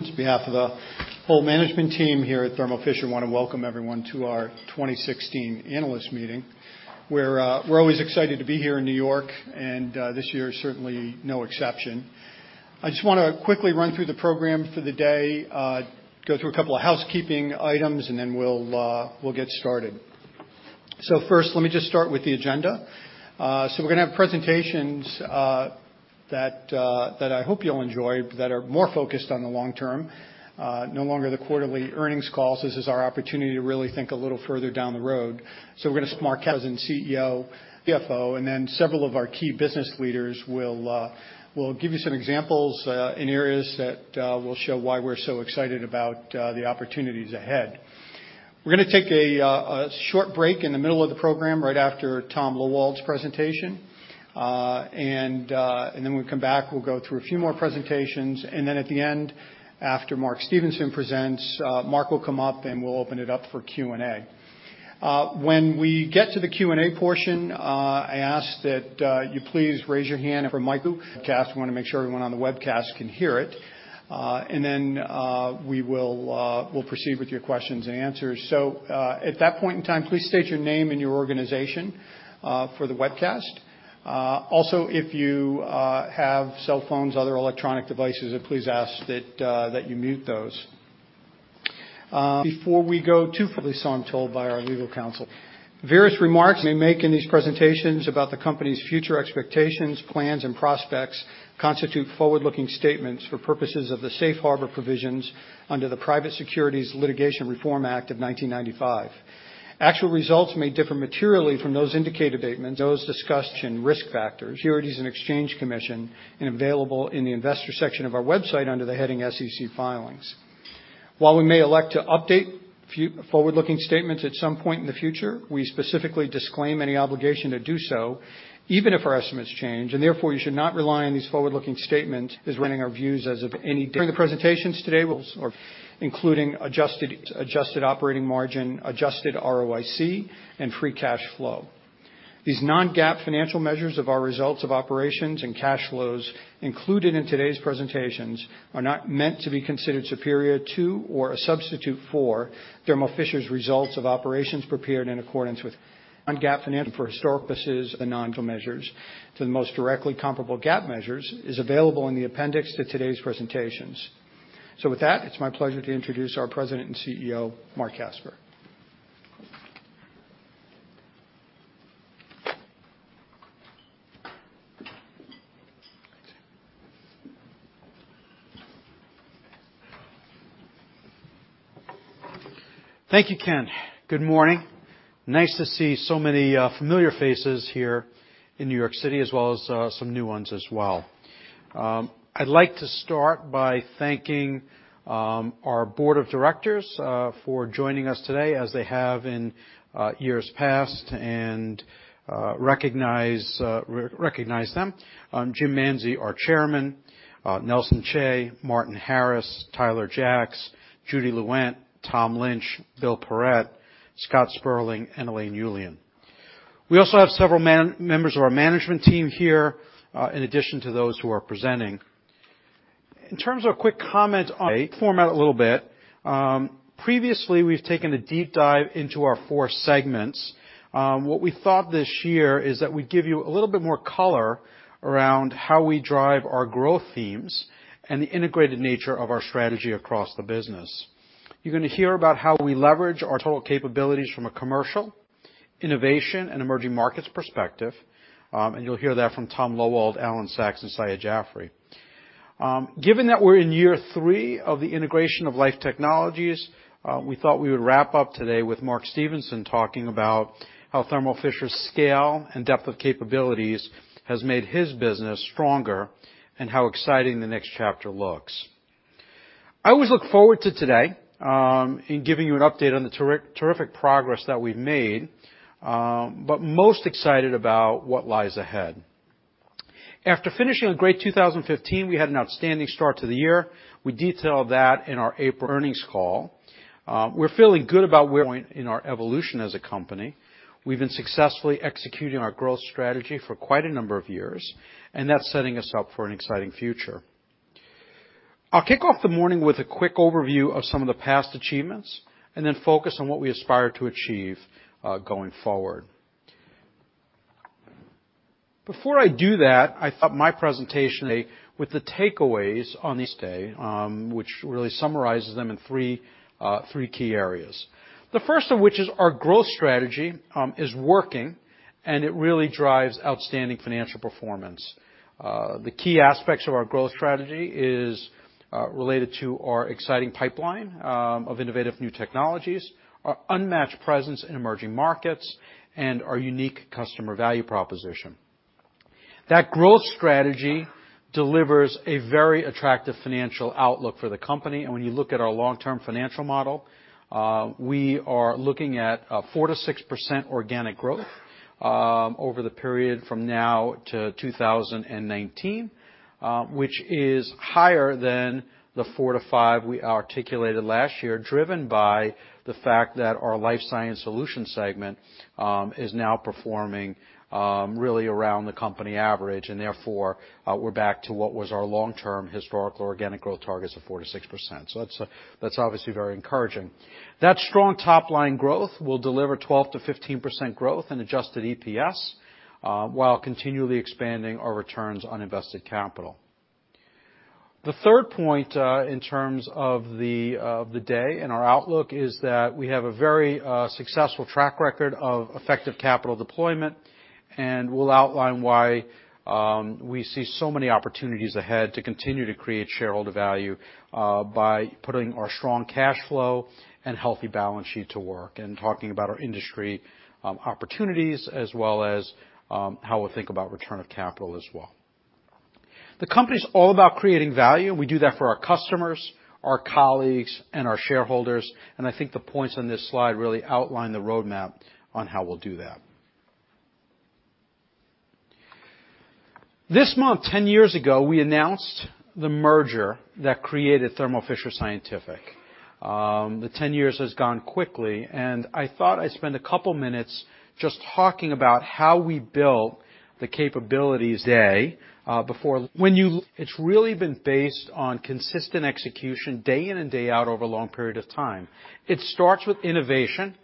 On behalf of the whole management team here at Thermo Fisher, I want to welcome everyone to our 2016 Analyst Meeting. We're always excited to be here in New York. This year is certainly no exception. I just want to quickly run through the program for the day, go through a couple of housekeeping items. We'll get started. First, let me just start with the agenda. We're going to have presentations that I hope you'll enjoy that are more focused on the long term. No longer the quarterly earnings calls. This is our opportunity to really think a little further down the road. We're going to start with our President and CEO, CFO, and then several of our key business leaders will give you some examples in areas that will show why we're so excited about the opportunities ahead. We're going to take a short break in the middle of the program right after Tom Loewald's presentation. When we come back, we'll go through a few more presentations. At the end, after Mark Stevenson presents, Marc will come up. We'll open it up for Q&A. When we get to the Q&A portion, I ask that you please raise your hand. For the webcast, we want to make sure everyone on the webcast can hear it. We'll proceed with your questions and answers. At that point in time, please state your name and your organization for the webcast. Also, if you have cell phones, other electronic devices, I please ask that you mute those. Before we go too far, I have this song told by our legal counsel. Various remarks we make in these presentations about the company's future expectations, plans, and prospects constitute forward-looking statements for purposes of the Safe Harbor provisions under the Private Securities Litigation Reform Act of 1995. Actual results may differ materially from those indicated statements, those discussed, and risk factors. Information is filed with the Securities and Exchange Commission and available in the investors section of our website under the heading SEC Filings. While we may elect to update forward-looking statements at some point in the future, we specifically disclaim any obligation to do so, even if our estimates change. Therefore you should not rely on these forward-looking statements as running our views as of any date. We will refer to non-GAAP financial measures during the presentations today, including adjusted earnings, adjusted operating margin, adjusted ROIC, and free cash flow. These non-GAAP financial measures of our results of operations and cash flows included in today's presentations are not meant to be considered superior to or a substitute for Thermo Fisher's results of operations prepared in accordance with non-GAAP financial measures. For historic purposes, a reconciliation of the non-GAAP measures to the most directly comparable GAAP measures is available in the appendix to today's presentations. With that, it's my pleasure to introduce our President and CEO, Marc Casper. Thank you, Ken. Good morning. Nice to see so many familiar faces here in New York City as well as some new ones as well. I'd like to start by thanking our board of directors for joining us today as they have in years past and recognize them. Jim Manzi, our chairman, Nelson Chai, Martyn Harris, Tyler Jacks, Judy Lewent, Tom Lynch, Bill Perrett, Scott Sperling, and Elaine Uliano. We also have several members of our management team here, in addition to those who are presenting. In terms of a quick comment on the format a little bit, previously, we've taken a deep dive into our four segments. We thought this year is that we give you a little bit more color around how we drive our growth themes and the integrated nature of our strategy across the business. You're going to hear about how we leverage our total capabilities from a commercial, innovation, and emerging markets perspective. You'll hear that from Tom Loewald, Alan Sachs, and Syed Jafri. Given that we're in year three of the integration of Life Technologies, we thought we would wrap up today with Mark Stevenson talking about how Thermo Fisher's scale and depth of capabilities has made his business stronger and how exciting the next chapter looks. I always look forward to today in giving you an update on the terrific progress that we've made, but most excited about what lies ahead. After finishing a great 2015, we had an outstanding start to the year. We detailed that in our April earnings call. We're feeling good about where we are in our evolution as a company. We've been successfully executing our growth strategy for quite a number of years, and that's setting us up for an exciting future. I'll kick off the morning with a quick overview of some of the past achievements and then focus on what we aspire to achieve going forward. Before I do that, I thought my presentation with the takeaways on this day, which really summarizes them in three key areas. The first of which is our growth strategy is working, and it really drives outstanding financial performance. The key aspects of our growth strategy is related to our exciting pipeline of innovative new technologies, our unmatched presence in emerging markets, and our unique customer value proposition. That growth strategy delivers a very attractive financial outlook for the company, and when you look at our long-term financial model, we are looking at a 4% to 6% organic growth over the period from now to 2019, which is higher than the 4% to 5% we articulated last year, driven by the fact that our Life Sciences Solutions segment is now performing really around the company average, and therefore, we're back to what was our long-term historical organic growth targets of 4% to 6%. That's obviously very encouraging. That strong top-line growth will deliver 12% to 15% growth in adjusted EPS while continually expanding our returns on invested capital. The third point in terms of the day and our outlook is that we have a very successful track record of effective capital deployment. We'll outline why we see so many opportunities ahead to continue to create shareholder value by putting our strong cash flow and healthy balance sheet to work, talking about our industry opportunities as well as how we'll think about return of capital as well. The company's all about creating value. We do that for our customers, our colleagues, and our shareholders, and I think the points on this slide really outline the roadmap on how we'll do that. This month, 10 years ago, we announced the merger that created Thermo Fisher Scientific. The 10 years has gone quickly, and I thought I'd spend a couple minutes just talking about how we built the capabilities today. It's really been based on consistent execution, day in and day out, over a long period of time. It starts with innovation,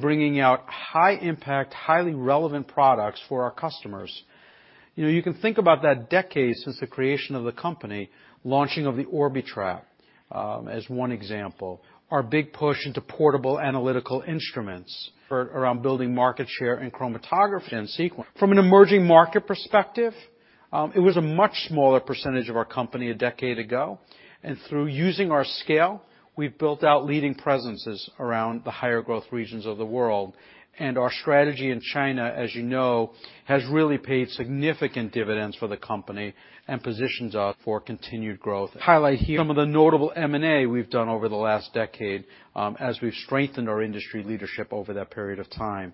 bringing out high-impact, highly relevant products for our customers. You can think about that decade since the creation of the company, launching of the Orbitrap as one example, our big push into portable analytical instruments around building market share and chromatography and sequence. From an emerging market perspective, it was a much smaller percentage of our company a decade ago. Through using our scale, we've built out leading presences around the higher growth regions of the world. Our strategy in China, as you know, has really paid significant dividends for the company and positions us for continued growth. Highlight here some of the notable M&A we've done over the last decade as we've strengthened our industry leadership over that period of time.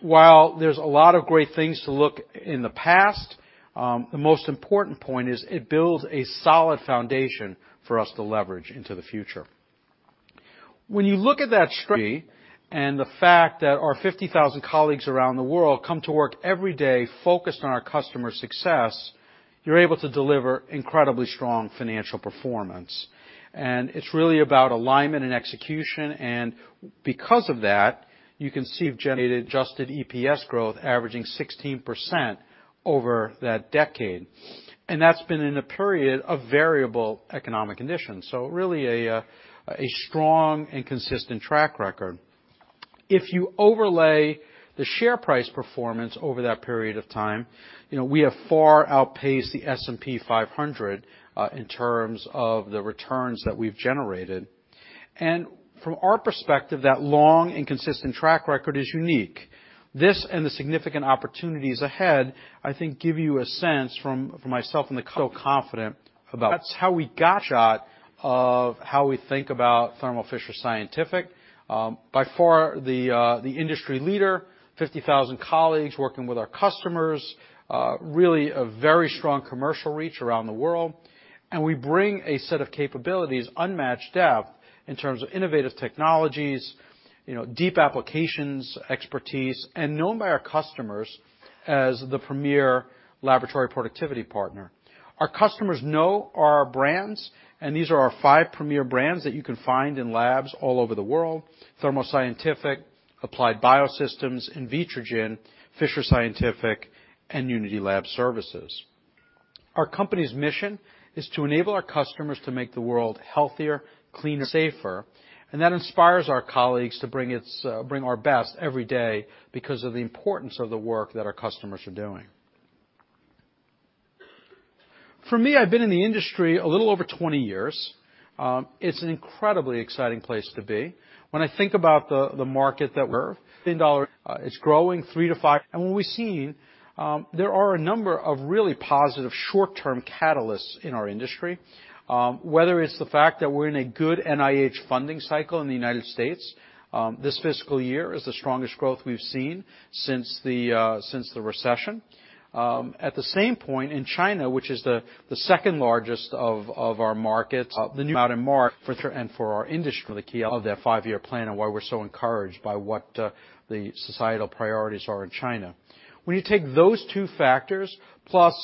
While there's a lot of great things to look at in the past, the most important point is it builds a solid foundation for us to leverage into the future. When you look at that strategy and the fact that our 50,000 colleagues around the world come to work every day focused on our customers' success, you're able to deliver incredibly strong financial performance. It's really about alignment and execution. Because of that, you can see generated adjusted EPS growth averaging 16% over that decade. That's been in a period of variable economic conditions. Really a strong and consistent track record. If you overlay the share price performance over that period of time, we have far outpaced the S&P 500 in terms of the returns that we've generated. From our perspective, that long and consistent track record is unique. This and the significant opportunities ahead, I think give you a sense from myself that's how we got a sense of how we think about Thermo Fisher Scientific. By far the industry leader, 50,000 colleagues working with our customers, really a very strong commercial reach around the world. We bring a set of capabilities unmatched depth in terms of innovative technologies, deep applications, expertise, and known by our customers as the premier laboratory productivity partner. Our customers know our brands, and these are our five premier brands that you can find in labs all over the world: Thermo Scientific, Applied Biosystems, Invitrogen, Fisher Scientific, and Unity Lab Services. Our company's mission is to enable our customers to make the world healthier, cleaner, safer, that inspires our colleagues to bring our best every day because of the importance of the work that our customers are doing. For me, I've been in the industry a little over 20 years. It's an incredibly exciting place to be. When I think about the market that we're in, it's growing. When we've seen, there are a number of really positive short-term catalysts in our industry, whether it's the fact that we're in a good NIH funding cycle in the United States. This fiscal year is the strongest growth we've seen since the recession. At the same point in China, which is the second largest of our markets, for the key of their Five-Year Plan and why we're so encouraged by what the societal priorities are in China. When you take those two factors, plus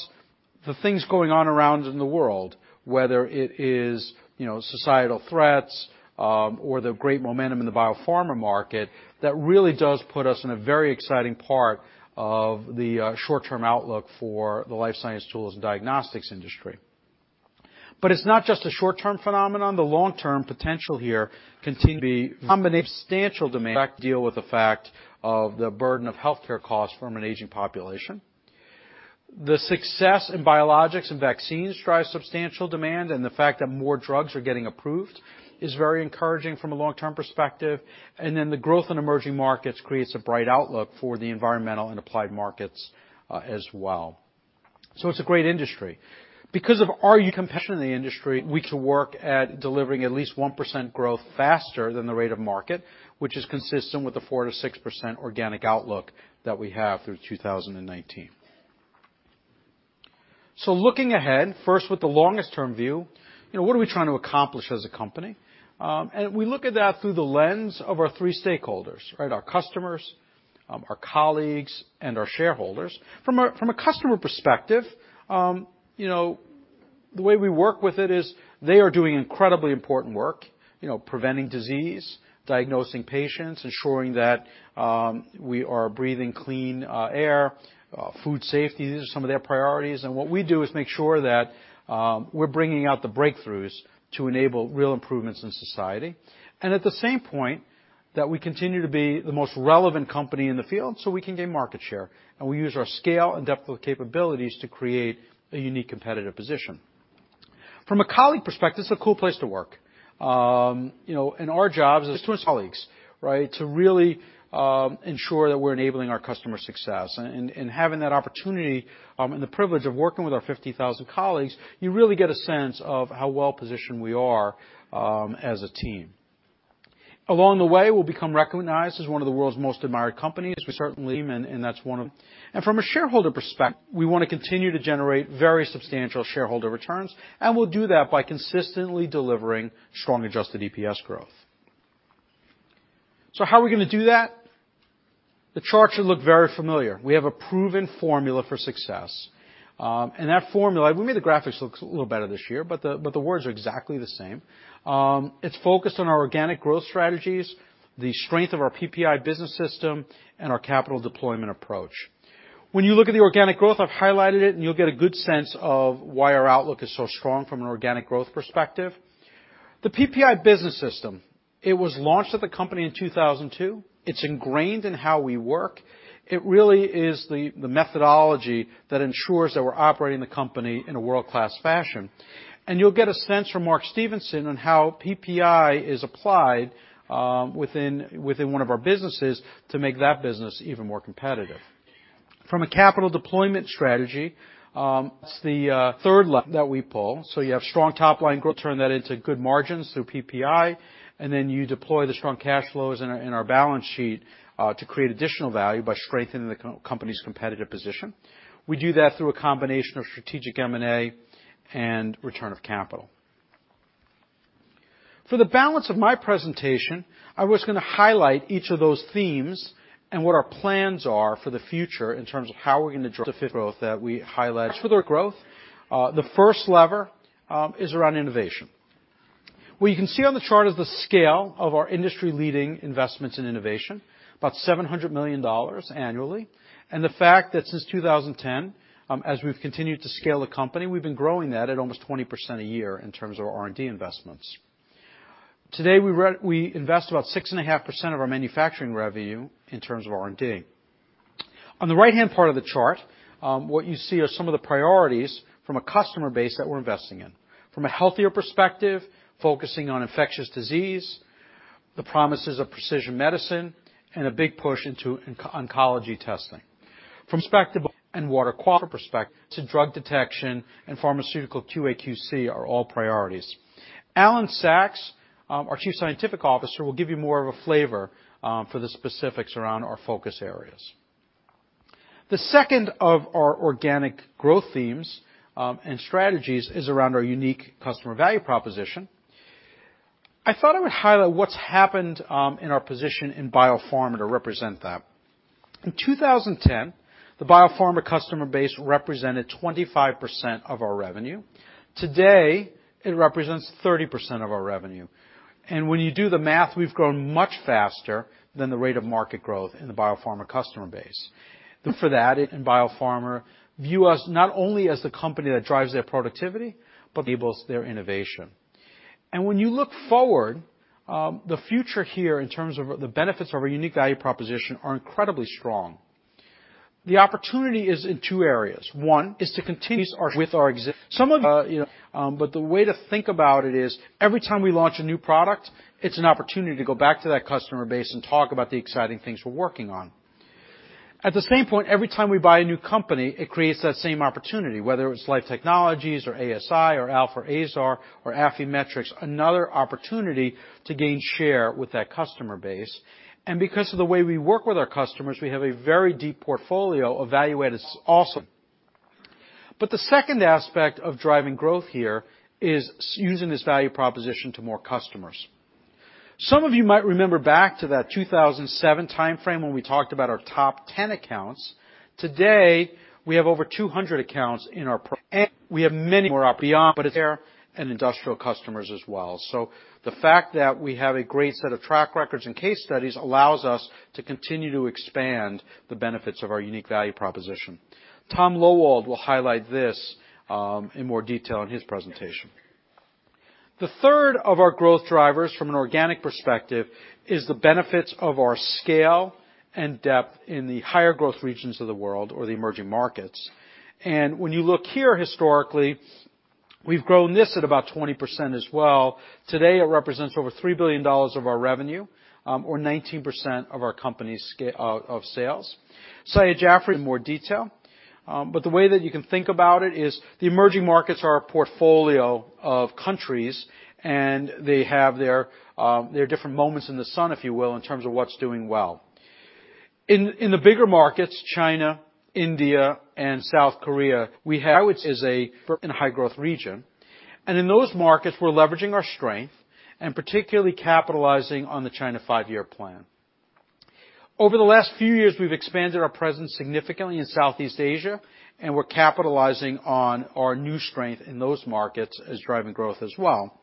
the things going on around in the world, whether it is societal threats or the great momentum in the biopharma market, that really does put us in a very exciting part of the short-term outlook for the life science tools and diagnostics industry. It's not just a short-term phenomenon. The long-term potential here continue to be substantial demand to deal with the fact of the burden of healthcare costs from an aging population. The success in biologics and vaccines drives substantial demand, the fact that more drugs are getting approved is very encouraging from a long-term perspective. The growth in emerging markets creates a bright outlook for the environmental and applied markets as well. It's a great industry. Because of our unique competitive advantage in the industry, we can work at delivering at least 1% growth faster than the rate of market, which is consistent with the 4%-6% organic outlook that we have through 2019. Looking ahead, first with the longest-term view, what are we trying to accomplish as a company? We look at that through the lens of our three stakeholders, right? Our customers, our colleagues, and our shareholders. From a customer perspective, the way we work with it is they are doing incredibly important work, preventing disease, diagnosing patients, ensuring that we are breathing clean air, food safety. These are some of their priorities. What we do is make sure that we're bringing out the breakthroughs to enable real improvements in society. At the same point, that we continue to be the most relevant company in the field so we can gain market share. We use our scale and depth of capabilities to create a unique competitive position. From a colleague perspective, this is a cool place to work. In our jobs as colleagues to really ensure that we're enabling our customer success. Having that opportunity and the privilege of working with our 50,000 colleagues, you really get a sense of how well-positioned we are as a team. Along the way, we'll become recognized as one of the world's most admired companies. We certainly aim, that's one of. From a shareholder perspective, we want to continue to generate very substantial shareholder returns, and we'll do that by consistently delivering strong adjusted EPS growth. How are we going to do that? The chart should look very familiar. We have a proven formula for success. That formula. We made the graphics look a little better this year, but the words are exactly the same. It's focused on our organic growth strategies, the strength of our PPI business system, and our capital deployment approach. When you look at the organic growth, I've highlighted it, and you'll get a good sense of why our outlook is so strong from an organic growth perspective. The PPI business system, it was launched at the company in 2002. It's ingrained in how we work. It really is the methodology that ensures that we're operating the company in a world-class fashion. You'll get a sense from Mark Stevenson on how PPI is applied within one of our businesses to make that business even more competitive. From a capital deployment strategy, it's the third lever that we pull. You have strong top-line growth, turn that into good margins through PPI, then you deploy the strong cash flows in our balance sheet to create additional value by strengthening the company's competitive position. We do that through a combination of strategic M&A and return of capital. For the balance of my presentation, I was going to highlight each of those themes and what our plans are for the future in terms of how we're going to drive growth that we highlight further growth. The first lever is around innovation. What you can see on the chart is the scale of our industry-leading investments in innovation, about $700 million annually. The fact that since 2010, as we've continued to scale the company, we've been growing that at almost 20% a year in terms of our R&D investments. Today, we invest about six and a half % of our manufacturing revenue in terms of R&D. On the right-hand part of the chart, what you see are some of the priorities from a customer base that we're investing in. From a healthier perspective, focusing on infectious disease, the promises of precision medicine, and a big push into oncology testing. From a perspective and water quality perspective to drug detection and pharmaceutical QA/QC are all priorities. Alan Sachs, our Chief Scientific Officer, will give you more of a flavor for the specifics around our focus areas. The second of our organic growth themes and strategies is around our unique customer value proposition. I thought I would highlight what's happened in our position in biopharma to represent that. In 2010, the biopharma customer base represented 25% of our revenue. Today, it represents 30% of our revenue. When you do the math, we've grown much faster than the rate of market growth in the biopharma customer base. For that, and biopharma view us not only as the company that drives their productivity, but enables their innovation. When you look forward, the future here in terms of the benefits of our unique value proposition are incredibly strong. The opportunity is in two areas. The way to think about it is every time we launch a new product, it's an opportunity to go back to that customer base and talk about the exciting things we're working on. At the same point, every time we buy a new company, it creates that same opportunity, whether it's Life Technologies or ASI or Alfa Aesar or Affymetrix, another opportunity to gain share with that customer base. Because of the way we work with our customers, we have a very deep portfolio of [evaluated also]. The second aspect of driving growth here is using this value proposition to more customers. Some of you might remember back to that 2007 timeframe when we talked about our top 10 accounts. Today, we have over 200 accounts in our. We have many more beyond, but it's there in industrial customers as well. The fact that we have a great set of track records and case studies allows us to continue to expand the benefits of our unique value proposition. Thomas Loewald will highlight this in more detail in his presentation. The third of our growth drivers from an organic perspective is the benefits of our scale and depth in the higher growth regions of the world or the emerging markets. When you look here. We've grown this at about 20% as well. Today, it represents over $3 billion of our revenue, or 19% of our company's sales. Syed Jafri in more detail. The way that you can think about it is the emerging markets are a portfolio of countries, and they have their different moments in the sun, if you will, in terms of what's doing well. In the bigger markets, China, India, and South Korea, we have, which is a high-growth region. In those markets, we're leveraging our strength and particularly capitalizing on the China Five-Year Plan. Over the last few years, we've expanded our presence significantly in Southeast Asia, and we're capitalizing on our new strength in those markets as driving growth as well.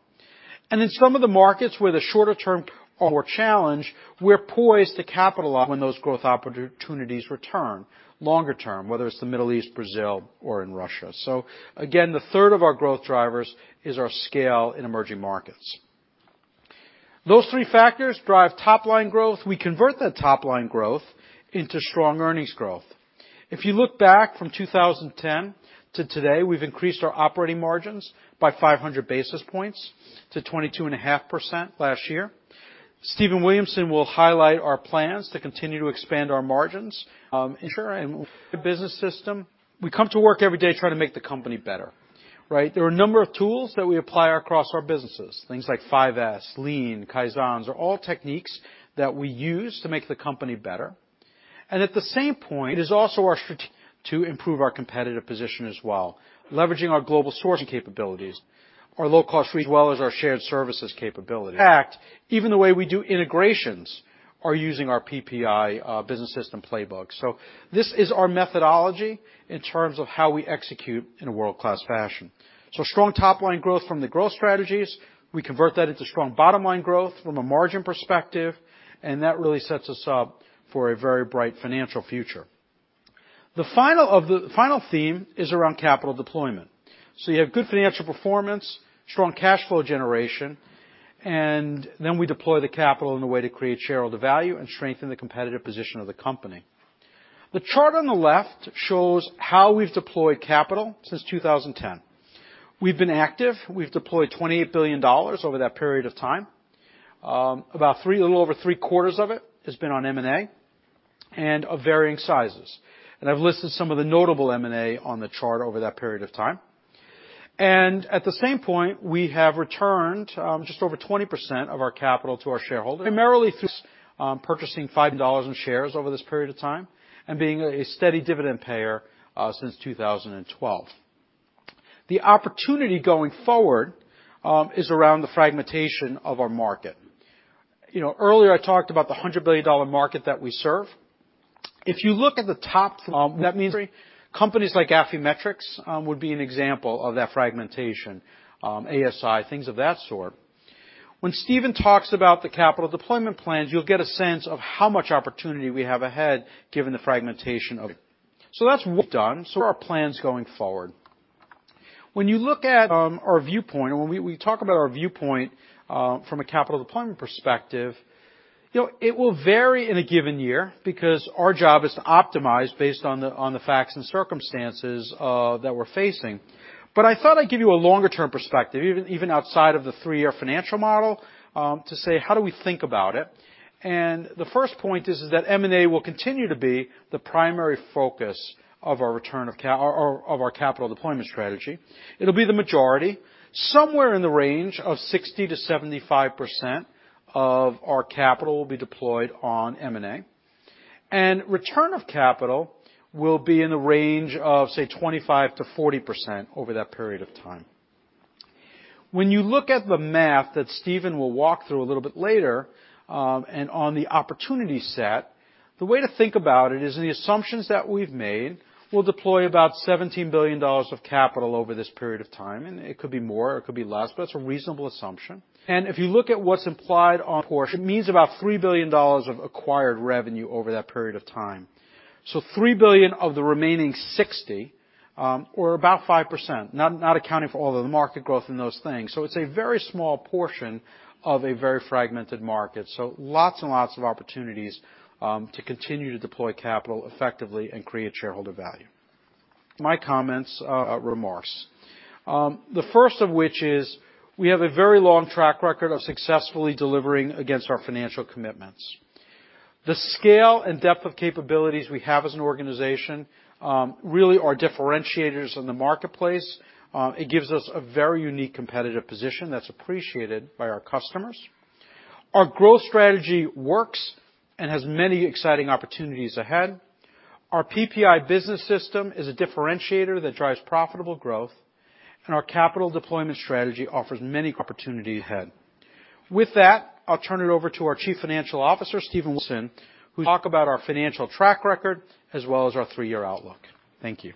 In some of the markets where the shorter-term are more challenged, we're poised to capitalize when those growth opportunities return longer term, whether it's the Middle East, Brazil, or in Russia. Again, the third of our growth drivers is our scale in emerging markets. Those three factors drive top-line growth. We convert that top-line growth into strong earnings growth. If you look back from 2010 to today, we've increased our operating margins by 500 basis points to 22.5% last year. Stephen Williamson will highlight our plans to continue to expand our margins. Sure, we'll talk about the business system. We come to work every day trying to make the company better, right? There are a number of tools that we apply across our businesses. Things like 5S, Lean, Kaizens, are all techniques that we use to make the company better. At the same point, it is also our strategy to improve our competitive position as well, leveraging our global sourcing capabilities, our low-cost region, as well as our shared services capabilities. In fact, even the way we do integrations are using our PPI business system playbook. This is our methodology in terms of how we execute in a world-class fashion. Strong top-line growth from the growth strategies, we convert that into strong bottom-line growth from a margin perspective, and that really sets us up for a very bright financial future. The final theme is around capital deployment. You have good financial performance, strong cash flow generation, and then we deploy the capital in a way to create shareholder value and strengthen the competitive position of the company. The chart on the left shows how we've deployed capital since 2010. We've been active. We've deployed $28 billion over that period of time. About a little over three-quarters of it has been on M&A and of varying sizes, and I've listed some of the notable M&A on the chart over that period of time. At the same point, we have returned just over 20% of our capital to our shareholders, primarily through purchasing $5 million in shares over this period of time and being a steady dividend payer since 2012. The opportunity going forward is around the fragmentation of our market. Earlier, I talked about the $100 billion market that we serve. If you look at the top three, companies like Affymetrix would be an example of that fragmentation, ASI, things of that sort. When Stephen talks about the capital deployment plans, you'll get a sense of how much opportunity we have ahead given the fragmentation of it. That's what we've done. What are our plans going forward? When you look at our viewpoint, and when we talk about our viewpoint from a capital deployment perspective, it will vary in a given year because our job is to optimize based on the facts and circumstances that we're facing. I thought I'd give you a longer-term perspective, even outside of the three-year financial model, to say, how do we think about it? The first point is that M&A will continue to be the primary focus of our capital deployment strategy. It'll be the majority. Somewhere in the range of 60%-75% of our capital will be deployed on M&A. Return of capital will be in the range of, say, 25%-40% over that period of time. When you look at the math that Stephen will walk through a little bit later, and on the opportunity set, the way to think about it is in the assumptions that we've made, we'll deploy about $17 billion of capital over this period of time, and it could be more, it could be less, but it's a reasonable assumption. If you look at what's implied on portion, it means about $3 billion of acquired revenue over that period of time. $3 billion of the remaining 60, or about 5%, not accounting for all of the market growth in those things. It's a very small portion of a very fragmented market. Lots and lots of opportunities to continue to deploy capital effectively and create shareholder value. My comments are remarks. The first of which is we have a very long track record of successfully delivering against our financial commitments. The scale and depth of capabilities we have as an organization really are differentiators in the marketplace. It gives us a very unique competitive position that's appreciated by our customers. Our growth strategy works and has many exciting opportunities ahead. Our PPI business system is a differentiator that drives profitable growth. Our capital deployment strategy offers many opportunities ahead. With that, I'll turn it over to our Chief Financial Officer, Stephen Williamson, who will talk about our financial track record as well as our three-year outlook. Thank you.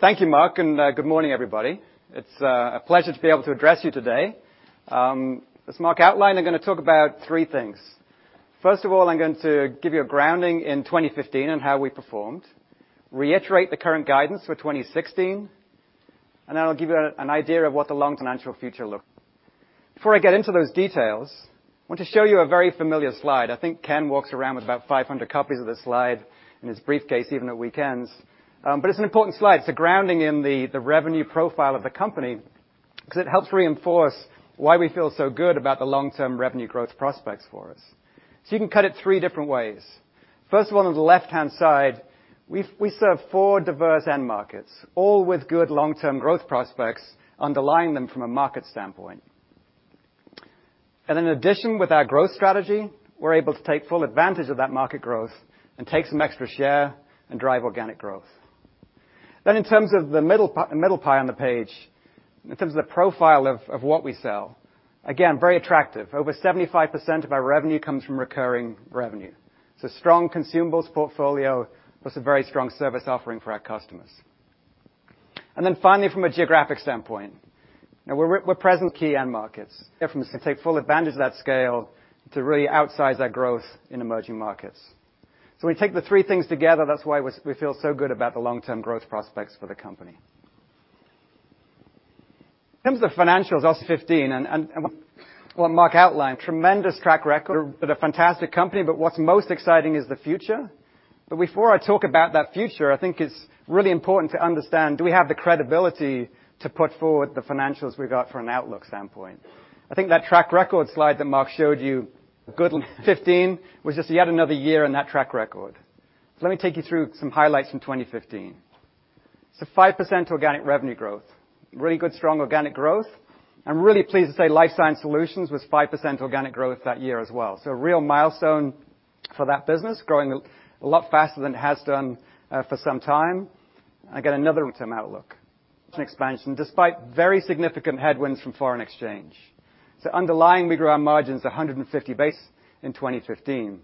Thank you, Marc, and good morning, everybody. It's a pleasure to be able to address you today. As Marc outlined, I'm going to talk about three things. First of all, I'm going to give you a grounding in 2015 and how we performed, reiterate the current guidance for 2016. That'll give you an idea of what the long financial future looks like. Before I get into those details, I want to show you a very familiar slide. I think Ken walks around with about 500 copies of this slide in his briefcase, even at weekends. It's an important slide. It's a grounding in the revenue profile of the company, because it helps reinforce why we feel so good about the long-term revenue growth prospects for us. You can cut it three different ways. First of all, on the left-hand side, we serve four diverse end markets, all with good long-term growth prospects underlying them from a market standpoint. In addition, with our growth strategy, we're able to take full advantage of that market growth and take some extra share and drive organic growth. In terms of the middle pie on the page, in terms of the profile of what we sell, again, very attractive. Over 75% of our revenue comes from recurring revenue. Strong consumables portfolio plus a very strong service offering for our customers. Finally, from a geographic standpoint, we're present in key end markets. Difference to take full advantage of that scale to really outsize our growth in emerging markets. We take the three things together, that's why we feel so good about the long-term growth prospects for the company. In terms of financials, that's 2015, what Marc outlined, tremendous track record with a fantastic company, what's most exciting is the future. Before I talk about that future, I think it's really important to understand, do we have the credibility to put forward the financials we've got from an outlook standpoint? I think that track record slide that Marc showed you, good 2015, was just yet another year in that track record. Let me take you through some highlights from 2015. 5% organic revenue growth, really good, strong organic growth. I'm really pleased to say Life Sciences Solutions was 5% organic growth that year as well. A real milestone for that business, growing a lot faster than it has done for some time. Again, another term outlook. An expansion despite very significant headwinds from foreign exchange. Underlying, we grew our margins 150 basis points in 2015.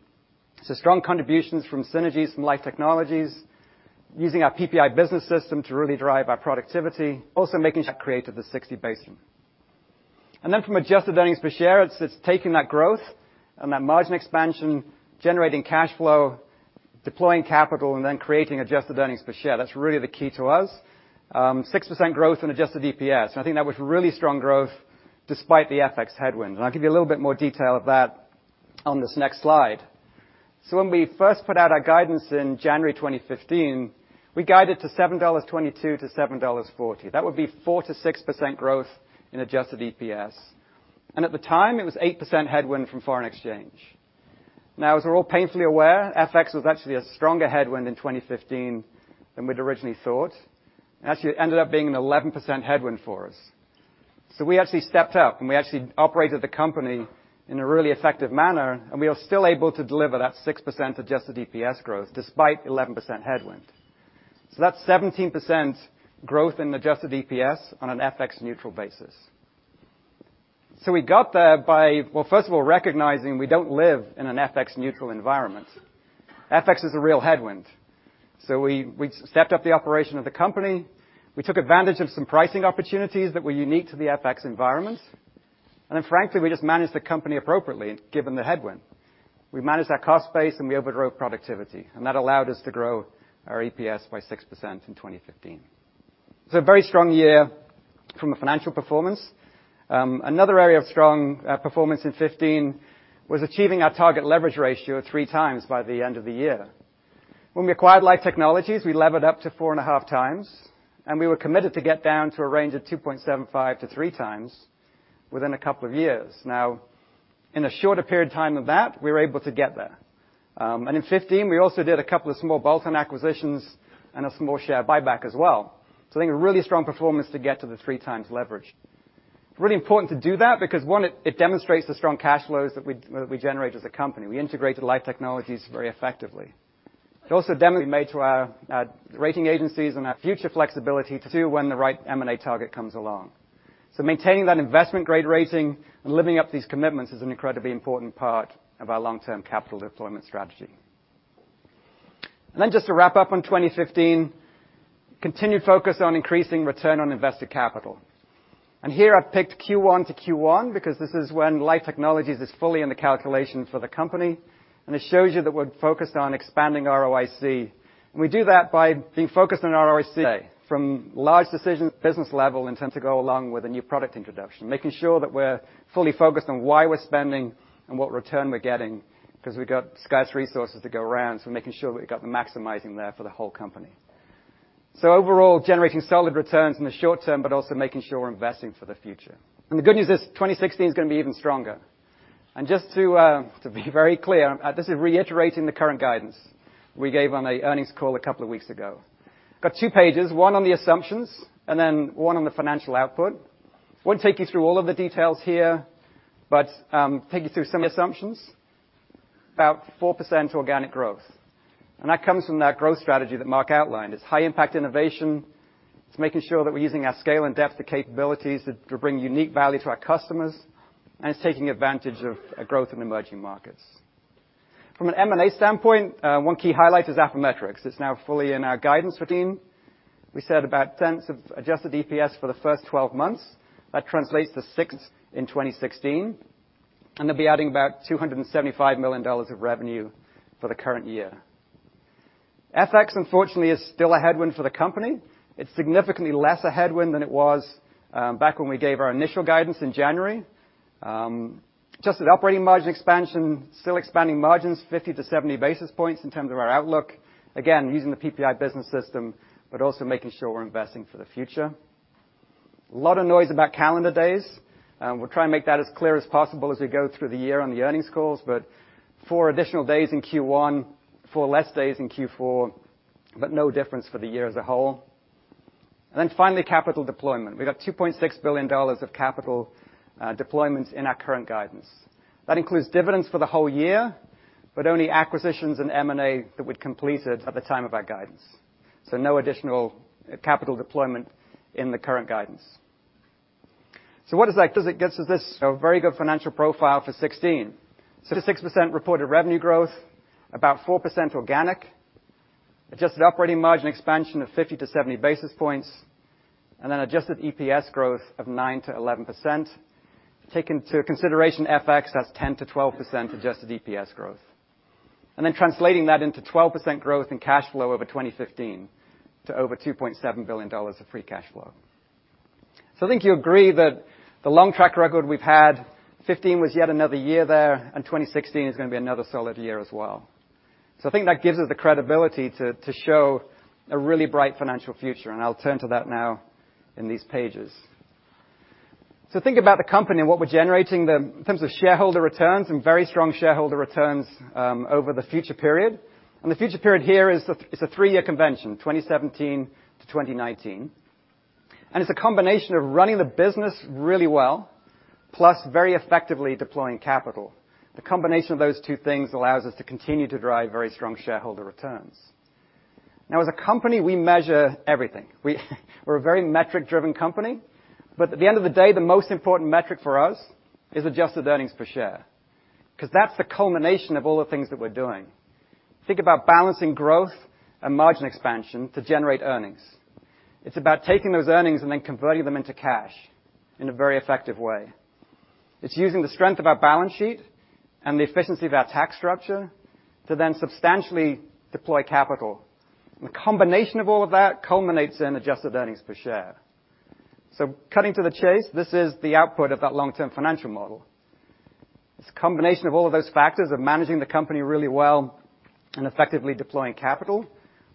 Strong contributions from synergies from Life Technologies, using our PPI business system to really drive our productivity, also making sure that created the 60 basis points. From adjusted earnings per share, it's taking that growth and that margin expansion, generating cash flow, deploying capital, and then creating adjusted earnings per share. That's really the key to us. 6% growth in adjusted EPS. I think that was really strong growth despite the FX headwind. I'll give you a little bit more detail of that on this next slide. When we first put out our guidance in January 2015, we guided to $7.22-$7.40. That would be 4%-6% growth in adjusted EPS. At the time, it was 8% headwind from foreign exchange. As we're all painfully aware, FX was actually a stronger headwind in 2015 than we'd originally thought. Actually ended up being an 11% headwind for us. We actually stepped up, and we actually operated the company in a really effective manner, and we were still able to deliver that 6% adjusted EPS growth despite 11% headwind. That's 17% growth in adjusted EPS on an FX neutral basis. We got there by, well, first of all, recognizing we don't live in an FX neutral environment. FX is a real headwind. We stepped up the operation of the company. We took advantage of some pricing opportunities that were unique to the FX environment. Frankly, we just managed the company appropriately given the headwind. We managed our cost base and we over-drove productivity, and that allowed us to grow our EPS by 6% in 2015. A very strong year from a financial performance. Another area of strong performance in 2015 was achieving our target leverage ratio of 3 times by the end of the year. When we acquired Life Technologies, we levered up to 4.5 times, and we were committed to get down to a range of 2.75-3 times within a couple of years. In a shorter period of time of that, we were able to get there. In 2015, we also did a couple of small bolt-on acquisitions and a small share buyback as well. I think a really strong performance to get to the 3 times leverage. Really important to do that because one, it demonstrates the strong cash flows that we generate as a company. We integrated Life Technologies very effectively. It also demonstrated the commitments we made to our rating agencies and our future flexibility to when the right M&A target comes along. Maintaining that investment grade rating and living up these commitments is an incredibly important part of our long-term capital deployment strategy. Just to wrap up on 2015, continued focus on increasing return on invested capital. Here I've picked Q1-Q1 because this is when Life Technologies is fully in the calculation for the company, and it shows you that we're focused on expanding ROIC. We do that by being focused on ROIC from large decisions, business level, and tend to go along with a new product introduction, making sure that we're fully focused on why we're spending and what return we're getting because we've got scarce resources to go around, making sure that we've got the maximizing there for the whole company. Overall, generating solid returns in the short term, but also making sure we're investing for the future. The good news is 2016 is going to be even stronger. Just to be very clear, this is reiterating the current guidance we gave on the earnings call a couple of weeks ago. We've got two pages, one on the assumptions and then one on the financial output. Won't take you through all of the details here, but take you through some assumptions. About 4% organic growth. That comes from that growth strategy that Marc outlined. It's high impact innovation. It's making sure that we're using our scale and depth of capabilities to bring unique value to our customers, and it's taking advantage of growth in emerging markets. From an M&A standpoint, one key highlight is Affymetrix. It's now fully in our guidance routine. We said about 10% of adjusted EPS for the first 12 months. That translates to six in 2016. They'll be adding about $275 million of revenue for the current year. FX, unfortunately, is still a headwind for the company. It's significantly less a headwind than it was back when we gave our initial guidance in January. Adjusted operating margin expansion, still expanding margins 50-70 basis points in terms of our outlook. Again, using the PPI business system, also making sure we're investing for the future. A lot of noise about calendar days. We'll try and make that as clear as possible as we go through the year on the earnings calls, four additional days in Q1, four less days in Q4, no difference for the year as a whole. Finally, capital deployment. We've got $2.6 billion of capital deployments in our current guidance. That includes dividends for the whole year, but only acquisitions and M&A that we'd completed at the time of our guidance. No additional capital deployment in the current guidance. What does that do? It gets us this very good financial profile for 2016. 6% reported revenue growth, about 4% organic, adjusted operating margin expansion of 50-70 basis points, and then adjusted EPS growth of 9%-11%. Take into consideration FX, that's 10%-12% adjusted EPS growth. Translating that into 12% growth in cash flow over 2015 to over $2.7 billion of free cash flow. I think you agree that the long track record we've had, 2015 was yet another year there, and 2016 is going to be another solid year as well. I think that gives us the credibility to show a really bright financial future, and I'll turn to that now in these pages. Think about the company and what we're generating in terms of shareholder returns, and very strong shareholder returns over the future period. The future period here is a three-year convention, 2017-2019. It's a combination of running the business really well, plus very effectively deploying capital. The combination of those two things allows us to continue to drive very strong shareholder returns. Now, as a company, we measure everything. We're a very metric-driven company. At the end of the day, the most important metric for us is adjusted earnings per share, because that's the culmination of all the things that we're doing. Think about balancing growth and margin expansion to generate earnings. It's about taking those earnings and then converting them into cash in a very effective way. It's using the strength of our balance sheet and the efficiency of our tax structure to then substantially deploy capital. The combination of all of that culminates in adjusted earnings per share. Cutting to the chase, this is the output of that long-term financial model. This combination of all of those factors of managing the company really well and effectively deploying capital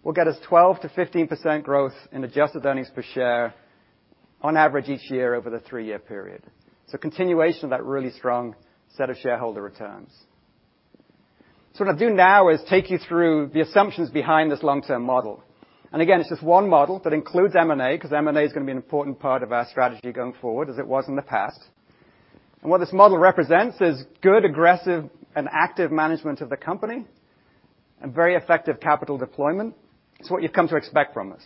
will get us 12%-15% growth in adjusted earnings per share on average each year over the three-year period. Continuation of that really strong set of shareholder returns. What I'll do now is take you through the assumptions behind this long-term model. Again, it's just one model that includes M&A, because M&A is going to be an important part of our strategy going forward, as it was in the past. What this model represents is good, aggressive, and active management of the company and very effective capital deployment. It's what you've come to expect from us.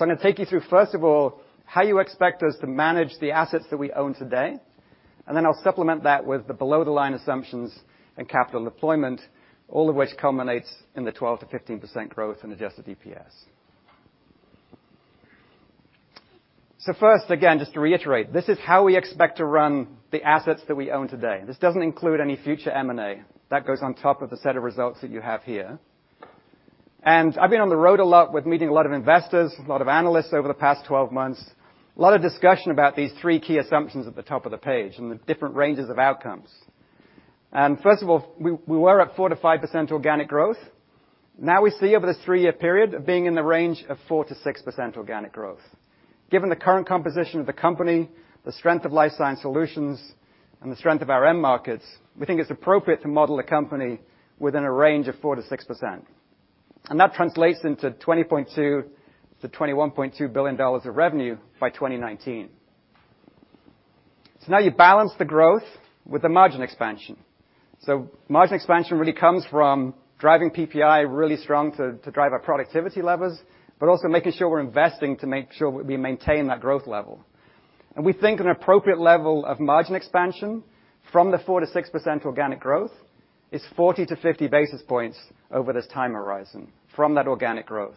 I'm going to take you through, first of all, how you expect us to manage the assets that we own today, and then I'll supplement that with the below-the-line assumptions and capital deployment, all of which culminates in the 12%-15% growth in adjusted EPS. First, again, just to reiterate, this is how we expect to run the assets that we own today. This doesn't include any future M&A. That goes on top of the set of results that you have here. I've been on the road a lot with meeting a lot of investors, a lot of analysts over the past 12 months. A lot of discussion about these three key assumptions at the top of the page and the different ranges of outcomes. First of all, we were at 4%-5% organic growth. Now we see over this three-year period of being in the range of 4%-6% organic growth. Given the current composition of the company, the strength of Life Sciences Solutions, and the strength of our end markets, we think it's appropriate to model the company within a range of 4%-6%. That translates into $20.2 billion-$21.2 billion of revenue by 2019. Now you balance the growth with the margin expansion. Margin expansion really comes from driving PPI really strong to drive our productivity levels, but also making sure we're investing to make sure we maintain that growth level. We think an appropriate level of margin expansion from the 4%-6% organic growth is 40-50 basis points over this time horizon from that organic growth.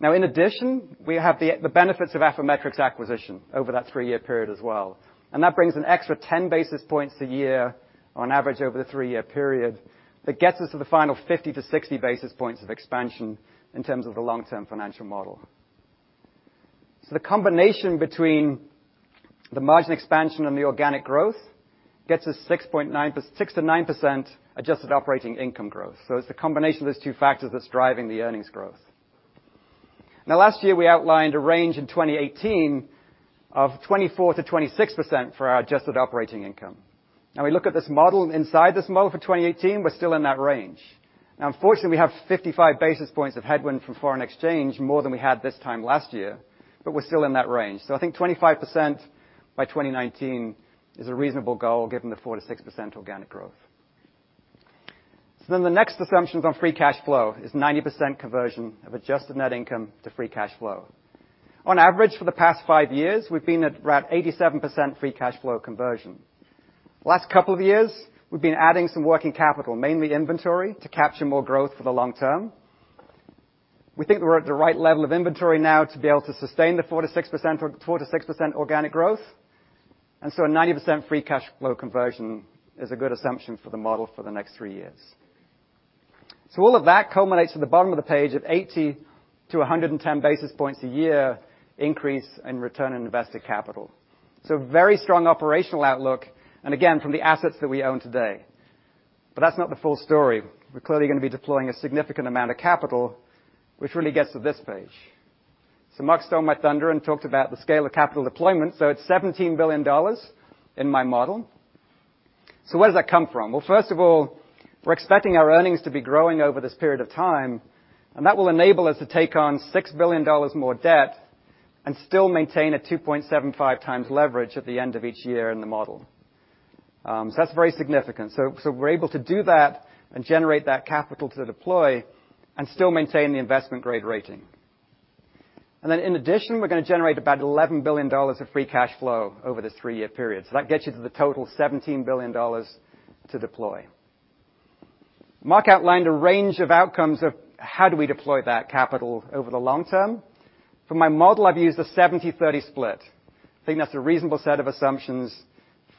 In addition, we have the benefits of Affymetrix acquisition over that three-year period as well. That brings an extra 10 basis points a year on average over the three-year period that gets us to the final 50-60 basis points of expansion in terms of the long-term financial model. The combination between the margin expansion and the organic growth gets us 6%-9% adjusted operating income growth. It's the combination of those two factors that's driving the earnings growth. Last year, we outlined a range in 2018 of 24%-26% for our adjusted operating income. We look at this model, inside this model for 2018, we're still in that range. Unfortunately, we have 55 basis points of headwind from foreign exchange, more than we had this time last year, but we're still in that range. I think 25% by 2019 is a reasonable goal given the 4%-6% organic growth. The next assumption is on free cash flow, is 90% conversion of adjusted net income to free cash flow. On average, for the past 5 years, we've been at around 87% free cash flow conversion. Last couple of years, we've been adding some working capital, mainly inventory, to capture more growth for the long term. We think we're at the right level of inventory now to be able to sustain the 4%-6% organic growth. A 90% free cash flow conversion is a good assumption for the model for the next 3 years. All of that culminates at the bottom of the page at 80-110 basis points a year increase in return on invested capital. Very strong operational outlook, and again, from the assets that we own today. That's not the full story. We're clearly going to be deploying a significant amount of capital, which really gets to this page. Marc stole my thunder and talked about the scale of capital deployment. It's $17 billion in my model. Where does that come from? First of all, we're expecting our earnings to be growing over this period of time, and that will enable us to take on $6 billion more debt and still maintain a 2.75 times leverage at the end of each year in the model. That's very significant. We're able to do that and generate that capital to deploy and still maintain the investment-grade rating. In addition, we're going to generate about $11 billion of free cash flow over this 3-year period. That gets you to the total $17 billion to deploy. Marc outlined a range of outcomes of how do we deploy that capital over the long term. For my model, I've used a 70/30 split. I think that's a reasonable set of assumptions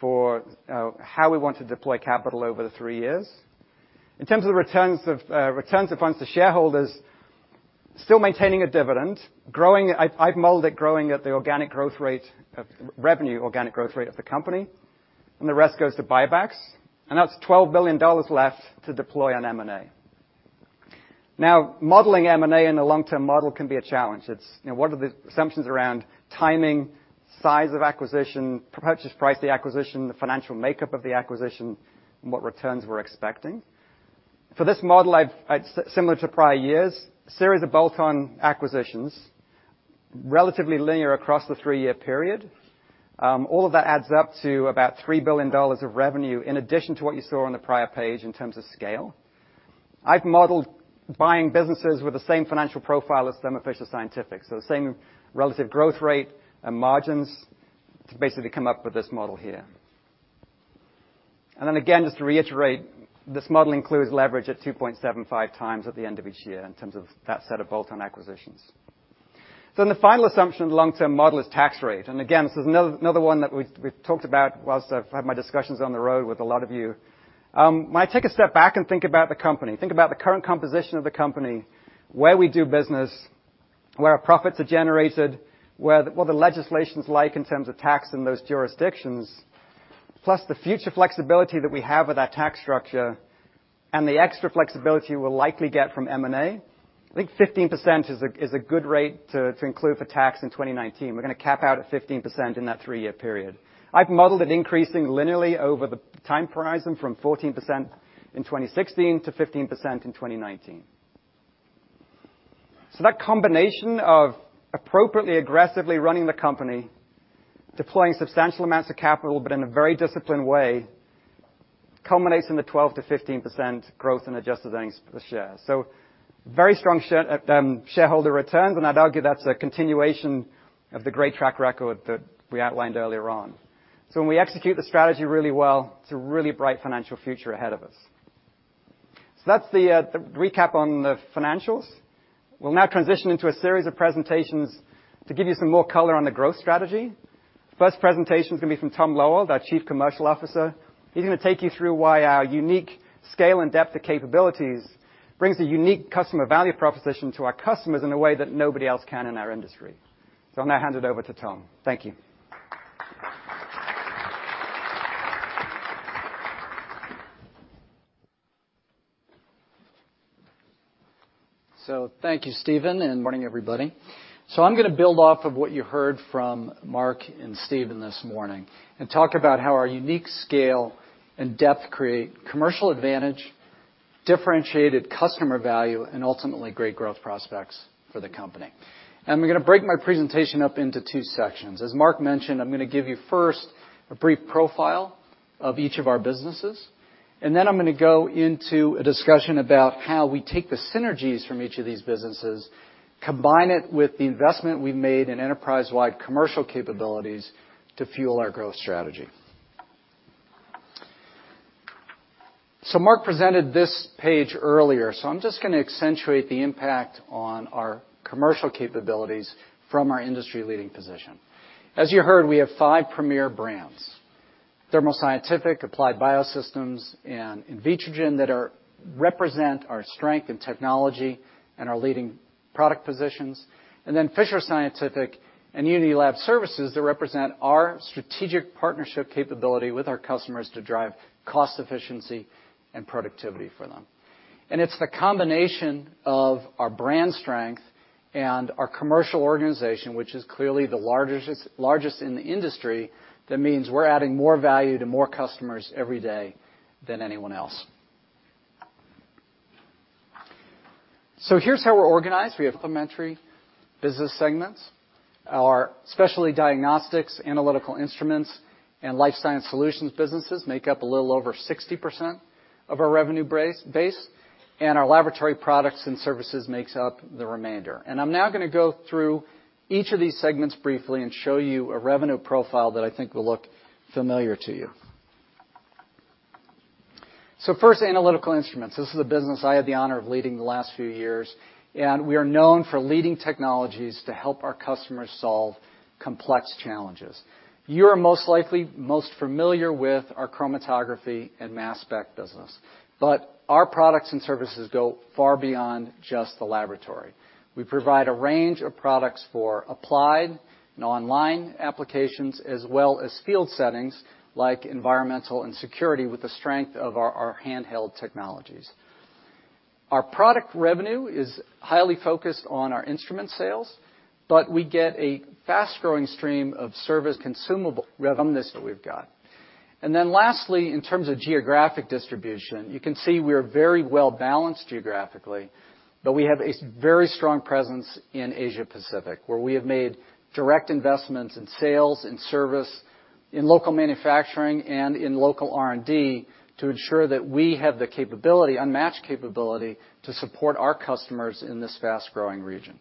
for how we want to deploy capital over the 3 years. In terms of returns to funds to shareholders, still maintaining a dividend. I've modeled it growing at the revenue organic growth rate of the company, and the rest goes to buybacks, that's $12 billion left to deploy on M&A. Modeling M&A in a long-term model can be a challenge. What are the assumptions around timing, size of acquisition, purchase price of the acquisition, the financial makeup of the acquisition, and what returns we're expecting? For this model, similar to prior years, series of bolt-on acquisitions, relatively linear across the 3-year period. All of that adds up to about $3 billion of revenue in addition to what you saw on the prior page in terms of scale. I've modeled buying businesses with the same financial profile as Thermo Fisher Scientific. The same relative growth rate and margins to basically come up with this model here. just to reiterate, this model includes leverage at 2.75 times at the end of each year in terms of that set of bolt-on acquisitions. The final assumption of the long-term model is tax rate. Again, this is another one that we've talked about whilst I've had my discussions on the road with a lot of you. When I take a step back and think about the company, think about the current composition of the company, where we do business, where our profits are generated, what the legislation's like in terms of tax in those jurisdictions, plus the future flexibility that we have with our tax structure and the extra flexibility we'll likely get from M&A, I think 15% is a good rate to include for tax in 2019. We're going to cap out at 15% in that three-year period. I've modeled it increasing linearly over the time horizon from 14% in 2016 to 15% in 2019. That combination of appropriately aggressively running the company, deploying substantial amounts of capital, but in a very disciplined way, culminates in the 12%-15% growth in adjusted earnings per share. Very strong shareholder returns, and I'd argue that's a continuation of the great track record that we outlined earlier on. When we execute the strategy really well, it's a really bright financial future ahead of us. That's the recap on the financials. We'll now transition into a series of presentations to give you some more color on the growth strategy. First presentation is going to be from Tom Loewald, our Chief Commercial Officer. He's going to take you through why our unique scale and depth of capabilities brings a unique customer value proposition to our customers in a way that nobody else can in our industry. I'll now hand it over to Tom. Thank you. Thank you, Stephen, and morning, everybody. I'm going to build off of what you heard from Marc and Stephen this morning and talk about how our unique scale and depth create commercial advantage, differentiated customer value, and ultimately great growth prospects for the company. I'm going to break my presentation up into two sections. As Marc mentioned, I'm going to give you first a brief profile of each of our businesses, then I'm going to go into a discussion about how we take the synergies from each of these businesses, combine it with the investment we've made in enterprise-wide commercial capabilities to fuel our growth strategy. Marc presented this page earlier, I'm just going to accentuate the impact on our commercial capabilities from our industry-leading position. As you heard, we have five premier brands, Thermo Scientific, Applied Biosystems, and Invitrogen, that represent our strength in technology and our leading product positions, then Fisher Scientific and Unity Lab Services that represent our strategic partnership capability with our customers to drive cost efficiency and productivity for them. It's the combination of our brand strength and our commercial organization, which is clearly the largest in the industry, that means we're adding more value to more customers every day than anyone else. Here's how we're organized. We have complementary business segments. Our Specialty Diagnostics, Analytical Instruments, and Life Science Solutions businesses make up a little over 60% of our revenue base, and our Laboratory Products and Services makes up the remainder. I'm now going to go through each of these segments briefly and show you a revenue profile that I think will look familiar to you. First, analytical instruments. This is the business I had the honor of leading the last few years, we are known for leading technologies to help our customers solve complex challenges. You're most likely most familiar with our chromatography and mass spec business, but our products and services go far beyond just the laboratory. We provide a range of products for applied and online applications, as well as field settings like environmental and security, with the strength of our handheld technologies. Our product revenue is highly focused on our instrument sales, but we get a fast-growing stream of service consumable revenue that we've got. Lastly, in terms of geographic distribution, you can see we are very well-balanced geographically, but we have a very strong presence in Asia Pacific, where we have made direct investments in sales and service, in local manufacturing, and in local R&D to ensure that we have the unmatched capability to support our customers in this fast-growing region.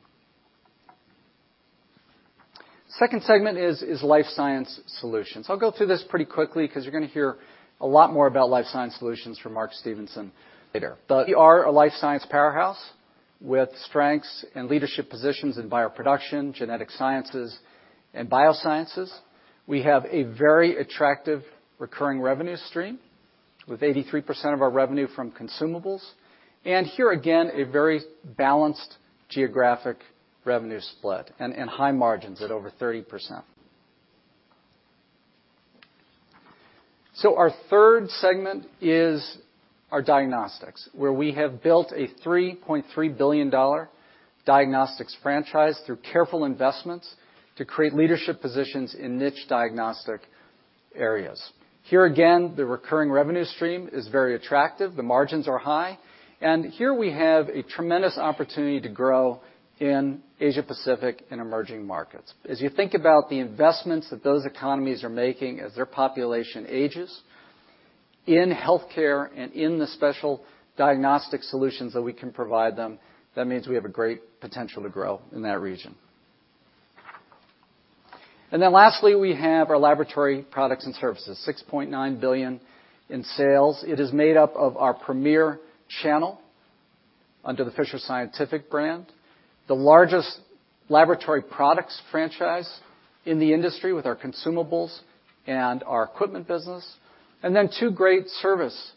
Second segment is Life Science Solutions. I'll go through this pretty quickly because you're going to hear a lot more about Life Science Solutions from Mark Stevenson later. We are a life science powerhouse with strengths and leadership positions in bioproduction, genetic sciences, and biosciences. We have a very attractive recurring revenue stream with 83% of our revenue from consumables, and here again, a very balanced geographic revenue split and high margins at over 30%. Our third segment is our diagnostics, where we have built a $3.3 billion diagnostics franchise through careful investments to create leadership positions in niche diagnostic areas. Here again, the recurring revenue stream is very attractive. The margins are high, and here we have a tremendous opportunity to grow in Asia Pacific and emerging markets. As you think about the investments that those economies are making as their population ages in healthcare and in the special diagnostic solutions that we can provide them, that means we have a great potential to grow in that region. Lastly, we have our laboratory products and services, $6.9 billion in sales. It is made up of our premier channel under the Fisher Scientific brand, the largest laboratory products franchise in the industry with our consumables and our equipment business, and then two great service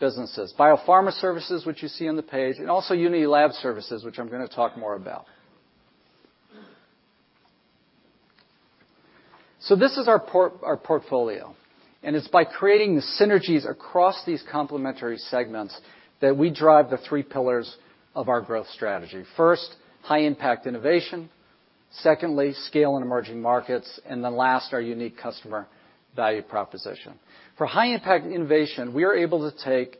businesses, BioPharma Services, which you see on the page, and also Unity Lab Services, which I'm going to talk more about. This is our portfolio, and it's by creating the synergies across these complementary segments that we drive the 3 pillars of our growth strategy. First, high impact innovation. Secondly, scale in emerging markets. Last, our unique customer value proposition. For high impact innovation, we are able to take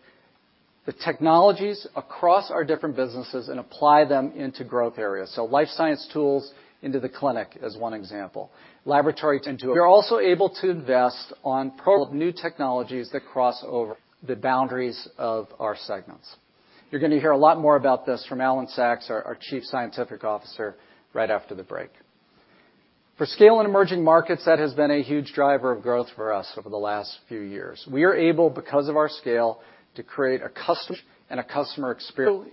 the technologies across our different businesses and apply them into growth areas. Life science tools into the clinic is one example. We are also able to invest on new technologies that cross over the boundaries of our segments. You're going to hear a lot more about this from Alan Sachs, our Chief Scientific Officer, right after the break. For scale in emerging markets, that has been a huge driver of growth for us over the last few years. We are able, because of our scale, to create a custom and a customer experience.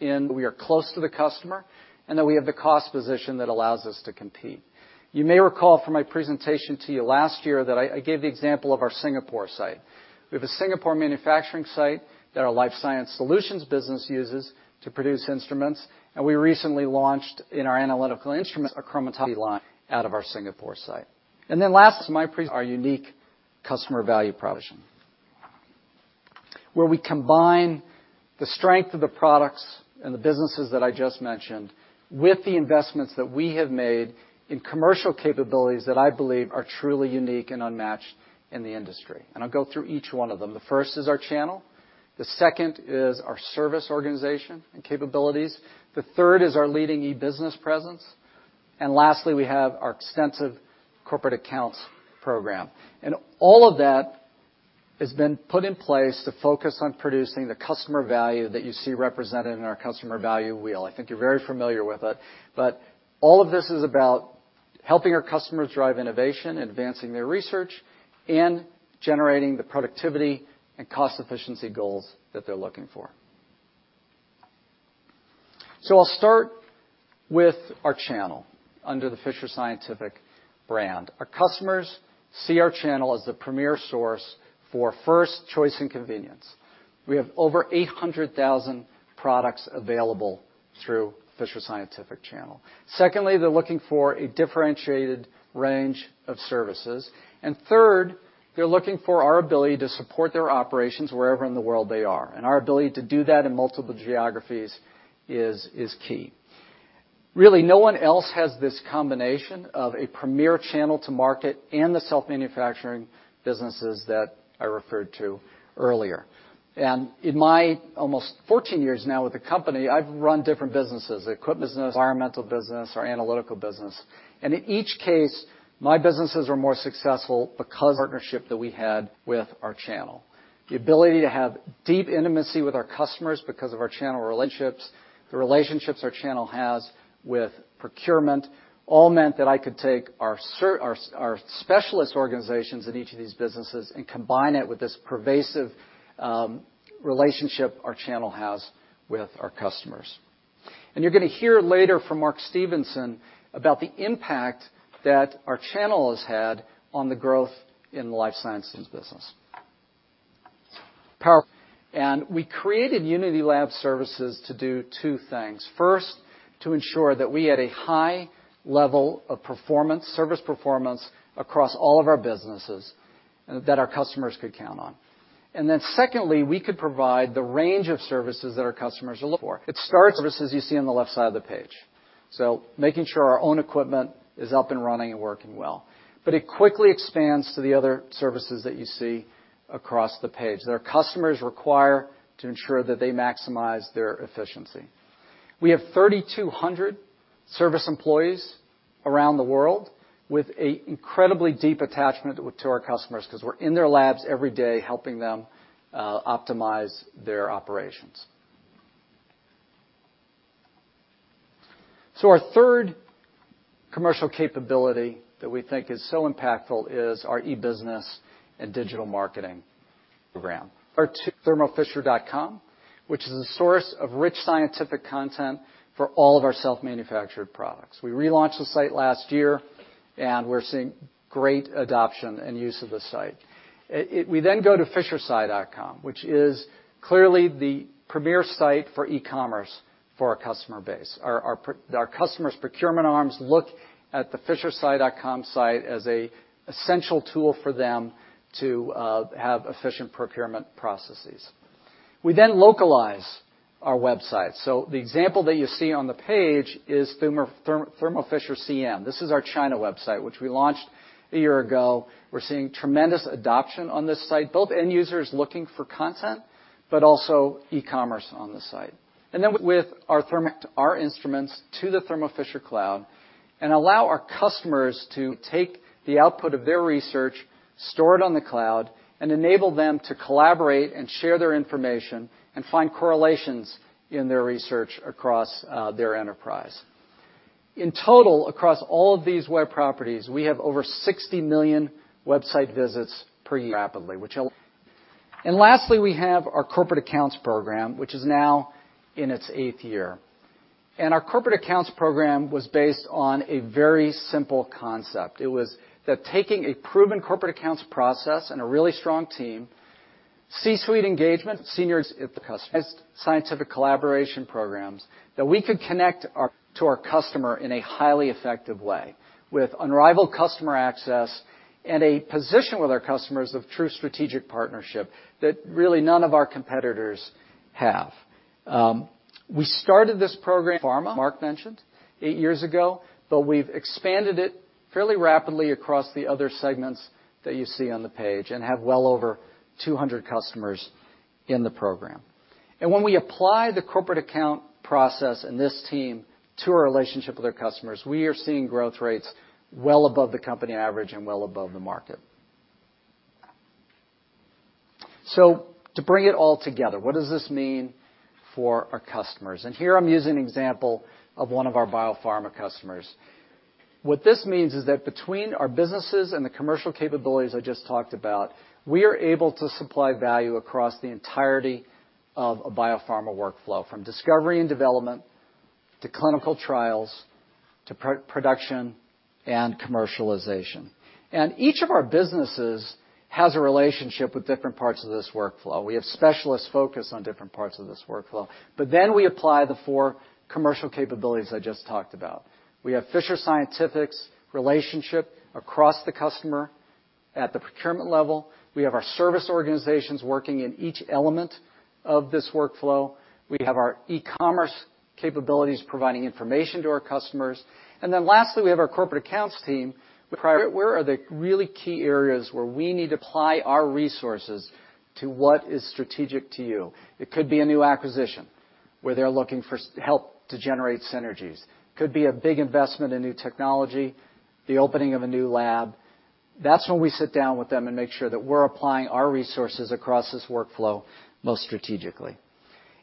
We are close to the customer, and that we have the cost position that allows us to compete. You may recall from my presentation to you last year that I gave the example of our Singapore site. We have a Singapore manufacturing site that our Life Science Solutions business uses to produce instruments, and we recently launched in our analytical instruments, a chromatography line out of our Singapore site. Last, our unique customer value proposition, where we combine the strength of the products and the businesses that I just mentioned with the investments that we have made in commercial capabilities that I believe are truly unique and unmatched in the industry. I'll go through each one of them. The first is our channel. The second is our service organization and capabilities. The third is our leading e-business presence. Lastly, we have our extensive corporate accounts program. All of that has been put in place to focus on producing the customer value that you see represented in our customer value wheel. I think you're very familiar with it, but all of this is about helping our customers drive innovation, advancing their research, and generating the productivity and cost efficiency goals that they're looking for. I'll start with our channel under the Fisher Scientific brand. Our customers see our channel as the premier source for first choice and convenience. We have over 800,000 products available through Fisher Scientific channel. Secondly, they're looking for a differentiated range of services. Third, they're looking for our ability to support their operations wherever in the world they are. Our ability to do that in multiple geographies is key. Really, no one else has this combination of a premier channel to market and the self-manufacturing businesses that I referred to earlier. In my almost 14 years now with the company, I've run different businesses, the equipment business, environmental business, our analytical business. In each case, my businesses were more successful because of the partnership that we had with our channel. The ability to have deep intimacy with our customers because of our channel relationships, the relationships our channel has with procurement all meant that I could take our specialist organizations in each of these businesses and combine it with this pervasive relationship our channel has with our customers. You're going to hear later from Mark Stevenson about the impact that our channel has had on the growth in the life sciences business. We created Unity Lab Services to do two things. First, to ensure that we had a high level of service performance across all of our businesses that our customers could count on. Secondly, we could provide the range of services that our customers look for. It starts with services you see on the left side of the page. Making sure our own equipment is up and running and working well. It quickly expands to the other services that you see across the page that our customers require to ensure that they maximize their efficiency. We have 3,200 service employees around the world with an incredibly deep attachment to our customers, because we're in their labs every day helping them optimize their operations. Our third commercial capability that we think is so impactful is our e-business and digital marketing program. thermofisher.com, which is a source of rich scientific content for all of our self-manufactured products. We relaunched the site last year, and we're seeing great adoption and use of the site. We go to fishersci.com, which is clearly the premier site for e-commerce for our customer base. Our customers' procurement arms look at the fishersci.com site as an essential tool for them to have efficient procurement processes. We localize our website. The example that you see on the page is Thermo Fisher CN. This is our China website, which we launched a year ago. We're seeing tremendous adoption on this site, both end users looking for content, but also e-commerce on the site. With our instruments to the Thermo Fisher cloud and allow our customers to take the output of their research, store it on the cloud, and enable them to collaborate and share their information and find correlations in their research across their enterprise. In total, across all of these web properties, we have over 60 million website visits per year. Lastly, we have our corporate accounts program, which is now in its eighth year. Our corporate accounts program was based on a very simple concept. It was that taking a proven corporate accounts process and a really strong team, C-suite engagement, seniors at the customer, scientific collaboration programs, that we could connect our to our customer in a highly effective way with unrivaled customer access and a position with our customers of true strategic partnership that really none of our competitors have. We started this program, Pharma, Marc mentioned, eight years ago, but we've expanded it fairly rapidly across the other segments that you see on the page and have well over 200 customers in the program. When we apply the corporate account process and this team to our relationship with our customers, we are seeing growth rates well above the company average and well above the market. To bring it all together, what does this mean for our customers? Here I'm using an example of one of our biopharma customers. What this means is that between our businesses and the commercial capabilities I just talked about, we are able to supply value across the entirety of a biopharma workflow, from discovery and development, to clinical trials, to production and commercialization. Each of our businesses has a relationship with different parts of this workflow. We have specialists focused on different parts of this workflow, we apply the four commercial capabilities I just talked about. We have Fisher Scientific's relationship across the customer at the procurement level. We have our service organizations working in each element of this workflow. We have our e-commerce capabilities providing information to our customers. Lastly, we have our corporate accounts team. Where are the really key areas where we need to apply our resources to what is strategic to you? It could be a new acquisition where they're looking for help to generate synergies. Could be a big investment in new technology, the opening of a new lab. That's when we sit down with them and make sure that we're applying our resources across this workflow most strategically.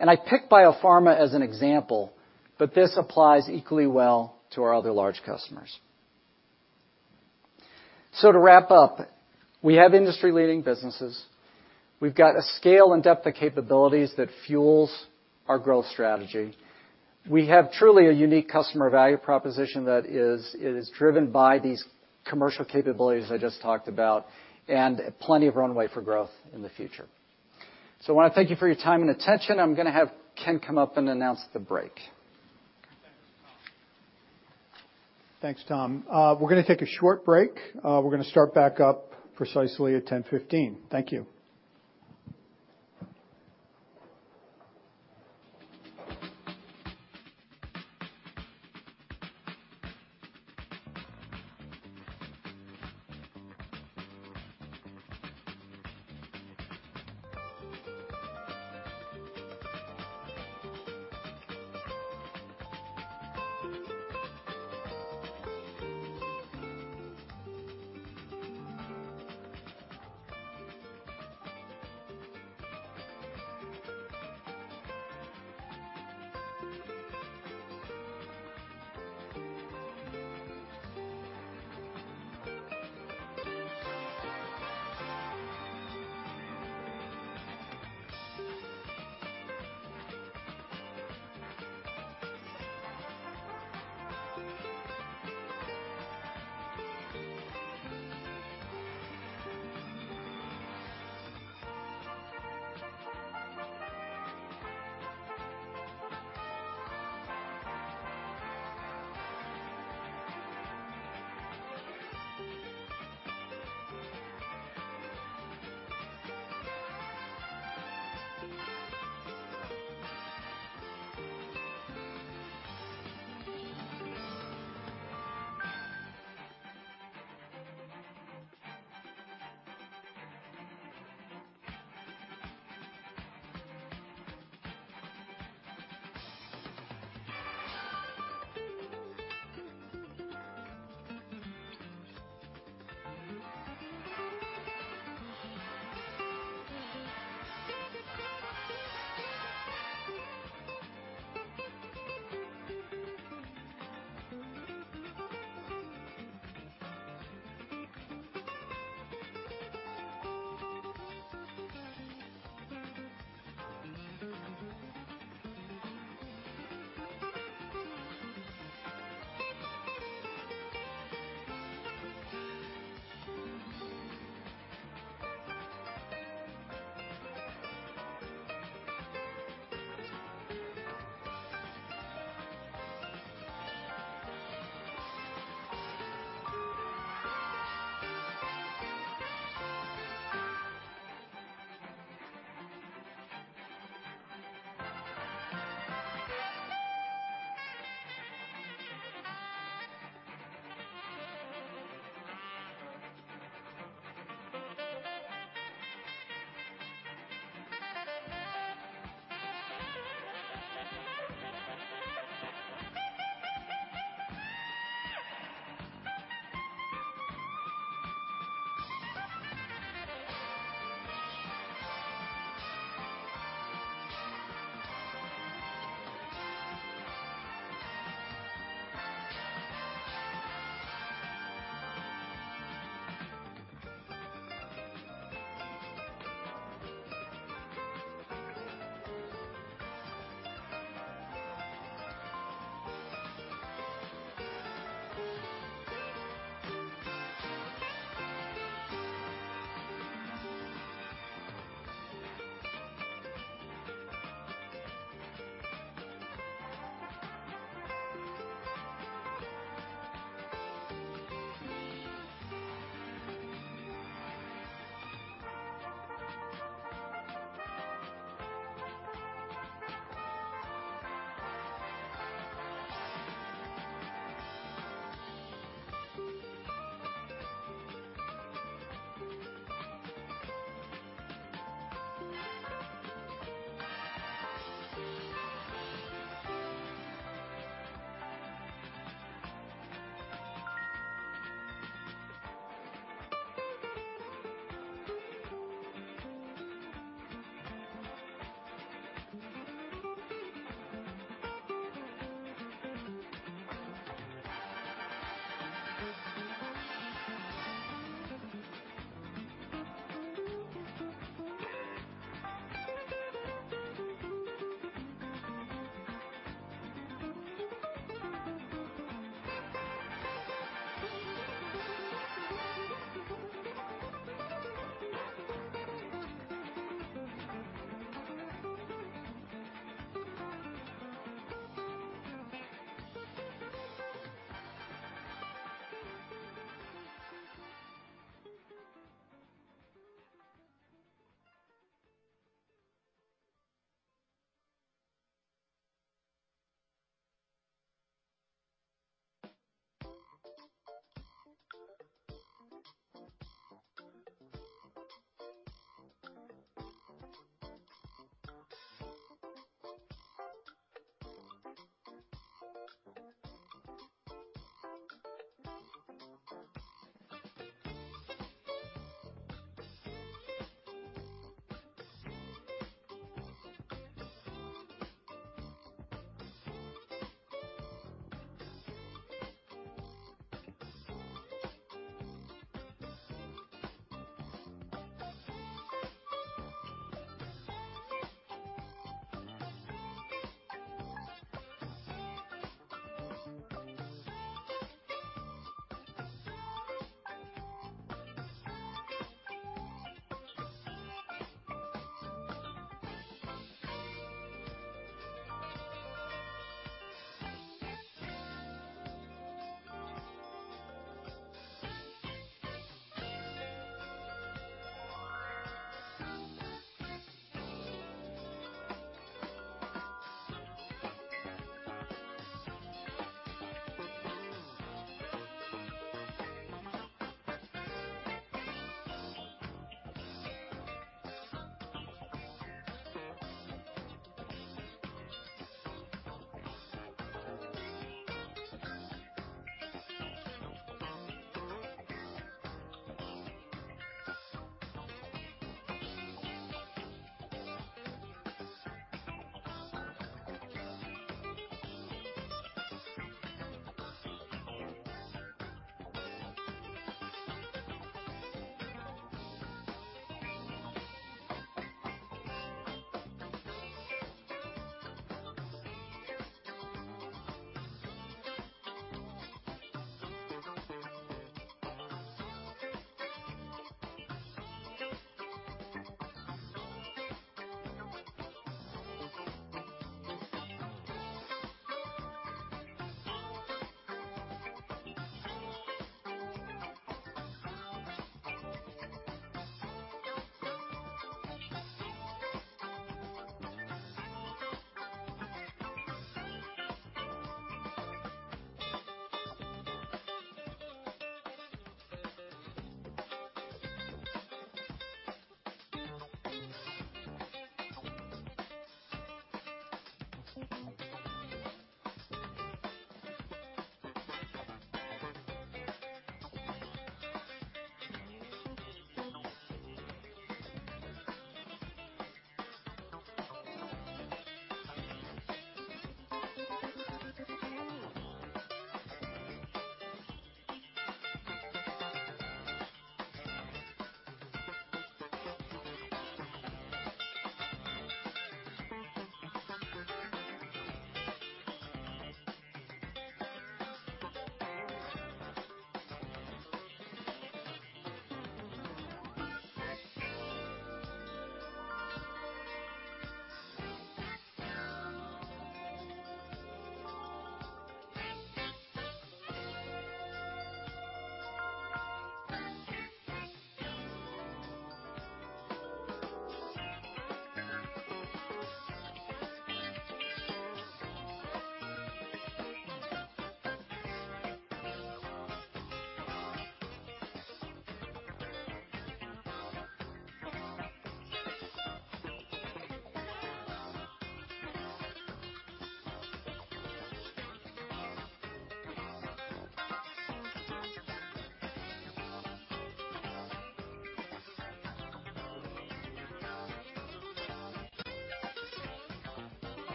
I picked biopharma as an example, but this applies equally well to our other large customers. To wrap up, we have industry-leading businesses. We've got a scale and depth of capabilities that fuels our growth strategy. We have truly a unique customer value proposition that is driven by these commercial capabilities I just talked about, and plenty of runway for growth in the future. I want to thank you for your time and attention. I'm going to have Ken come up and announce the break. Thanks, Tom. We're going to take a short break. We're going to start back up precisely at 10:15. Thank you.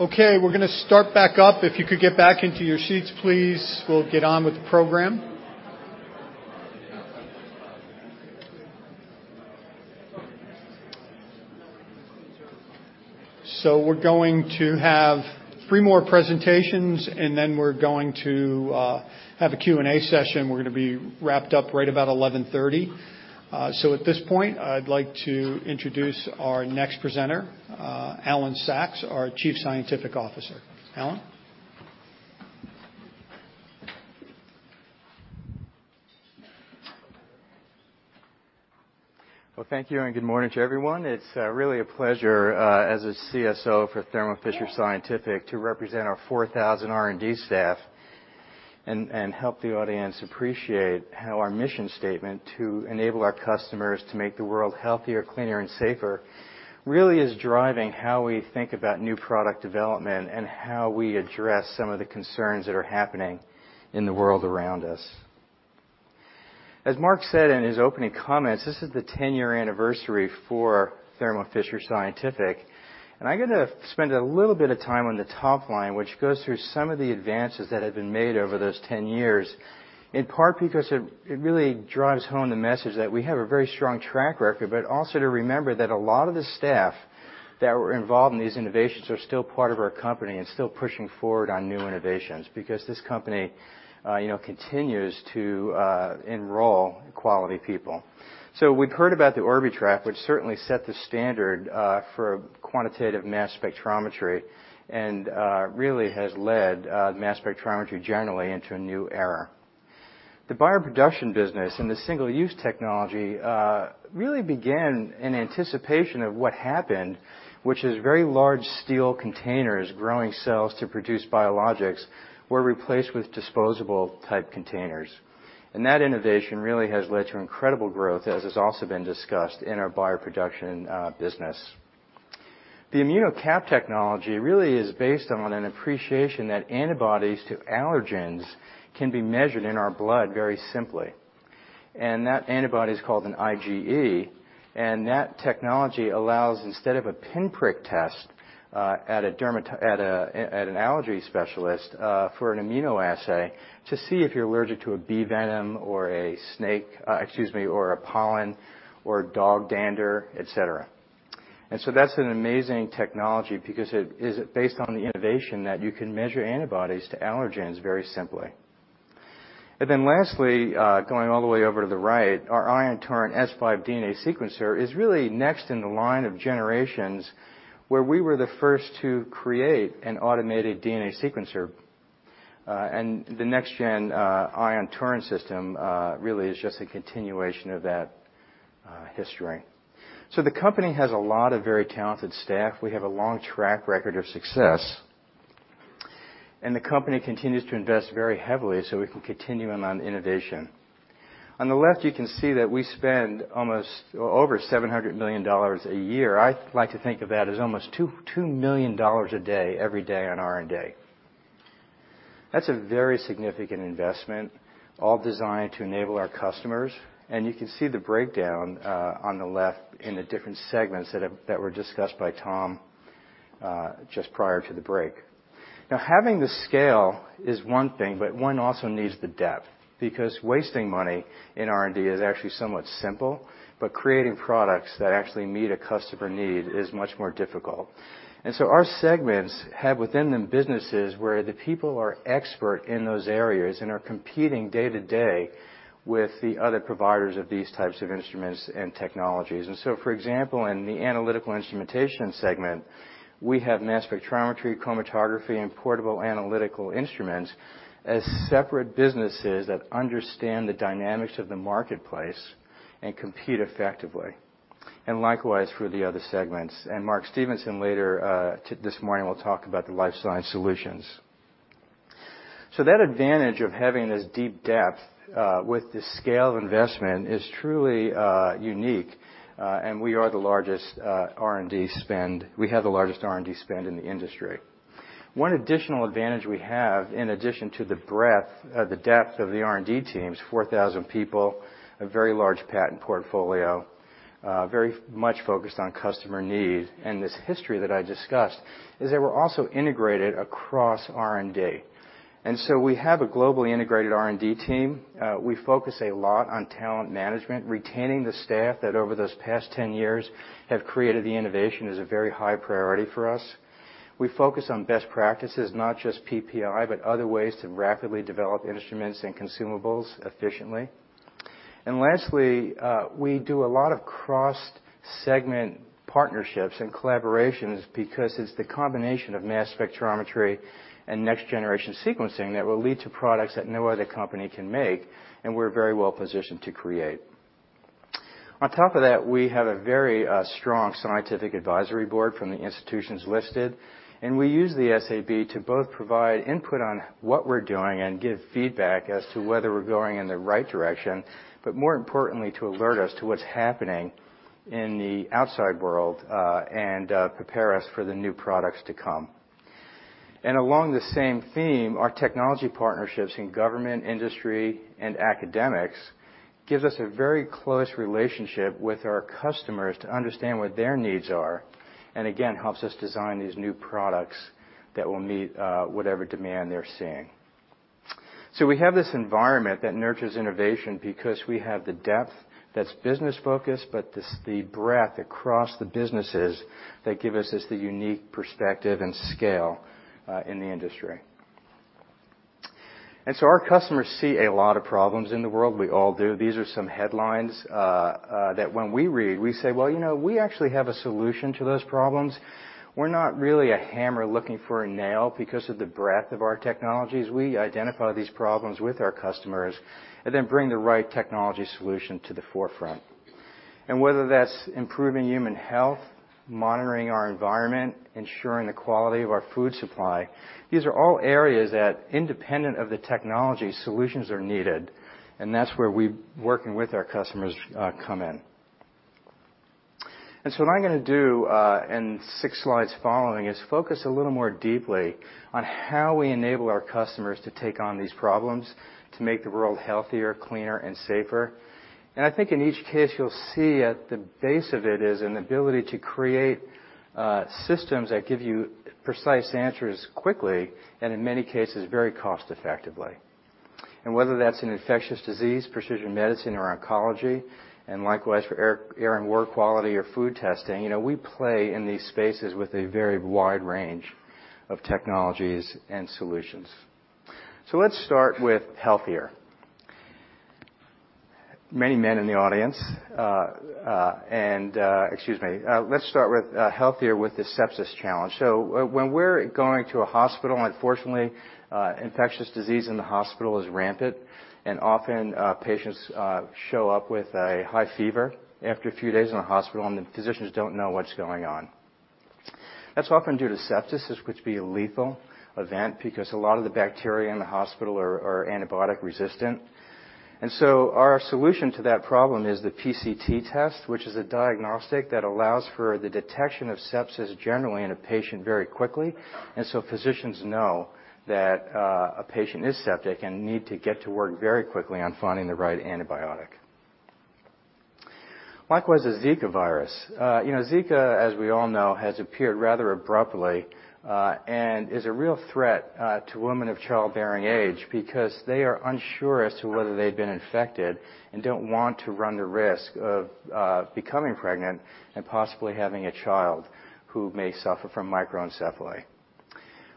Okay, we're going to start back up. If you could get back into your seats, please. We'll get on with the program. We're going to have three more presentations, and then we're going to have a Q&A session. We're going to be wrapped up right about 11:30. At this point, I'd like to introduce our next presenter, Alan Sachs, our Chief Scientific Officer. Alan. Well, thank you, and good morning to everyone. It's really a pleasure, as a CSO for Thermo Fisher Scientific, to represent our 4,000 R&D staff and help the audience appreciate how our mission statement to enable our customers to make the world healthier, cleaner, and safer really is driving how we think about new product development and how we address some of the concerns that are happening in the world around us. As Mark said in his opening comments, this is the 10-year anniversary for Thermo Fisher Scientific, and I'm going to spend a little bit of time on the top line, which goes through some of the advances that have been made over those 10 years, in part because it really drives home the message that we have a very strong track record, but also to remember that a lot of the staff that were involved in these innovations are still part of our company and still pushing forward on new innovations because this company continues to enroll quality people. We've heard about the Orbitrap, which certainly set the standard for quantitative mass spectrometry and really has led mass spectrometry generally into a new era. The bioproduction business and the single-use technology really began in anticipation of what happened, which is very large steel containers growing cells to produce biologics were replaced with disposable type containers. That innovation really has led to incredible growth, as has also been discussed in our bioproduction business. The ImmunoCAP technology really is based on an appreciation that antibodies to allergens can be measured in our blood very simply. That antibody is called an IgE, and that technology allows, instead of a pinprick test at an allergy specialist for an immunoassay, to see if you're allergic to a bee venom or a pollen or dog dander, et cetera. That's an amazing technology because it is based on the innovation that you can measure antibodies to allergens very simply. Lastly, going all the way over to the right, our Ion Torrent S5 DNA sequencer is really next in the line of generations where we were the first to create an automated DNA sequencer. The next gen Ion Torrent system really is just a continuation of that history. The company has a lot of very talented staff. We have a long track record of success. The company continues to invest very heavily so we can continue on innovation. On the left, you can see that we spend over $700 million a year. I like to think of that as almost $2 million a day, every day on R&D. That's a very significant investment, all designed to enable our customers. You can see the breakdown on the left in the different segments that were discussed by Tom just prior to the break. Now, having the scale is one thing, but one also needs the depth, because wasting money in R&D is actually somewhat simple, but creating products that actually meet a customer need is much more difficult. Our segments have within them businesses where the people are expert in those areas and are competing day to day with the other providers of these types of instruments and technologies. For example, in the analytical instrumentation segment, we have mass spectrometry, chromatography, and portable analytical instruments as separate businesses that understand the dynamics of the marketplace and compete effectively. Likewise for the other segments. Mark Stevenson later this morning will talk about the Life Sciences Solutions. That advantage of having this deep depth with the scale of investment is truly unique. We have the largest R&D spend in the industry. One additional advantage we have in addition to the depth of the R&D teams, 4,000 people, a very large patent portfolio, very much focused on customer need, and this history that I discussed, is that we're also integrated across R&D. We have a globally integrated R&D team. We focus a lot on talent management. Retaining the staff that over those past 10 years have created the innovation is a very high priority for us. We focus on best practices, not just PPI, but other ways to rapidly develop instruments and consumables efficiently. Lastly, we do a lot of cross-segment partnerships and collaborations because it's the combination of mass spectrometry and next-generation sequencing that will lead to products that no other company can make, and we're very well-positioned to create. On top of that, we have a very strong scientific advisory board from the institutions listed, and we use the SAB to both provide input on what we're doing and give feedback as to whether we're going in the right direction, but more importantly, to alert us to what's happening in the outside world and prepare us for the new products to come. Along the same theme, our technology partnerships in government, industry, and academics gives us a very close relationship with our customers to understand what their needs are, and again, helps us design these new products that will meet whatever demand they're seeing. We have this environment that nurtures innovation because we have the depth that's business-focused, but the breadth across the businesses that give us the unique perspective and scale in the industry. Our customers see a lot of problems in the world. We all do. These are some headlines that when we read, we say, "Well, we actually have a solution to those problems." We're not really a hammer looking for a nail because of the breadth of our technologies. We identify these problems with our customers and then bring the right technology solution to the forefront. Whether that's improving human health, monitoring our environment, ensuring the quality of our food supply, these are all areas that independent of the technology, solutions are needed, and that's where we working with our customers come in. What I'm going to do in six slides following is focus a little more deeply on how we enable our customers to take on these problems to make the world healthier, cleaner, and safer. I think in each case you'll see at the base of it is an ability to create systems that give you precise answers quickly and in many cases, very cost-effectively. Whether that's an infectious disease, precision medicine, or oncology, and likewise for air and water quality or food testing, we play in these spaces with a very wide range of technologies and solutions. Let's start with healthier. Many men in the audience. Excuse me. Let's start with healthier with the sepsis challenge. When we're going to a hospital, unfortunately, infectious disease in the hospital is rampant, and often patients show up with a high fever after a few days in the hospital, and the physicians don't know what's going on. That's often due to sepsis, which could be a lethal event because a lot of the bacteria in the hospital are antibiotic resistant. Our solution to that problem is the PCT test, which is a diagnostic that allows for the detection of sepsis generally in a patient very quickly, and so physicians know that a patient is septic and need to get to work very quickly on finding the right antibiotic. Likewise, the Zika virus. Zika, as we all know, has appeared rather abruptly, and is a real threat to women of childbearing age because they are unsure as to whether they've been infected and don't want to run the risk of becoming pregnant and possibly having a child who may suffer from microcephaly.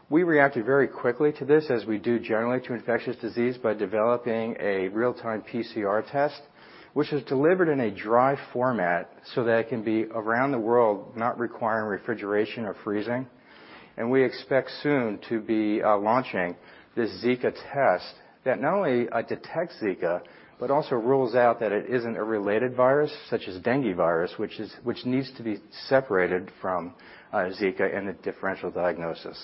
We reacted very quickly to this, as we do generally to infectious disease, by developing a real-time PCR test, which is delivered in a dry format so that it can be around the world, not requiring refrigeration or freezing. We expect soon to be launching this Zika test that not only detects Zika, but also rules out that it isn't a related virus, such as dengue virus, which needs to be separated from Zika in a differential diagnosis.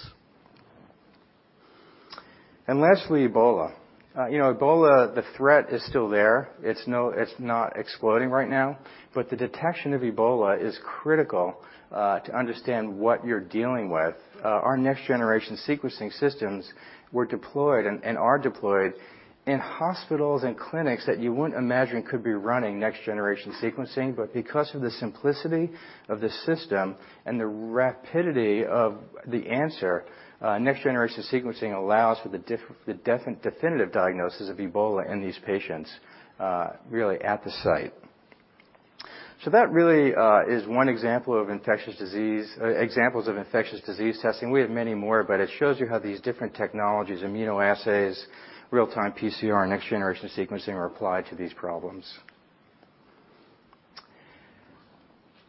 Lastly, Ebola. Ebola, the threat is still there. It's not exploding right now. The detection of Ebola is critical to understand what you're dealing with. Our next generation sequencing systems were deployed, and are deployed, in hospitals and clinics that you wouldn't imagine could be running next generation sequencing. Because of the simplicity of the system and the rapidity of the answer, next generation sequencing allows for the definitive diagnosis of Ebola in these patients really at the site. That really is one example of infectious disease testing. We have many more, but it shows you how these different technologies, immunoassays, real-time PCR, and next generation sequencing, are applied to these problems.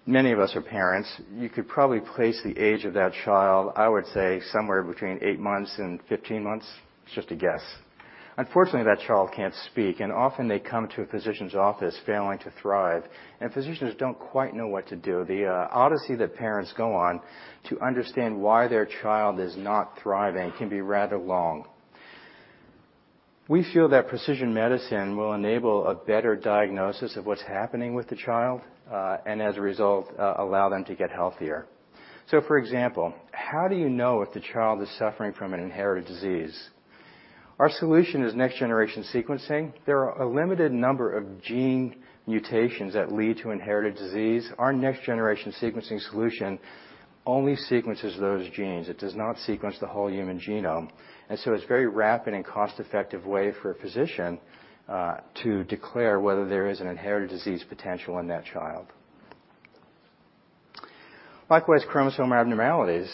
Many of us are parents. You could probably place the age of that child, I would say somewhere between eight months and 15 months. It's just a guess. Unfortunately, that child can't speak, and often they come to a physician's office failing to thrive, and physicians don't quite know what to do. The odyssey that parents go on to understand why their child is not thriving can be rather long. We feel that precision medicine will enable a better diagnosis of what's happening with the child, and as a result, allow them to get healthier. For example, how do you know if the child is suffering from an inherited disease? Our solution is next generation sequencing. There are a limited number of gene mutations that lead to inherited disease. Our next generation sequencing solution only sequences those genes. It does not sequence the whole human genome. It's very rapid and cost-effective way for a physician to declare whether there is an inherited disease potential in that child. Likewise, chromosome abnormalities.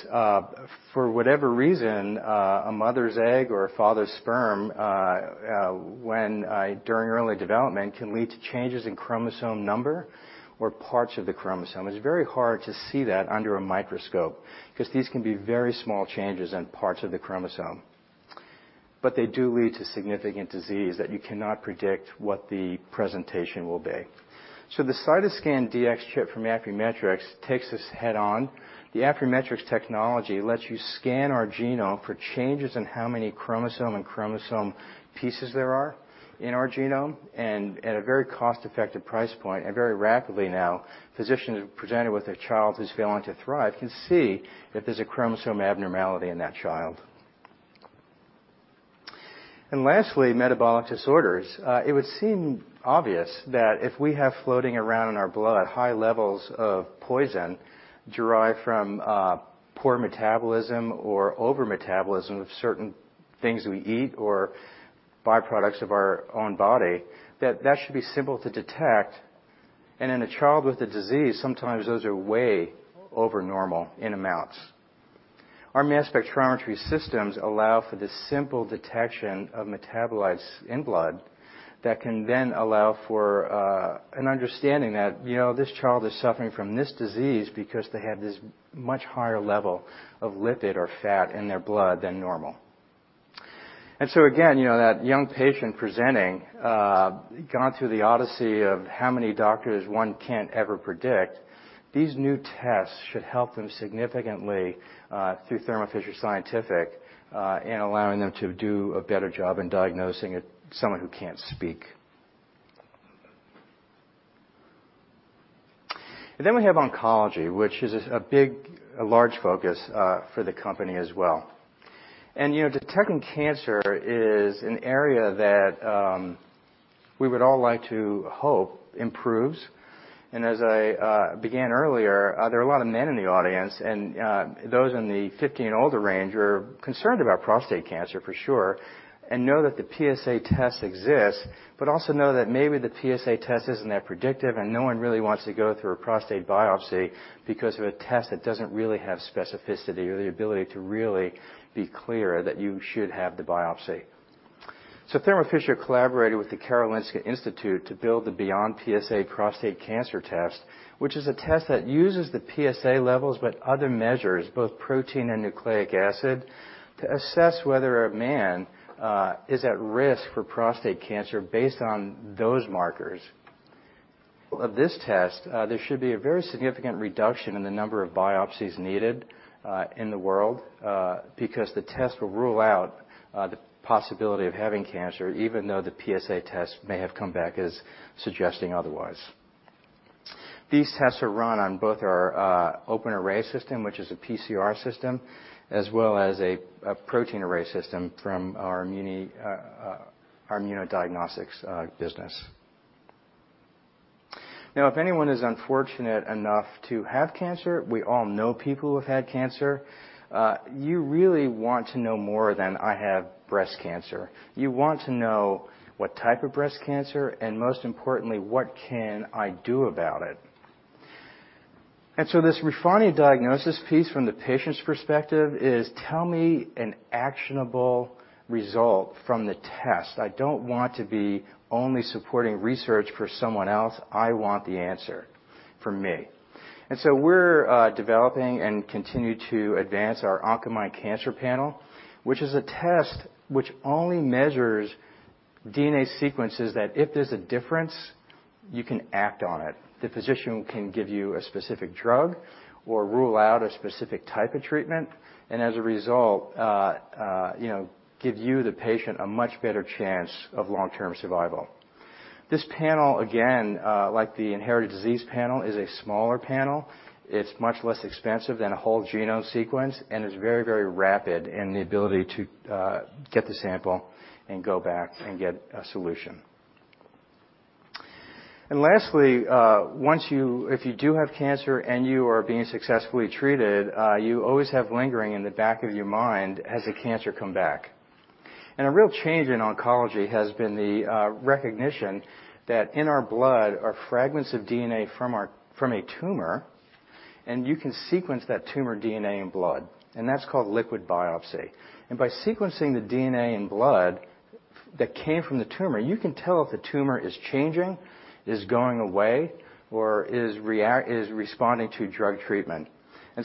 For whatever reason, a mother's egg or a father's sperm, during early development, can lead to changes in chromosome number or parts of the chromosome. It's very hard to see that under a microscope because these can be very small changes in parts of the chromosome. They do lead to significant disease that you cannot predict what the presentation will be. The CytoScan Dx chip from Affymetrix takes this head on. The Affymetrix technology lets you scan our genome for changes in how many chromosome and chromosome pieces there are in our genome, at a very cost-effective price point, very rapidly now, physicians presented with a child who's failing to thrive can see if there's a chromosome abnormality in that child. Lastly, metabolic disorders. It would seem obvious that if we have floating around in our blood high levels of poison derived from poor metabolism or over metabolism of certain things we eat or byproducts of our own body, that that should be simple to detect. In a child with the disease, sometimes those are way over normal in amounts. Our mass spectrometry systems allow for the simple detection of metabolites in blood that can then allow for an understanding that this child is suffering from this disease because they have this much higher level of lipid or fat in their blood than normal. Again, that young patient presenting, gone through the odyssey of how many doctors, one can't ever predict. These new tests should help them significantly, through Thermo Fisher Scientific, in allowing them to do a better job in diagnosing someone who can't speak. Then we have oncology, which is a large focus for the company as well. Detecting cancer is an area that we would all like to hope improves. As I began earlier, there are a lot of men in the audience, those in the 50 and older range are concerned about prostate cancer for sure and know that the PSA test exists, also know that maybe the PSA test isn't that predictive, no one really wants to go through a prostate biopsy because of a test that doesn't really have specificity or the ability to really be clear that you should have the biopsy. Thermo Fisher collaborated with the Karolinska Institutet to build the Beyond PSA prostate cancer test, which is a test that uses the PSA levels but other measures, both protein and nucleic acid, to assess whether a man is at risk for prostate cancer based on those markers. Of this test, there should be a very significant reduction in the number of biopsies needed in the world, because the test will rule out the possibility of having cancer, even though the PSA test may have come back as suggesting otherwise. These tests are run on both our OpenArray system, which is a PCR system, as well as a protein array system from our immuno diagnostics business. Now, if anyone is unfortunate enough to have cancer, we all know people who have had cancer, you really want to know more than, "I have breast cancer." You want to know what type of breast cancer, and most importantly, what can I do about it? This refining diagnosis piece from the patient's perspective is, tell me an actionable result from the test. I don't want to be only supporting research for someone else. I want the answer for me. We're developing and continue to advance our Oncomine Cancer Panel, which is a test which only measures DNA sequences that if there's a difference, you can act on it. The physician can give you a specific drug or rule out a specific type of treatment, and as a result give you, the patient, a much better chance of long-term survival. This panel, again, like the inherited disease panel, is a smaller panel. It's much less expensive than a whole genome sequence, and is very rapid in the ability to get the sample and go back and get a solution. Lastly, if you do have cancer and you are being successfully treated, you always have lingering in the back of your mind, has the cancer come back? A real change in oncology has been the recognition that in our blood are fragments of DNA from a tumor, and you can sequence that tumor DNA in blood. That's called liquid biopsy. By sequencing the DNA in blood that came from the tumor, you can tell if the tumor is changing, is going away, or is responding to drug treatment.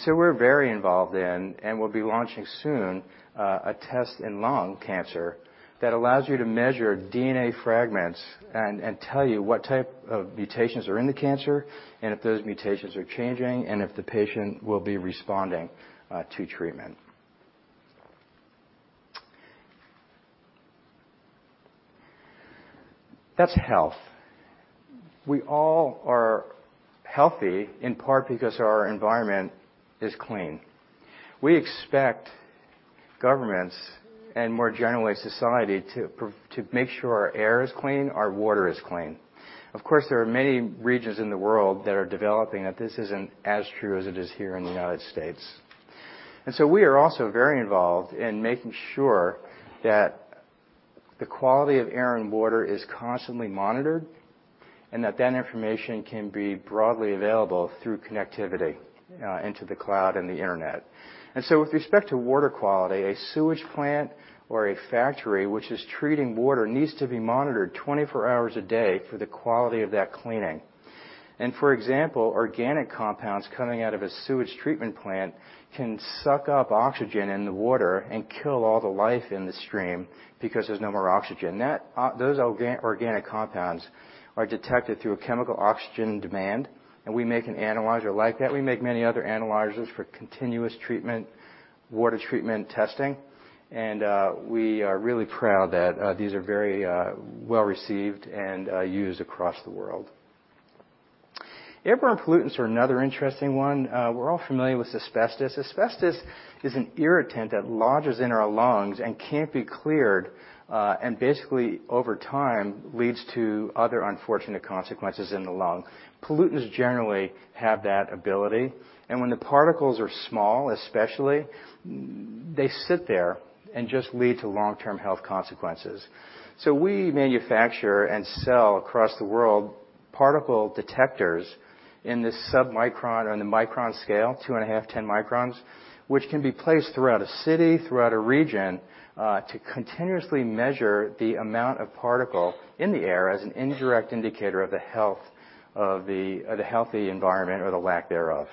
We're very involved in, and will be launching soon, a test in lung cancer that allows you to measure DNA fragments and tell you what type of mutations are in the cancer, and if those mutations are changing, and if the patient will be responding to treatment. That's health. We all are healthy, in part because our environment is clean. We expect governments, and more generally, society to make sure our air is clean, our water is clean. Of course, there are many regions in the world that are developing, that this isn't as true as it is here in the United States. We are also very involved in making sure that the quality of air and water is constantly monitored, and that that information can be broadly available through connectivity into the cloud and the internet. With respect to water quality, a sewage plant or a factory which is treating water needs to be monitored 24 hours a day for the quality of that cleaning. For example, organic compounds coming out of a sewage treatment plant can suck up oxygen in the water and kill all the life in the stream because there's no more oxygen. Those organic compounds are detected through a chemical oxygen demand, and we make an analyzer like that. We make many other analyzers for continuous treatment, water treatment testing. We are really proud that these are very well-received and used across the world. Airborne pollutants are another interesting one. We're all familiar with asbestos. Asbestos is an irritant that lodges in our lungs and can't be cleared, and basically over time, leads to other unfortunate consequences in the lung. Pollutants generally have that ability, and when the particles are small, especially, they sit there and just lead to long-term health consequences. We manufacture and sell across the world particle detectors in the submicron on the micron scale, two and a half, 10 microns, which can be placed throughout a city, throughout a region, to continuously measure the amount of particle in the air as an indirect indicator of the healthy environment or the lack thereof.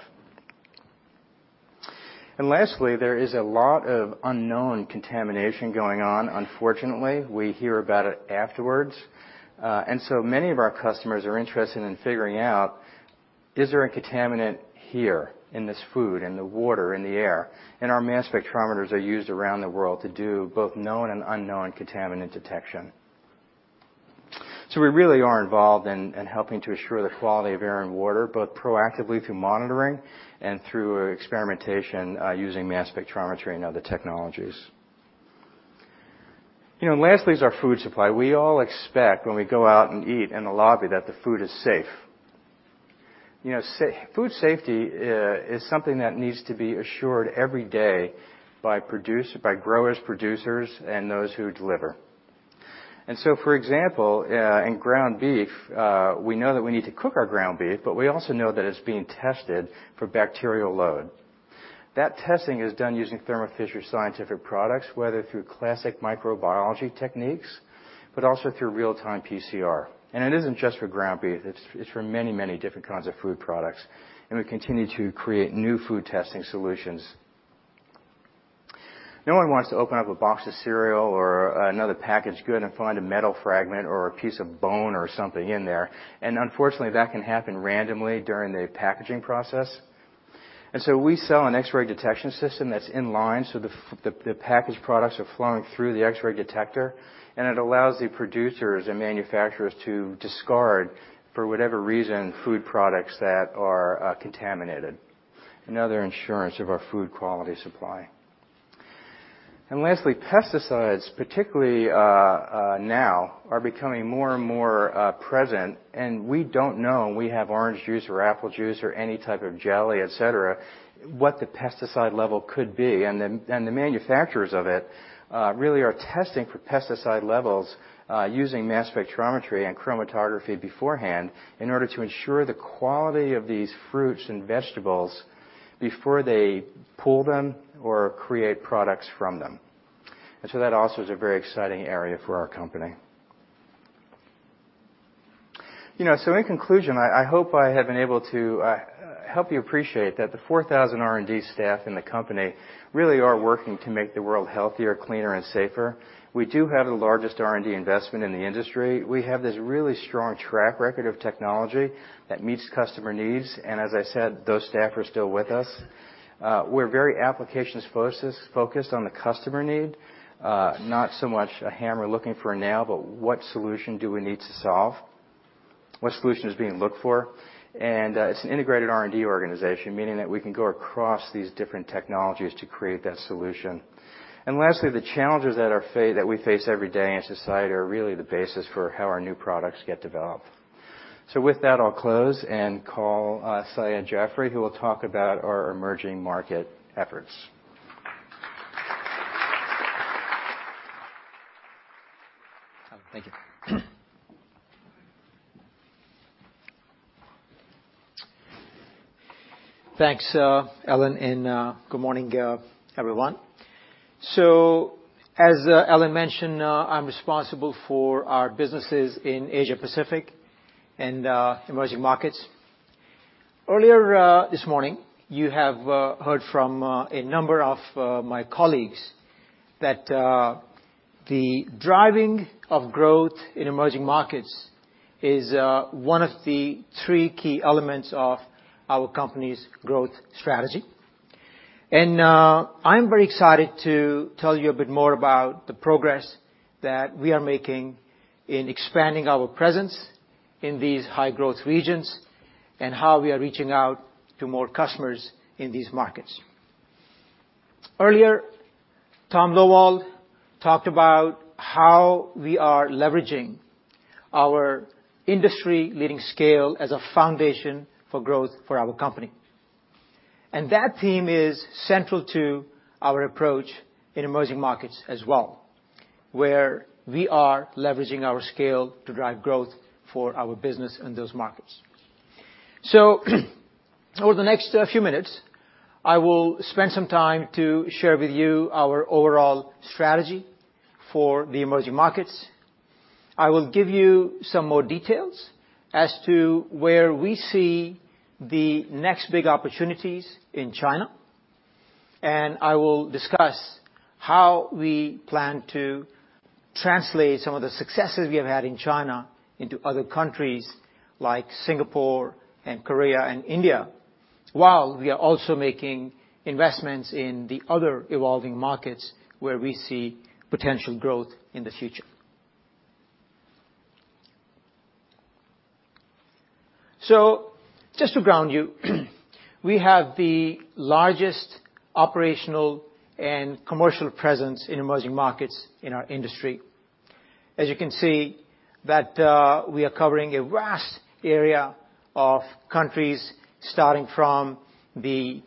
Lastly, there is a lot of unknown contamination going on, unfortunately. We hear about it afterwards. Many of our customers are interested in figuring out, is there a contaminant here in this food, in the water, in the air? Our mass spectrometers are used around the world to do both known and unknown contaminant detection. We really are involved in helping to assure the quality of air and water, both proactively through monitoring and through experimentation using mass spectrometry and other technologies. Lastly is our food supply. We all expect when we go out and eat in a lobby that the food is safe. Food safety is something that needs to be assured every day by growers, producers, and those who deliver. For example, in ground beef, we know that we need to cook our ground beef, but we also know that it's being tested for bacterial load. That testing is done using Thermo Fisher Scientific products, whether through classic microbiology techniques, but also through real-time PCR. It isn't just for ground beef, it's for many different kinds of food products, and we continue to create new food testing solutions. No one wants to open up a box of cereal or another packaged good and find a metal fragment or a piece of bone or something in there. Unfortunately, that can happen randomly during the packaging process. We sell an X-ray detection system that's in line, so the packaged products are flowing through the X-ray detector, and it allows the producers and manufacturers to discard, for whatever reason, food products that are contaminated. Another insurance of our food quality supply. Lastly, pesticides, particularly now, are becoming more and more present. We don't know, when we have orange juice or apple juice or any type of jelly, et cetera, what the pesticide level could be. The manufacturers of it really are testing for pesticide levels using mass spectrometry and chromatography beforehand in order to ensure the quality of these fruits and vegetables before they pull them or create products from them. That also is a very exciting area for our company. In conclusion, I hope I have been able to help you appreciate that the 4,000 R&D staff in the company really are working to make the world healthier, cleaner, and safer. We do have the largest R&D investment in the industry. We have this really strong track record of technology that meets customer needs. As I said, those staff are still with us. We're very applications-focused on the customer need. Not so much a hammer looking for a nail, but what solution do we need to solve? What solution is being looked for? It's an integrated R&D organization, meaning that we can go across these different technologies to create that solution. Lastly, the challenges that we face every day in society are really the basis for how our new products get developed. With that, I'll close and call Syed Jafri, who will talk about our emerging market efforts. Thank you. Thanks, Alan, and good morning, everyone. As Alan mentioned, I'm responsible for our businesses in Asia Pacific and emerging markets. Earlier this morning, you have heard from a number of my colleagues that the driving of growth in emerging markets is one of the three key elements of our company's growth strategy. I'm very excited to tell you a bit more about the progress that we are making in expanding our presence in these high-growth regions and how we are reaching out to more customers in these markets. Earlier, Tom Loewald talked about how we are leveraging our industry-leading scale as a foundation for growth for our company. That theme is central to our approach in emerging markets as well, where we are leveraging our scale to drive growth for our business in those markets. Over the next few minutes, I will spend some time to share with you our overall strategy for the emerging markets. I will give you some more details as to where we see the next big opportunities in China. I will discuss how we plan to translate some of the successes we have had in China into other countries like Singapore and Korea and India, while we are also making investments in the other evolving markets where we see potential growth in the future. Just to ground you, we have the largest operational and commercial presence in emerging markets in our industry. As you can see that we are covering a vast area of countries, starting from the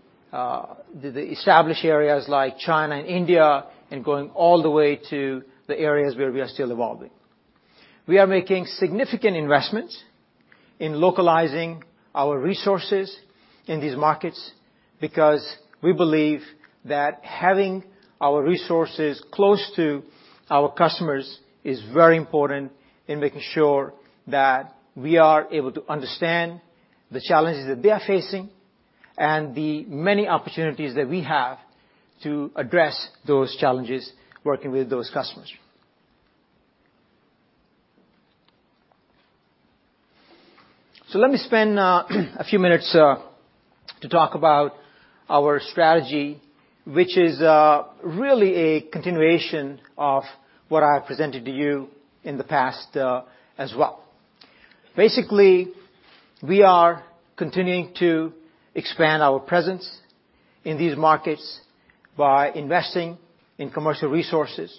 established areas like China and India, going all the way to the areas where we are still evolving. We are making significant investments in localizing our resources in these markets because we believe that having our resources close to our customers is very important in making sure that we are able to understand the challenges that they are facing and the many opportunities that we have to address those challenges working with those customers. Let me spend a few minutes to talk about our strategy, which is really a continuation of what I have presented to you in the past as well. We are continuing to expand our presence in these markets by investing in commercial resources.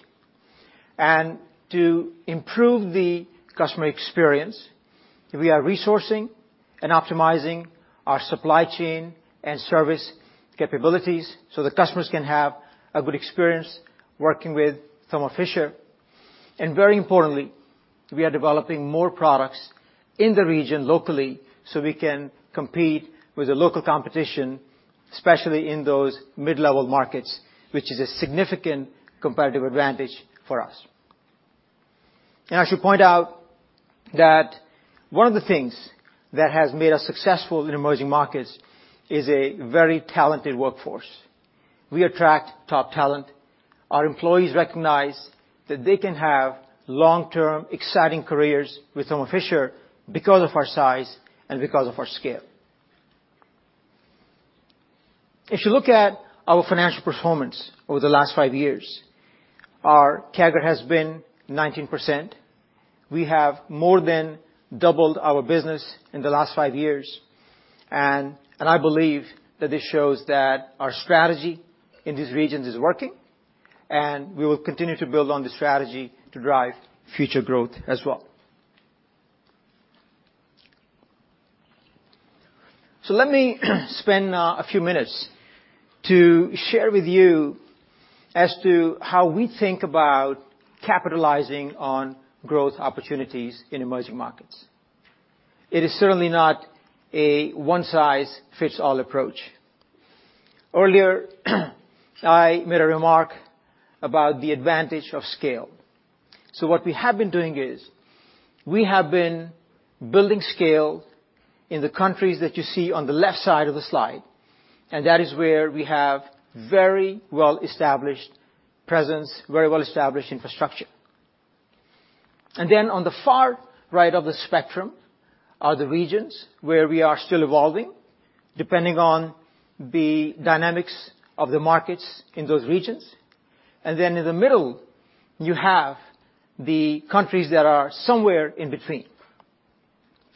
To improve the customer experience, we are resourcing and optimizing our supply chain and service capabilities so that customers can have a good experience working with Thermo Fisher. Very importantly, we are developing more products in the region locally so we can compete with the local competition, especially in those mid-level markets, which is a significant competitive advantage for us. I should point out that one of the things that has made us successful in emerging markets is a very talented workforce. We attract top talent. Our employees recognize that they can have long-term exciting careers with Thermo Fisher because of our size and because of our scale. If you look at our financial performance over the last five years, our CAGR has been 19%. We have more than doubled our business in the last five years. I believe that this shows that our strategy in these regions is working, and we will continue to build on the strategy to drive future growth as well. Let me spend a few minutes to share with you as to how we think about capitalizing on growth opportunities in emerging markets. It is certainly not a one-size-fits-all approach. Earlier, I made a remark about the advantage of scale. What we have been doing is we have been building scale in the countries that you see on the left side of the slide, that is where we have very well-established presence, very well-established infrastructure. On the far right of the spectrum are the regions where we are still evolving, depending on the dynamics of the markets in those regions. In the middle, you have the countries that are somewhere in between.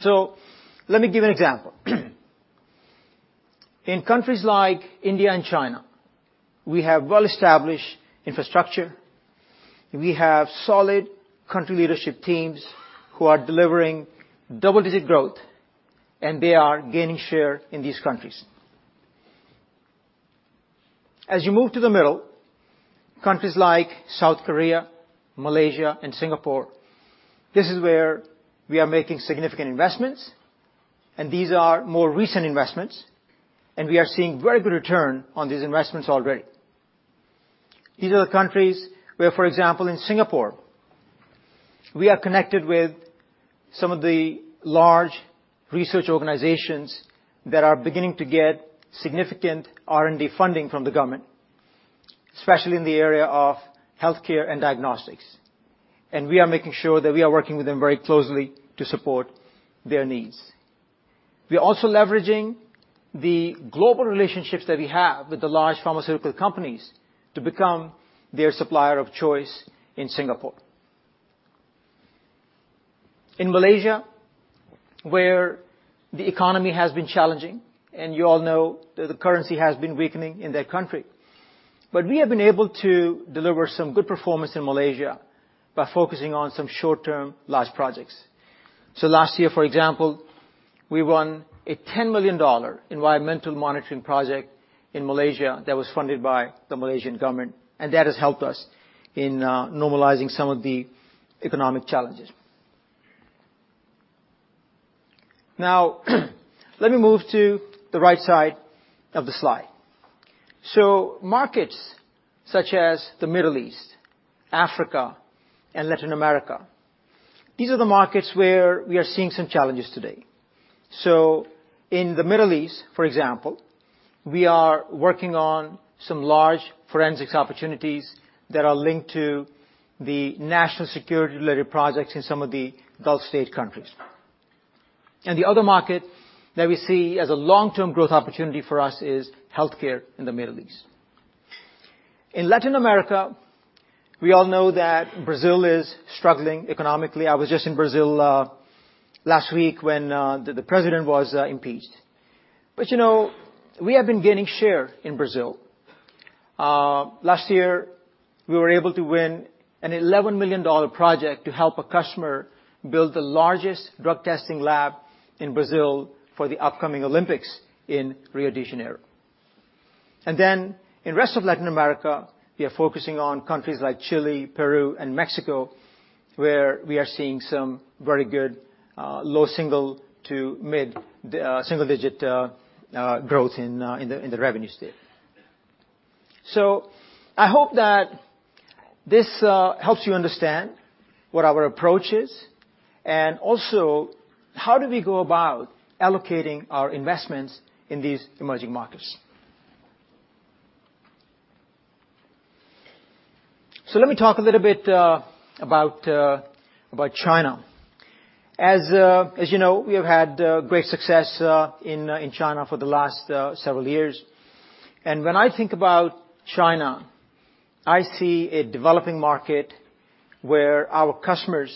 Let me give an example. In countries like India and China, we have well-established infrastructure. We have solid country leadership teams who are delivering double-digit growth, they are gaining share in these countries. As you move to the middle, countries like South Korea, Malaysia, and Singapore, this is where we are making significant investments, these are more recent investments, we are seeing very good return on these investments already. These are the countries where, for example, in Singapore, we are connected with some of the large research organizations that are beginning to get significant R&D funding from the government, especially in the area of healthcare and diagnostics. We are making sure that we are working with them very closely to support their needs. We are also leveraging the global relationships that we have with the large pharmaceutical companies to become their supplier of choice in Singapore. In Malaysia, where the economy has been challenging, you all know that the currency has been weakening in that country. We have been able to deliver some good performance in Malaysia by focusing on some short-term large projects. Last year, for example, we won a $10 million environmental monitoring project in Malaysia that was funded by the Malaysian government, that has helped us in normalizing some of the economic challenges. Let me move to the right side of the slide. Markets such as the Middle East, Africa, and Latin America, these are the markets where we are seeing some challenges today. In the Middle East, for example, we are working on some large forensics opportunities that are linked to the national security-related projects in some of the Gulf state countries. The other market that we see as a long-term growth opportunity for us is healthcare in the Middle East. In Latin America, we all know that Brazil is struggling economically. I was just in Brazil last week when the president was impeached. We have been gaining share in Brazil. Last year, we were able to win an $11 million project to help a customer build the largest drug testing lab in Brazil for the upcoming Olympics in Rio de Janeiro. In rest of Latin America, we are focusing on countries like Chile, Peru, and Mexico, where we are seeing some very good low single- to mid-single-digit growth in the revenue stream. I hope that this helps you understand what our approach is and also how do we go about allocating our investments in these emerging markets. Let me talk a little bit about China. As you know, we have had great success in China for the last several years. When I think about China, I see a developing market where our customers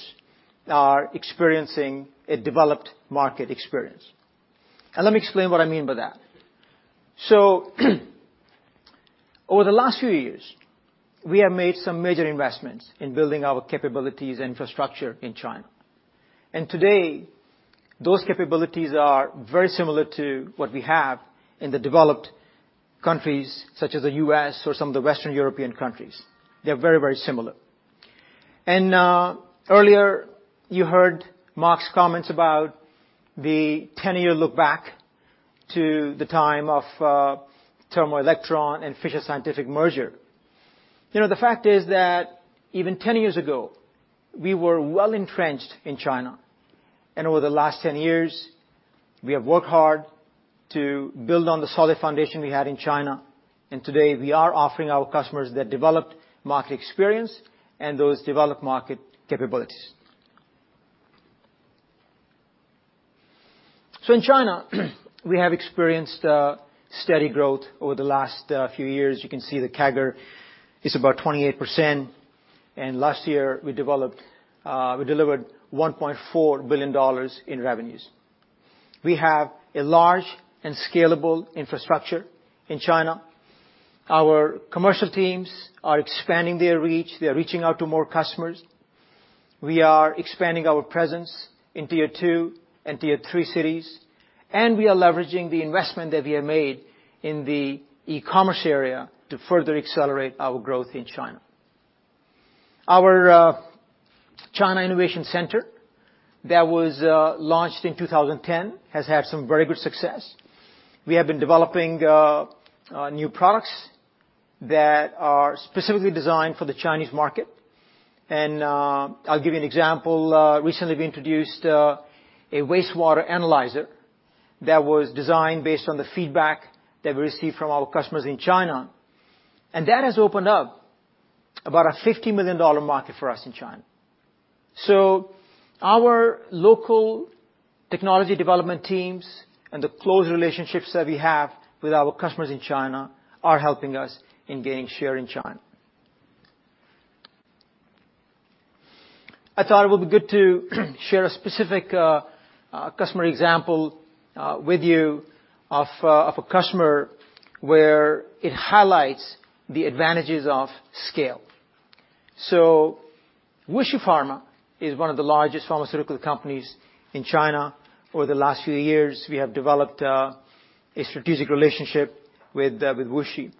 are experiencing a developed market experience. Let me explain what I mean by that. Over the last few years, we have made some major investments in building our capabilities and infrastructure in China. Today, those capabilities are very similar to what we have in the developed countries, such as the U.S. or some of the Western European countries. They're very similar. Earlier you heard Marc's comments about the 10-year look back to the time of Thermo Electron and Fisher Scientific merger. The fact is that even 10 years ago, we were well-entrenched in China. Over the last 10 years, we have worked hard to build on the solid foundation we had in China. Today we are offering our customers that developed market experience and those developed market capabilities. In China, we have experienced steady growth over the last few years. You can see the CAGR is about 28%, and last year we delivered $1.4 billion in revenues. We have a large and scalable infrastructure in China. Our commercial teams are expanding their reach. They're reaching out to more customers. We are expanding our presence in tier 2 and tier 3 cities, and we are leveraging the investment that we have made in the e-commerce area to further accelerate our growth in China. Our China Innovation Center that was launched in 2010 has had some very good success. We have been developing new products that are specifically designed for the Chinese market. I'll give you an example. Recently, we introduced a wastewater analyzer that was designed based on the feedback that we received from our customers in China. That has opened up about a $50 million market for us in China. Our local technology development teams and the close relationships that we have with our customers in China are helping us in gaining share in China. I thought it would be good to share a specific customer example with you of a customer where it highlights the advantages of scale. WuXi Pharma is one of the largest pharmaceutical companies in China. Over the last few years, we have developed a strategic relationship with WuXi.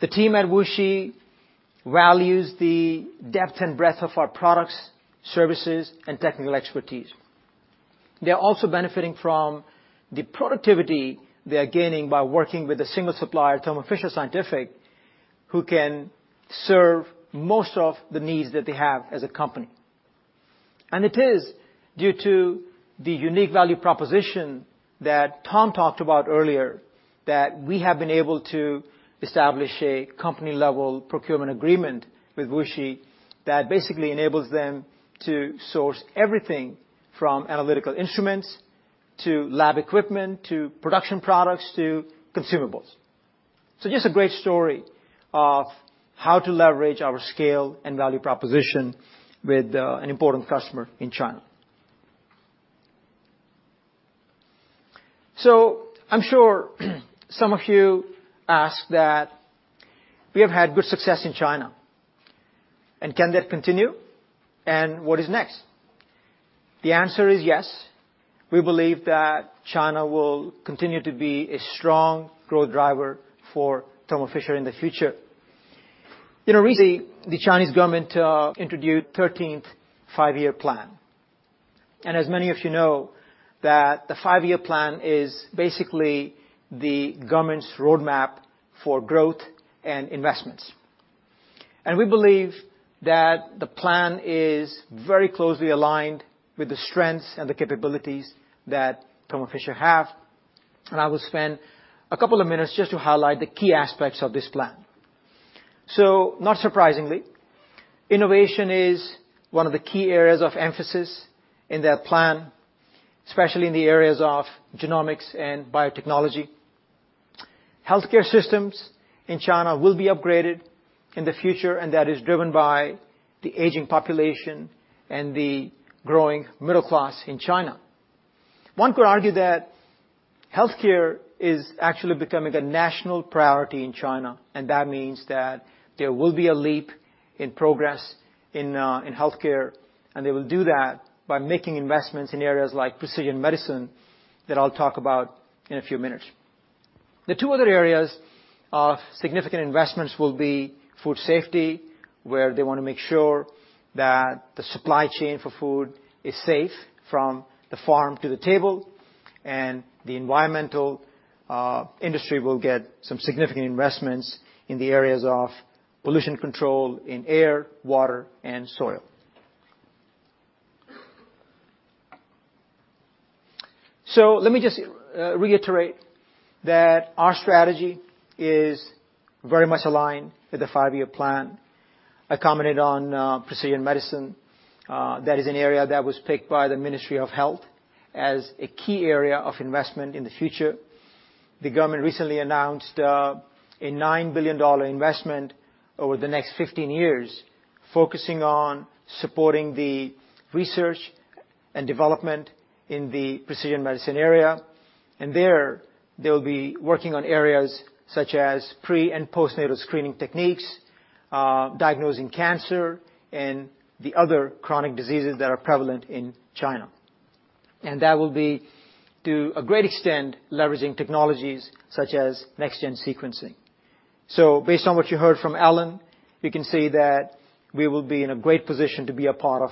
The team at WuXi values the depth and breadth of our products, services, and technical expertise. They're also benefiting from the productivity they're gaining by working with a single supplier, Thermo Fisher Scientific, who can serve most of the needs that they have as a company. It is due to the unique value proposition that Tom talked about earlier that we have been able to establish a company-level procurement agreement with WuXi that basically enables them to source everything from analytical instruments, to lab equipment, to production products, to consumables. Just a great story of how to leverage our scale and value proposition with an important customer in China. I'm sure some of you ask that we have had good success in China, and can that continue and what is next? The answer is yes. We believe that China will continue to be a strong growth driver for Thermo Fisher in the future. Recently, the Chinese government introduced 13th Five-Year Plan. As many of you know that the Five-Year Plan is basically the government's roadmap for growth and investments. We believe that the plan is very closely aligned with the strengths and the capabilities that Thermo Fisher have. I will spend a couple of minutes just to highlight the key aspects of this plan. Not surprisingly, innovation is one of the key areas of emphasis in their plan, especially in the areas of genomics and biotechnology. Healthcare systems in China will be upgraded in the future, and that is driven by the aging population and the growing middle class in China. One could argue that healthcare is actually becoming a national priority in China, and that means that there will be a leap in progress in healthcare, and they will do that by making investments in areas like precision medicine that I'll talk about in a few minutes. The two other areas of significant investments will be food safety, where they want to make sure that the supply chain for food is safe from the farm to the table, and the environmental industry will get some significant investments in the areas of pollution control in air, water, and soil. Let me just reiterate that our strategy is very much aligned with the Five-Year Plan. I commented on precision medicine. That is an area that was picked by the Ministry of Health as a key area of investment in the future. The government recently announced a $9 billion investment over the next 15 years, focusing on supporting the research and development in the precision medicine area. There they will be working on areas such as pre- and postnatal screening techniques, diagnosing cancer, and the other chronic diseases that are prevalent in China. That will be, to a great extent, leveraging technologies such as next-gen sequencing. Based on what you heard from Alan, you can see that we will be in a great position to be a part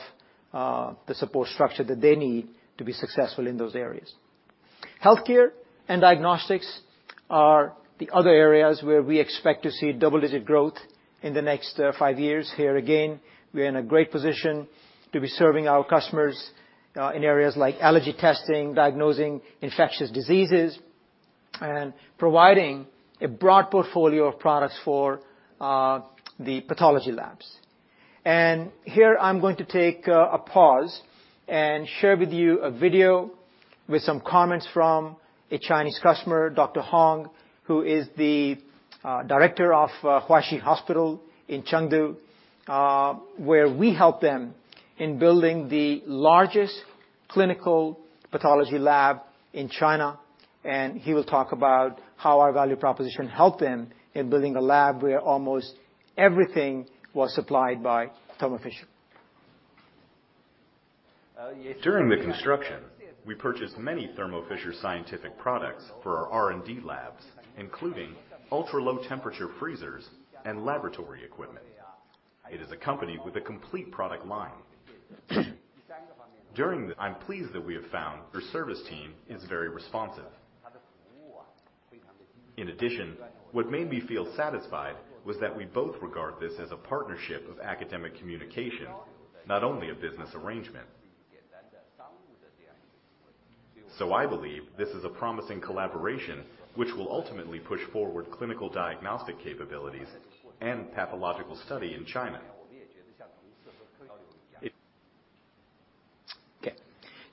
of the support structure that they need to be successful in those areas. Healthcare and diagnostics are the other areas where we expect to see double-digit growth in the next five years. Here again, we're in a great position to be serving our customers in areas like allergy testing, diagnosing infectious diseases, and providing a broad portfolio of products for the pathology labs. Here, I'm going to take a pause and share with you a video with some comments from a Chinese customer, Dr. Hong, who is the director of Huaxi Hospital in Chengdu, where we help them in building the largest clinical pathology lab in China. He will talk about how our value proposition helped him in building a lab where almost everything was supplied by Thermo Fisher. During the construction, we purchased many Thermo Fisher Scientific products for our R&D labs, including ultra-low temperature freezers and laboratory equipment. It is a company with a complete product line. I'm pleased that we have found their service team is very responsive. In addition, what made me feel satisfied was that we both regard this as a partnership of academic communication, not only a business arrangement. I believe this is a promising collaboration which will ultimately push forward clinical diagnostic capabilities and pathological study in China.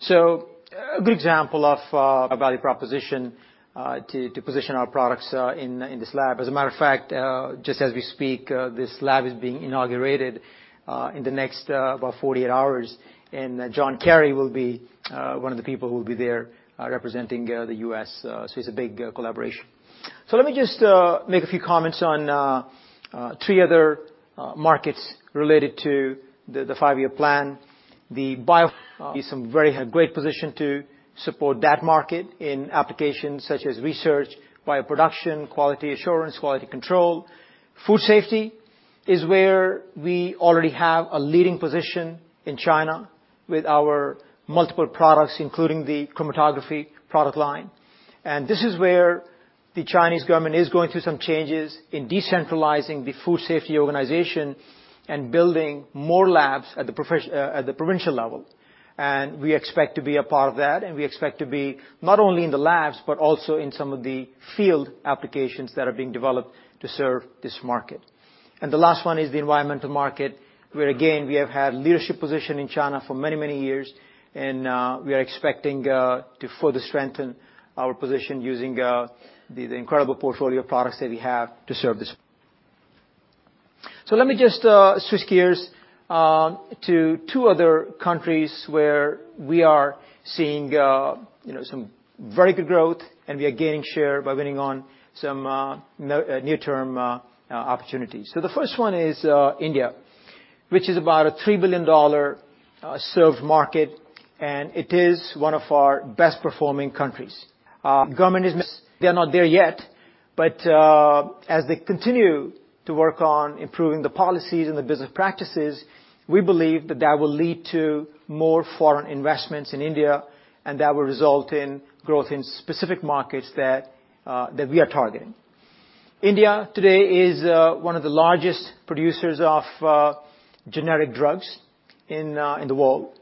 A good example of our value proposition to position our products in this lab. As a matter of fact, just as we speak, this lab is being inaugurated in the next about 48 hours, John Kerry will be one of the people who will be there representing the U.S., it's a big collaboration. Let me just make a few comments on three other markets related to the Five-Year Plan. Is in a very great position to support that market in applications such as research, bioproduction, quality assurance, quality control. Food safety is where we already have a leading position in China with our multiple products, including the chromatography product line. This is where the Chinese government is going through some changes in decentralizing the food safety organization and building more labs at the provincial level. We expect to be a part of that, we expect to be not only in the labs, but also in some of the field applications that are being developed to serve this market. The last one is the environmental market, where again, we have had leadership position in China for many, many years, and we are expecting to further strengthen our position using the incredible portfolio of products that we have to serve this. Let me just switch gears to two other countries where we are seeing some very good growth, and we are gaining share by winning on some new term opportunities. The first one is India, which is about a $3 billion served market, and it is one of our best performing countries. They are not there yet, but as they continue to work on improving the policies and the business practices, we believe that that will lead to more foreign investments in India, and that will result in growth in specific markets that we are targeting. India today is one of the largest producers of generic drugs in the world,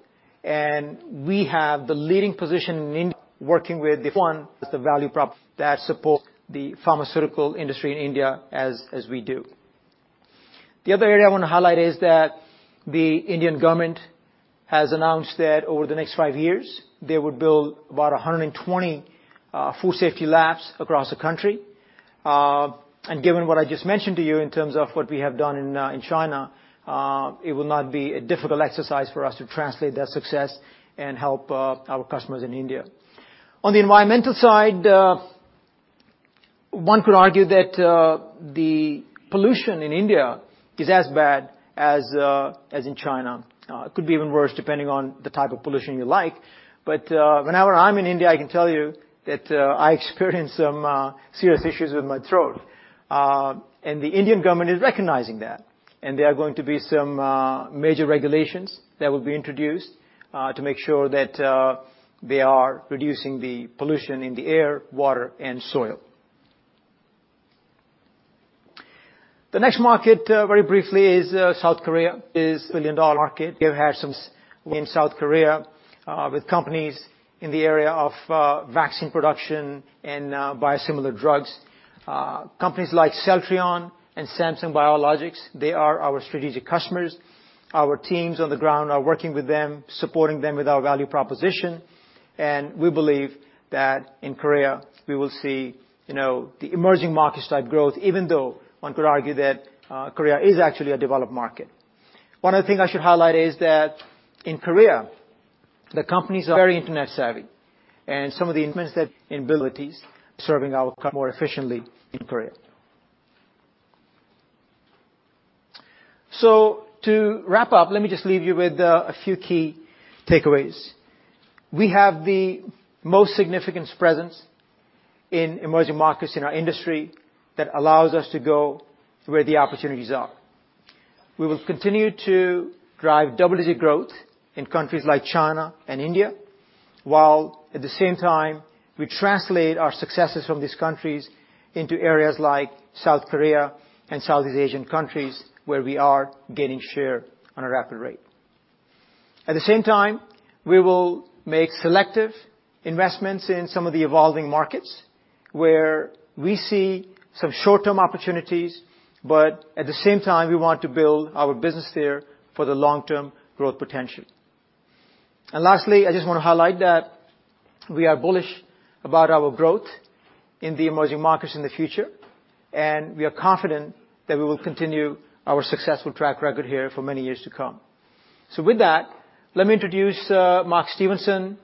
and we have the leading position one, is the value prop that support the pharmaceutical industry in India as we do. The other area I want to highlight is that the Indian government has announced that over the next five years, they would build about 120 food safety labs across the country. Given what I just mentioned to you in terms of what we have done in China, it will not be a difficult exercise for us to translate that success and help our customers in India. On the environmental side, one could argue that the pollution in India is as bad as in China. Could be even worse, depending on the type of pollution you like. Whenever I'm in India, I can tell you that I experience some serious issues with my throat. The Indian government is recognizing that, and there are going to be some major regulations that will be introduced to make sure that they are reducing the pollution in the air, water, and soil. The next market, very briefly, is South Korea. Is billion-dollar market. We have had some win in South Korea, with companies in the area of vaccine production and biosimilar drugs. Companies like Celltrion and Samsung Biologics, they are our strategic customers. Our teams on the ground are working with them, supporting them with our value proposition, and we believe that in Korea, we will see the emerging market-type growth, even though one could argue that Korea is actually a developed market. One other thing I should highlight is that in Korea, the companies are very internet savvy, and some of the capabilities, serving our more efficiently in Korea. To wrap up, let me just leave you with a few key takeaways. We have the most significant presence in emerging markets in our industry that allows us to go to where the opportunities are. We will continue to drive double-digit growth in countries like China and India, while at the same time, we translate our successes from these countries into areas like South Korea and Southeast Asian countries, where we are gaining share on a rapid rate. At the same time, we will make selective investments in some of the evolving markets, where we see some short-term opportunities, but at the same time, we want to build our business there for the long-term growth potential. Lastly, I just want to highlight that we are bullish about our growth in the emerging markets in the future, and we are confident that we will continue our successful track record here for many years to come. With that, let me introduce Mark Stevenson,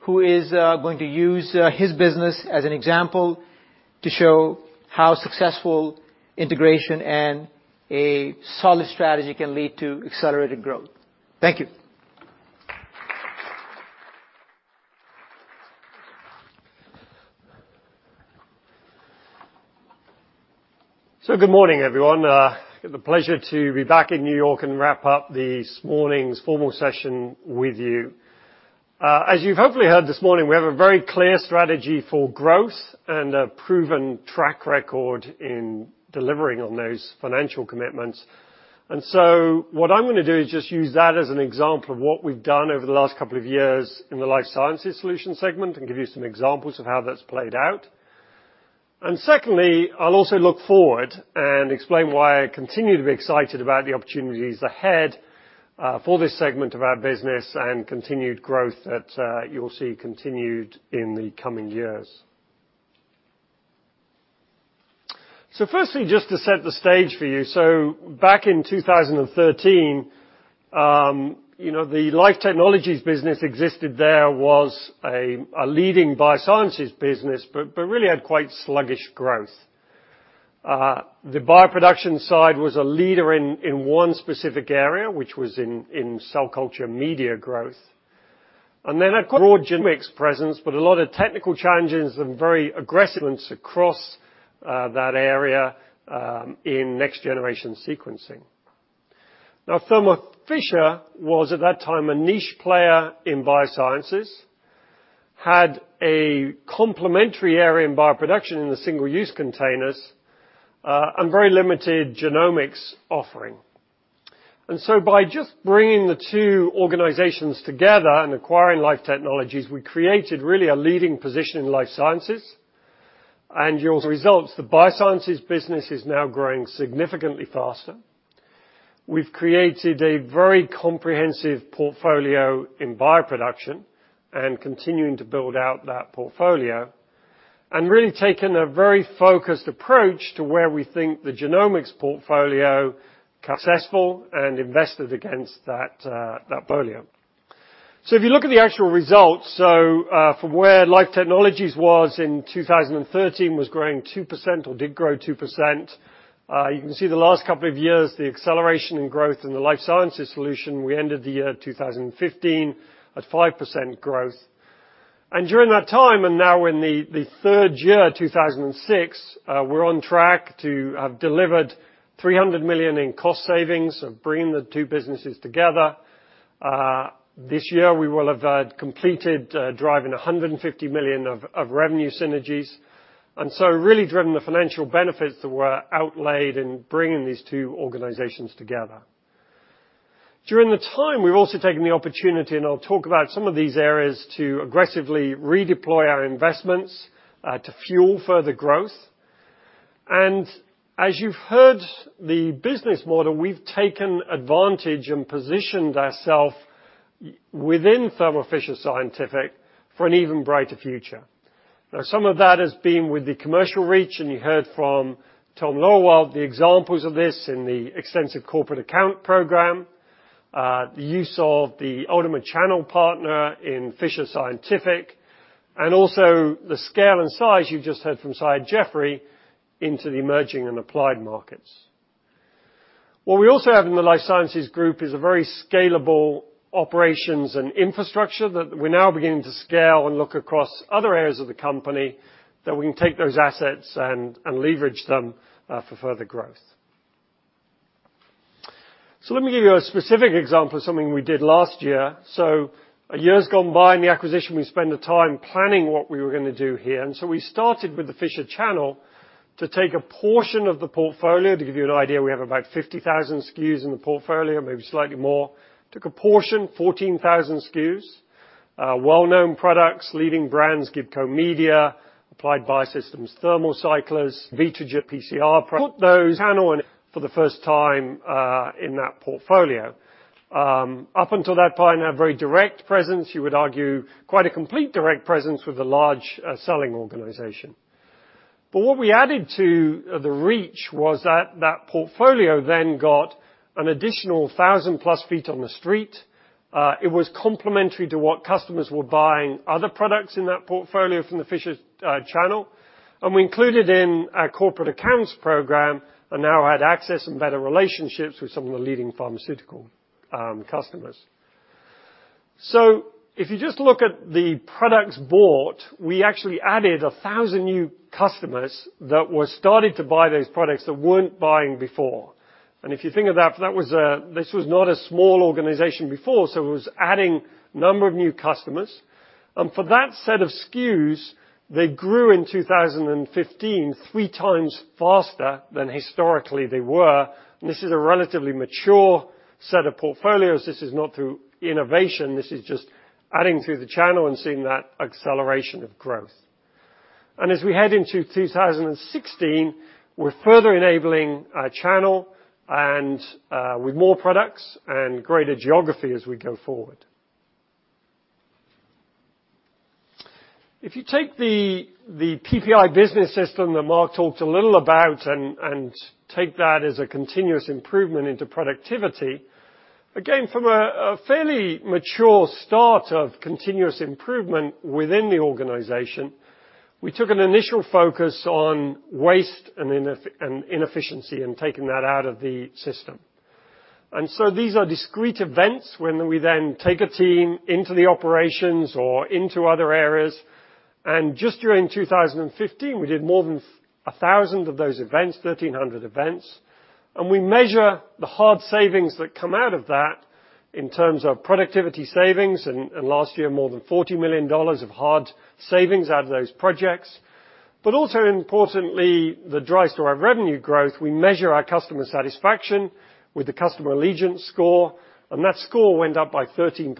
who is going to use his business as an example to show how successful integration and a solid strategy can lead to accelerated growth. Thank you. Good morning, everyone. I get the pleasure to be back in New York and wrap up this morning's formal session with you. As you've hopefully heard this morning, we have a very clear strategy for growth and a proven track record in delivering on those financial commitments. What I'm going to do is just use that as an example of what we've done over the last couple of years in the Life Sciences Solutions segment and give you some examples of how that's played out. Secondly, I'll also look forward and explain why I continue to be excited about the opportunities ahead for this segment of our business and continued growth that you will see continued in the coming years. Firstly, just to set the stage for you. Back in 2013, the Life Technologies business existed there, was a leading biosciences business but really had quite sluggish growth. The bioproduction side was a leader in one specific area, which was in cell culture media growth. A broad genomics presence, but a lot of technical challenges and very aggressive ones across that area in next-generation sequencing. Now, Thermo Fisher was at that time a niche player in biosciences, had a complementary area in bioproduction in the single-use containers, and very limited genomics offering. By just bringing the two organizations together and acquiring Life Technologies, we created really a leading position in life sciences. You'll see results. The biosciences business is now growing significantly faster. We've created a very comprehensive portfolio in bioproduction and continuing to build out that portfolio and really taken a very focused approach to where we think the genomics portfolio successful and invested against that portfolio. If you look at the actual results, from where Life Technologies was in 2013, was growing 2% or did grow 2%. You can see the last couple of years, the acceleration in growth in the Life Sciences Solutions, we ended the year 2015 at 5% growth. During that time, and now we're in the third year, 2016, we're on track to have delivered $300 million in cost savings of bringing the two businesses together. This year, we will have completed driving $150 million of revenue synergies, really driven the financial benefits that were outlaid in bringing these two organizations together. During the time, we've also taken the opportunity, I'll talk about some of these areas to aggressively redeploy our investments to fuel further growth. As you've heard, the business model, we've taken advantage and positioned ourself within Thermo Fisher Scientific for an even brighter future. Now, some of that has been with the commercial reach, you heard from Tom Loewald, the examples of this in the extensive corporate account program, the use of the ultimate channel partner in Fisher Scientific, and also the scale and size you've just heard from Syed Jafry into the emerging and applied markets. What we also have in the Life Sciences group is a very scalable operations and infrastructure that we're now beginning to scale and look across other areas of the company that we can take those assets and leverage them for further growth. Let me give you a specific example of something we did last year. A year's gone by in the acquisition, we spent the time planning what we were going to do here. We started with the Fisher channel to take a portion of the portfolio. To give you an idea, we have about 50,000 SKUs in the portfolio, maybe slightly more. Took a portion, 14,000 SKUs, well-known products, leading brands, Gibco media, Applied Biosystems, thermal cyclers, Veriti PCR. Put those channel and for the first time in that portfolio. Up until that point, a very direct presence, you would argue, quite a complete direct presence with a large selling organization. What we added to the reach was that that portfolio then got an additional 1,000 plus feet on the street. It was complementary to what customers were buying other products in that portfolio from the Fisher's channel. We included in our corporate accounts program and now had access and better relationships with some of the leading pharmaceutical customers. If you just look at the products bought, we actually added 1,000 new customers that were starting to buy those products that weren't buying before. If you think of that, this was not a small organization before, so it was adding number of new customers. For that set of SKUs, they grew in 2015, three times faster than historically they were. This is a relatively mature set of portfolios. This is not through innovation. This is just adding through the channel and seeing that acceleration of growth. As we head into 2016, we're further enabling our channel and with more products and greater geography as we go forward. If you take the PPI business system that Mark talked a little about and take that as a continuous improvement into productivity, again, from a fairly mature start of continuous improvement within the organization, we took an initial focus on waste and inefficiency and taking that out of the system. These are discrete events when we then take a team into the operations or into other areas. Just during 2015, we did more than 1,000 of those events, 1,300 events. We measure the hard savings that come out of that in terms of productivity savings, and last year more than $40 million of hard savings out of those projects. Also importantly, the drive to our revenue growth, we measure our Customer Allegiance Score, and that score went up by 13%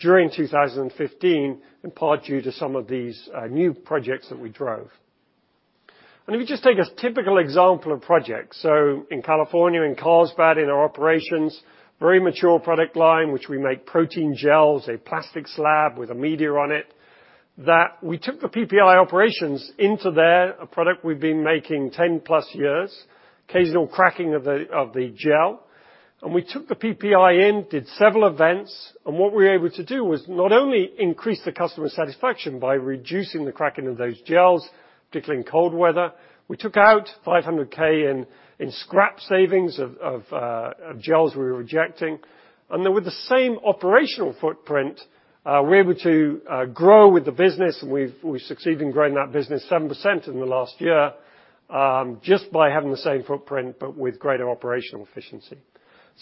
during 2015, in part due to some of these new projects that we drove. If you just take a typical example of projects. In California, in Carlsbad, in our operations, very mature product line, which we make protein gels, a plastic slab with a media on it, that we took the PPI operations into there, a product we've been making 10 plus years, occasional cracking of the gel. We took the PPI in, did several events, and what we were able to do was not only increase the customer satisfaction by reducing the cracking of those gels, particularly in cold weather, we took out $500K in scrap savings of gels we were rejecting. With the same operational footprint, we're able to grow with the business, and we've succeeded in growing that business 7% in the last year, just by having the same footprint, but with greater operational efficiency.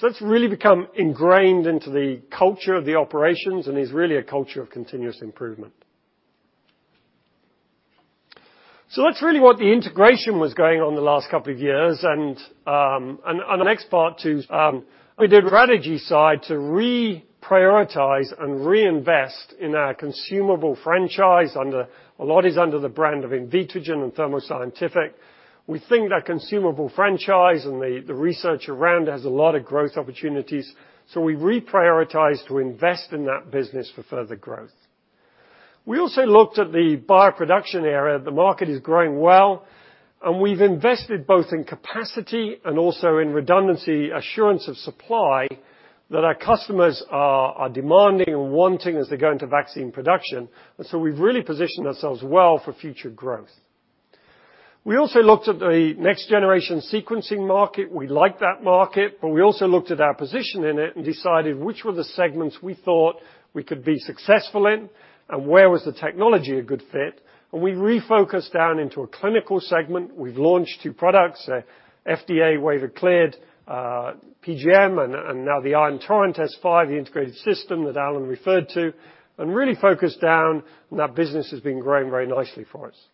It's really become ingrained into the culture of the operations and is really a culture of continuous improvement. That's really what the integration was going on the last couple of years, and on the next part too, we did strategy side to reprioritize and reinvest in our consumable franchise, a lot is under the brand of Invitrogen and Thermo Scientific. We think that consumable franchise and the research around it has a lot of growth opportunities. We reprioritized to invest in that business for further growth. We also looked at the bioproduction area. The market is growing well, and we've invested both in capacity and also in redundancy, assurance of supply that our customers are demanding and wanting as they go into vaccine production. We've really positioned ourselves well for future growth. We also looked at the next generation sequencing market. We like that market, but we also looked at our position in it and decided which were the segments we thought we could be successful in and where was the technology a good fit. We refocused down into a clinical segment. We've launched two products, FDA waiver cleared, PGM, and now the Ion Torrent S5, the integrated system that Alan referred to, and really focused down, and that business has been growing very nicely for us.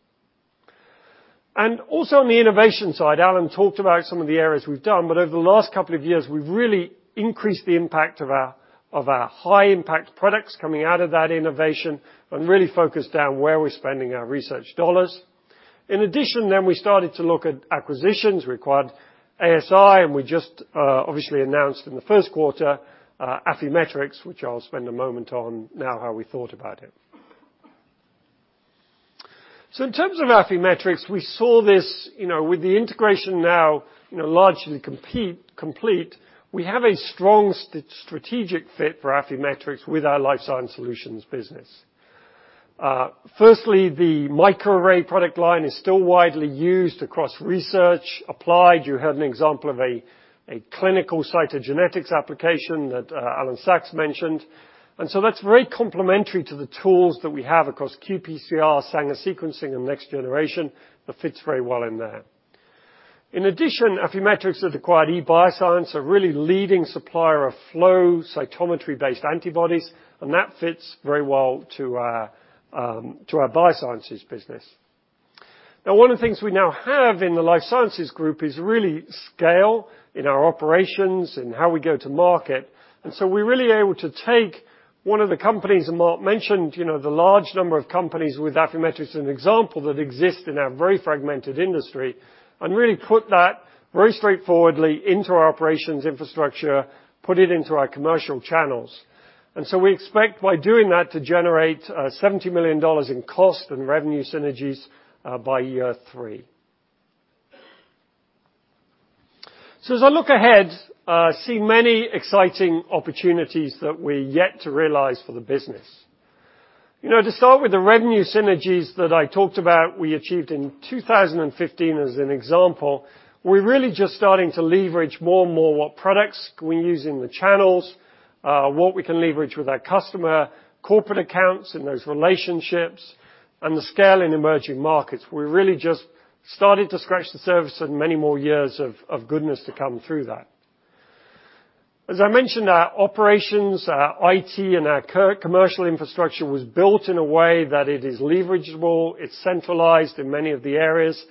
Also on the innovation side, Alan talked about some of the areas we've done, but over the last couple of years, we've really increased the impact of our high-impact products coming out of that innovation and really focused down where we're spending our research dollars. In addition, we started to look at acquisitions. We acquired ASI, and we just obviously announced in the first quarter, Affymetrix, which I'll spend a moment on now how we thought about it. In terms of Affymetrix, we saw this, with the integration now largely complete, we have a strong strategic fit for Affymetrix with our Life Science Solutions business. Firstly, the microarray product line is still widely used across research. Applied, you had an example of a clinical cytogenetics application that Alan Sachs mentioned. That's very complementary to the tools that we have across qPCR, Sanger sequencing, and next generation, that fits very well in there. In addition, Affymetrix has acquired eBioscience, a really leading supplier of flow cytometry-based antibodies, and that fits very well to our biosciences business. One of the things we now have in the Life Sciences group is really scale in our operations and how we go to market. We're really able to take one of the companies, and Mark mentioned the large number of companies with Affymetrix as an example that exist in our very fragmented industry, and really put that very straightforwardly into our operations infrastructure, put it into our commercial channels. We expect by doing that to generate $70 million in cost and revenue synergies by year three. As I look ahead, I see many exciting opportunities that we're yet to realize for the business. To start with the revenue synergies that I talked about we achieved in 2015 as an example, we're really just starting to leverage more and more what products can we use in the channels, what we can leverage with our customer, corporate accounts and those relationships, and the scale in emerging markets. We really just started to scratch the surface and many more years of goodness to come through that. As I mentioned, our operations, our IT, and our commercial infrastructure was built in a way that it is leverageable, it's centralized in many of the areas,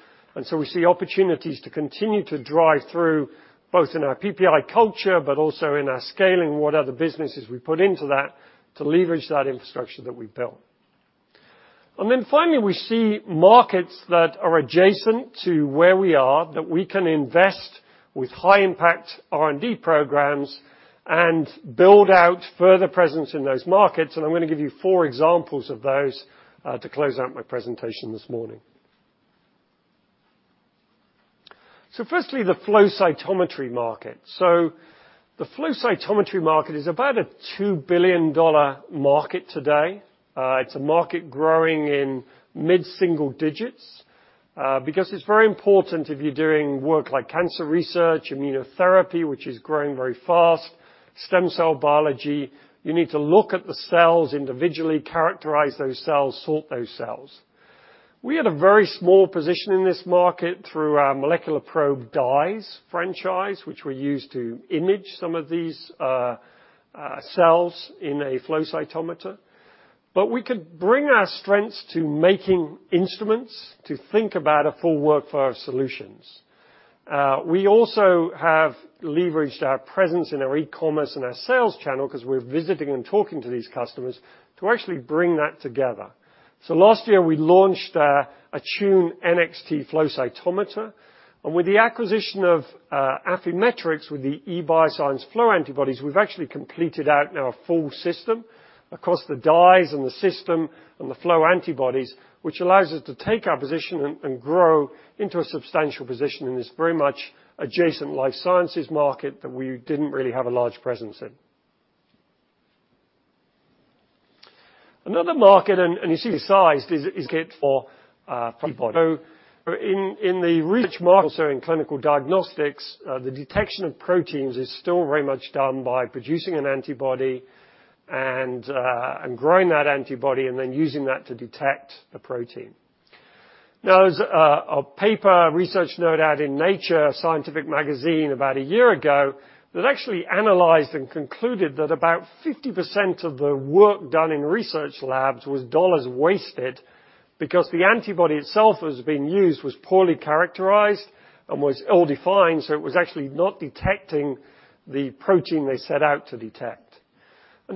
we see opportunities to continue to drive through both in our PPI culture, but also in our scaling what other businesses we put into that to leverage that infrastructure that we built. Finally, we see markets that are adjacent to where we are that we can invest with high impact R&D programs and build out further presence in those markets. I'm going to give you four examples of those, to close out my presentation this morning. Firstly, the flow cytometry market. The flow cytometry market is about a $2 billion market today. It's a market growing in mid-single digits, because it's very important if you're doing work like cancer research, immunotherapy, which is growing very fast, stem cell biology, you need to look at the cells individually, characterize those cells, sort those cells. We had a very small position in this market through our Molecular Probes dyes franchise, which we use to image some of these cells in a flow cytometer. We could bring our strengths to making instruments to think about a full workflow of solutions. We also have leveraged our presence in our e-commerce and our sales channel because we're visiting and talking to these customers to actually bring that together. Last year, we launched our Attune NxT flow cytometer. With the acquisition of Affymetrix with the eBioscience flow antibodies, we've actually completed out now a full system across the dyes and the system and the flow antibodies, which allows us to take our position and grow into a substantial position in this very much adjacent life sciences market that we didn't really have a large presence in. Another market, you see the size, is a kit for [people]. In the research model, in clinical diagnostics, the detection of proteins is still very much done by producing an antibody and growing that antibody using that to detect the protein. There was a paper, a research note out in Nature, a scientific magazine, about a year ago that actually analyzed and concluded that about 50% of the work done in research labs was dollars wasted because the antibody itself that was being used was poorly characterized and was ill-defined, so it was actually not detecting the protein they set out to detect.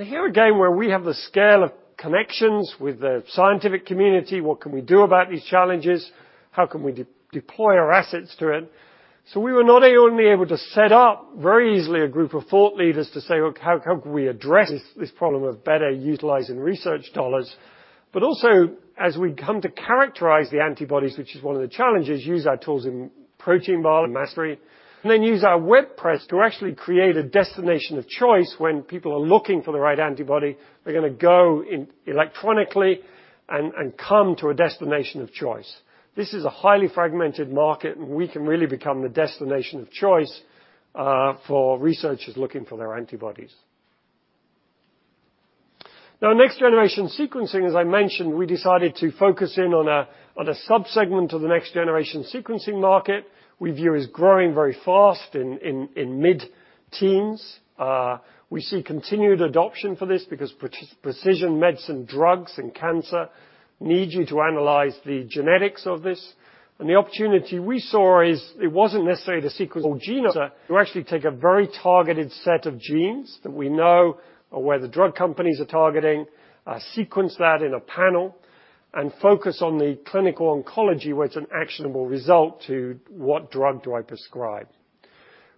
Here again, where we have the scale of connections with the scientific community, what can we do about these challenges? How can we deploy our assets to it? We were not only able to set up very easily a group of thought leaders to say, "How can we address this problem of better utilizing research dollars?" But also, as we come to characterize the antibodies, which is one of the challenges, use our tools in protein biology and mass spectrometry, and then use our web presence to actually create a destination of choice. When people are looking for the right antibody, they're going to go electronically and come to a destination of choice. This is a highly fragmented market, and we can really become the destination of choice, for researchers looking for their antibodies. Now, next-generation sequencing, as I mentioned, we decided to focus in on a sub-segment of the next-generation sequencing market we view as growing very fast in mid-teens. We see continued adoption for this because precision medicine, drugs, and cancer need you to analyze the genetics of this. The opportunity we saw is it wasn't necessarily to sequence all genomes. You actually take a very targeted set of genes that we know or where the drug companies are targeting, sequence that in a panel, and focus on the clinical oncology, where it's an actionable result to what drug do I prescribe.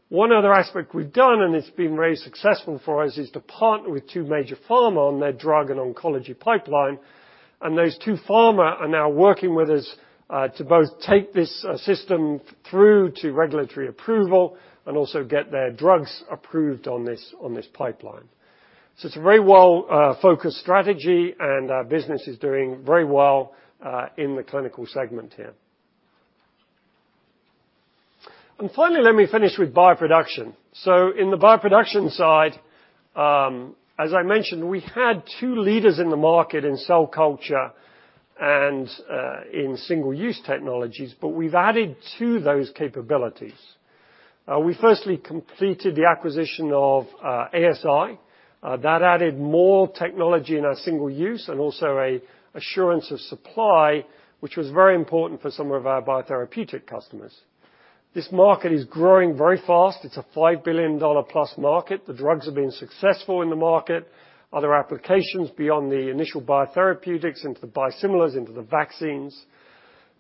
One other aspect we've done, and it's been very successful for us, is to partner with two major pharma on their drug and oncology pipeline. Those two pharma are now working with us to both take this system through to regulatory approval and also get their drugs approved on this pipeline. It's a very well-focused strategy, and our business is doing very well in the clinical segment here. Finally, let me finish with bioproduction. In the bioproduction side, as I mentioned, we had two leaders in the market in cell culture and in single-use technologies, but we've added to those capabilities. We firstly completed the acquisition of ASI. That added more technology in our single use and also an assurance of supply, which was very important for some of our biotherapeutic customers. This market is growing very fast. It's a $5 billion-plus market. The drugs have been successful in the market. Other applications beyond the initial biotherapeutics into the biosimilars, into the vaccines.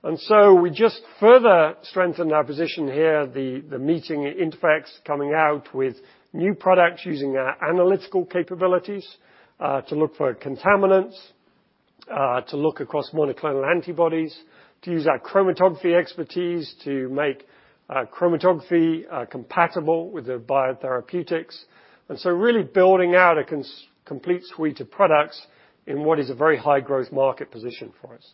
We just further strengthened our position here, the meeting at INTERPHEX, coming out with new products using our analytical capabilities to look for contaminants. To look across monoclonal antibodies, to use our chromatography expertise to make chromatography compatible with the biotherapeutics. Really building out a complete suite of products in what is a very high-growth market position for us.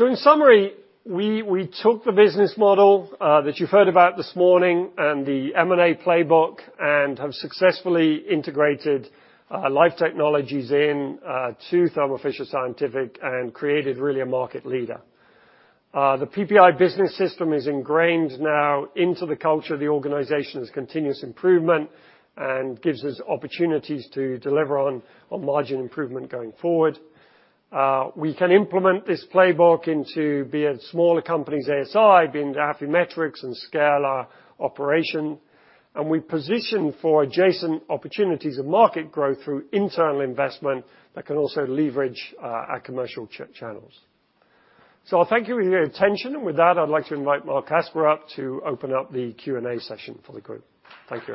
In summary, we took the business model that you've heard about this morning and the M&A playbook and have successfully integrated Life Technologies into Thermo Fisher Scientific and created really a market leader. The PPI business system is ingrained now into the culture of the organization as continuous improvement and gives us opportunities to deliver on margin improvement going forward. We can implement this playbook into be it smaller companies, ASI, be it into Affymetrix and scale our operation. We position for adjacent opportunities of market growth through internal investment that can also leverage our commercial channels. I thank you for your attention. With that, I'd like to invite Marc Casper up to open up the Q&A session for the group. Thank you,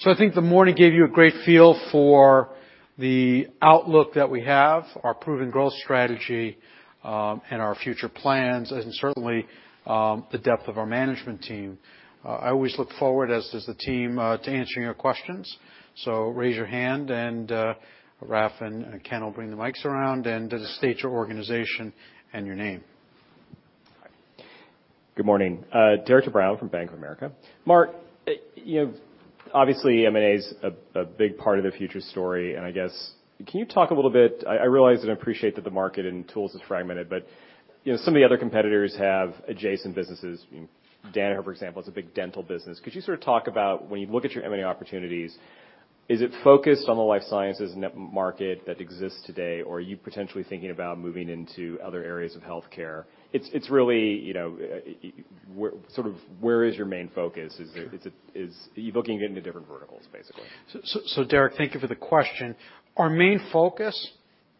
everyone. I think the morning gave you a great feel for the outlook that we have, our proven growth strategy, and our future plans, and certainly the depth of our management team. I always look forward, as does the team, to answering your questions. Raise your hand and Raf and Ken will bring the mics around. Just state your organization and your name. Good morning. Derik de Bruin from Bank of America. Mark, obviously M&A's a big part of the future story. I guess, can you talk a little bit, I realize and appreciate that the market and tools is fragmented, but some of the other competitors have adjacent businesses. Danaher, for example, is a big dental business. Could you sort of talk about when you look at your M&A opportunities, is it focused on the life sciences net market that exists today, or are you potentially thinking about moving into other areas of healthcare? Really sort of where is your main focus? Sure. Are you looking into different verticals, basically? Derik, thank you for the question. Our main focus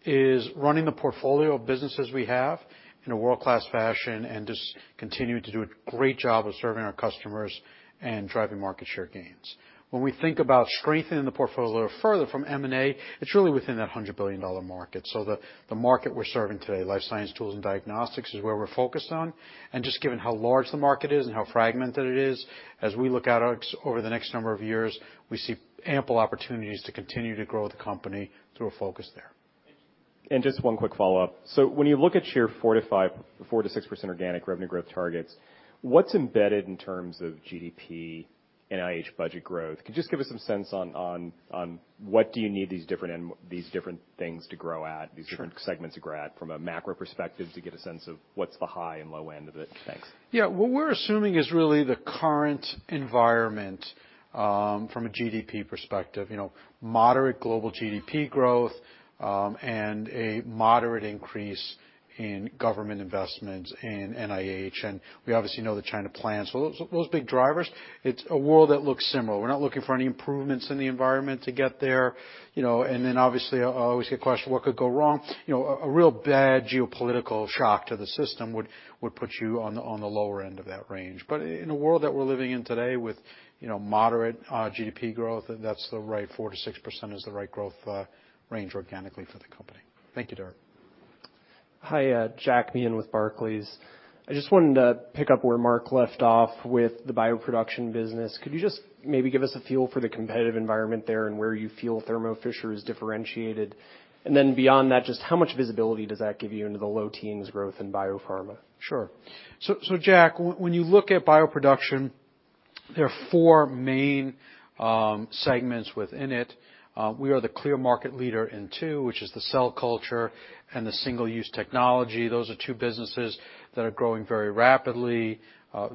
is running the portfolio of businesses we have in a world-class fashion and just continuing to do a great job of serving our customers and driving market share gains. When we think about strengthening the portfolio further from M&A, it's really within that $100 billion market. The market we're serving today, life science tools and diagnostics, is where we're focused on. Just given how large the market is and how fragmented it is, as we look out over the next number of years, we see ample opportunities to continue to grow the company through a focus there. Thank you. Just one quick follow-up. When you look at your 4%-6% organic revenue growth targets, what's embedded in terms of GDP, NIH budget growth? Can you just give us some sense on what do you need these different things to grow at- Sure these different segments to grow at from a macro perspective to get a sense of what's the high and low end of it? Thanks. What we're assuming is really the current environment, from a GDP perspective. Moderate global GDP growth, a moderate increase in government investments in NIH. We obviously know the China plans. Those big drivers, it's a world that looks similar. We're not looking for any improvements in the environment to get there. Obviously, I always get questioned, what could go wrong? A real bad geopolitical shock to the system would put you on the lower end of that range. In a world that we're living in today with moderate GDP growth, 4%-6% is the right growth range organically for the company. Thank you, Derik. Hi, Jack Meehan with Barclays. I just wanted to pick up where Mark left off with the bioproduction business. Could you just maybe give us a feel for the competitive environment there and where you feel Thermo Fisher is differentiated? Beyond that, just how much visibility does that give you into the low teens growth in biopharma? Sure. Jack, when you look at bioproduction, there are four main segments within it. We are the clear market leader in two, which is the cell culture and the single-use technology. Those are two businesses that are growing very rapidly,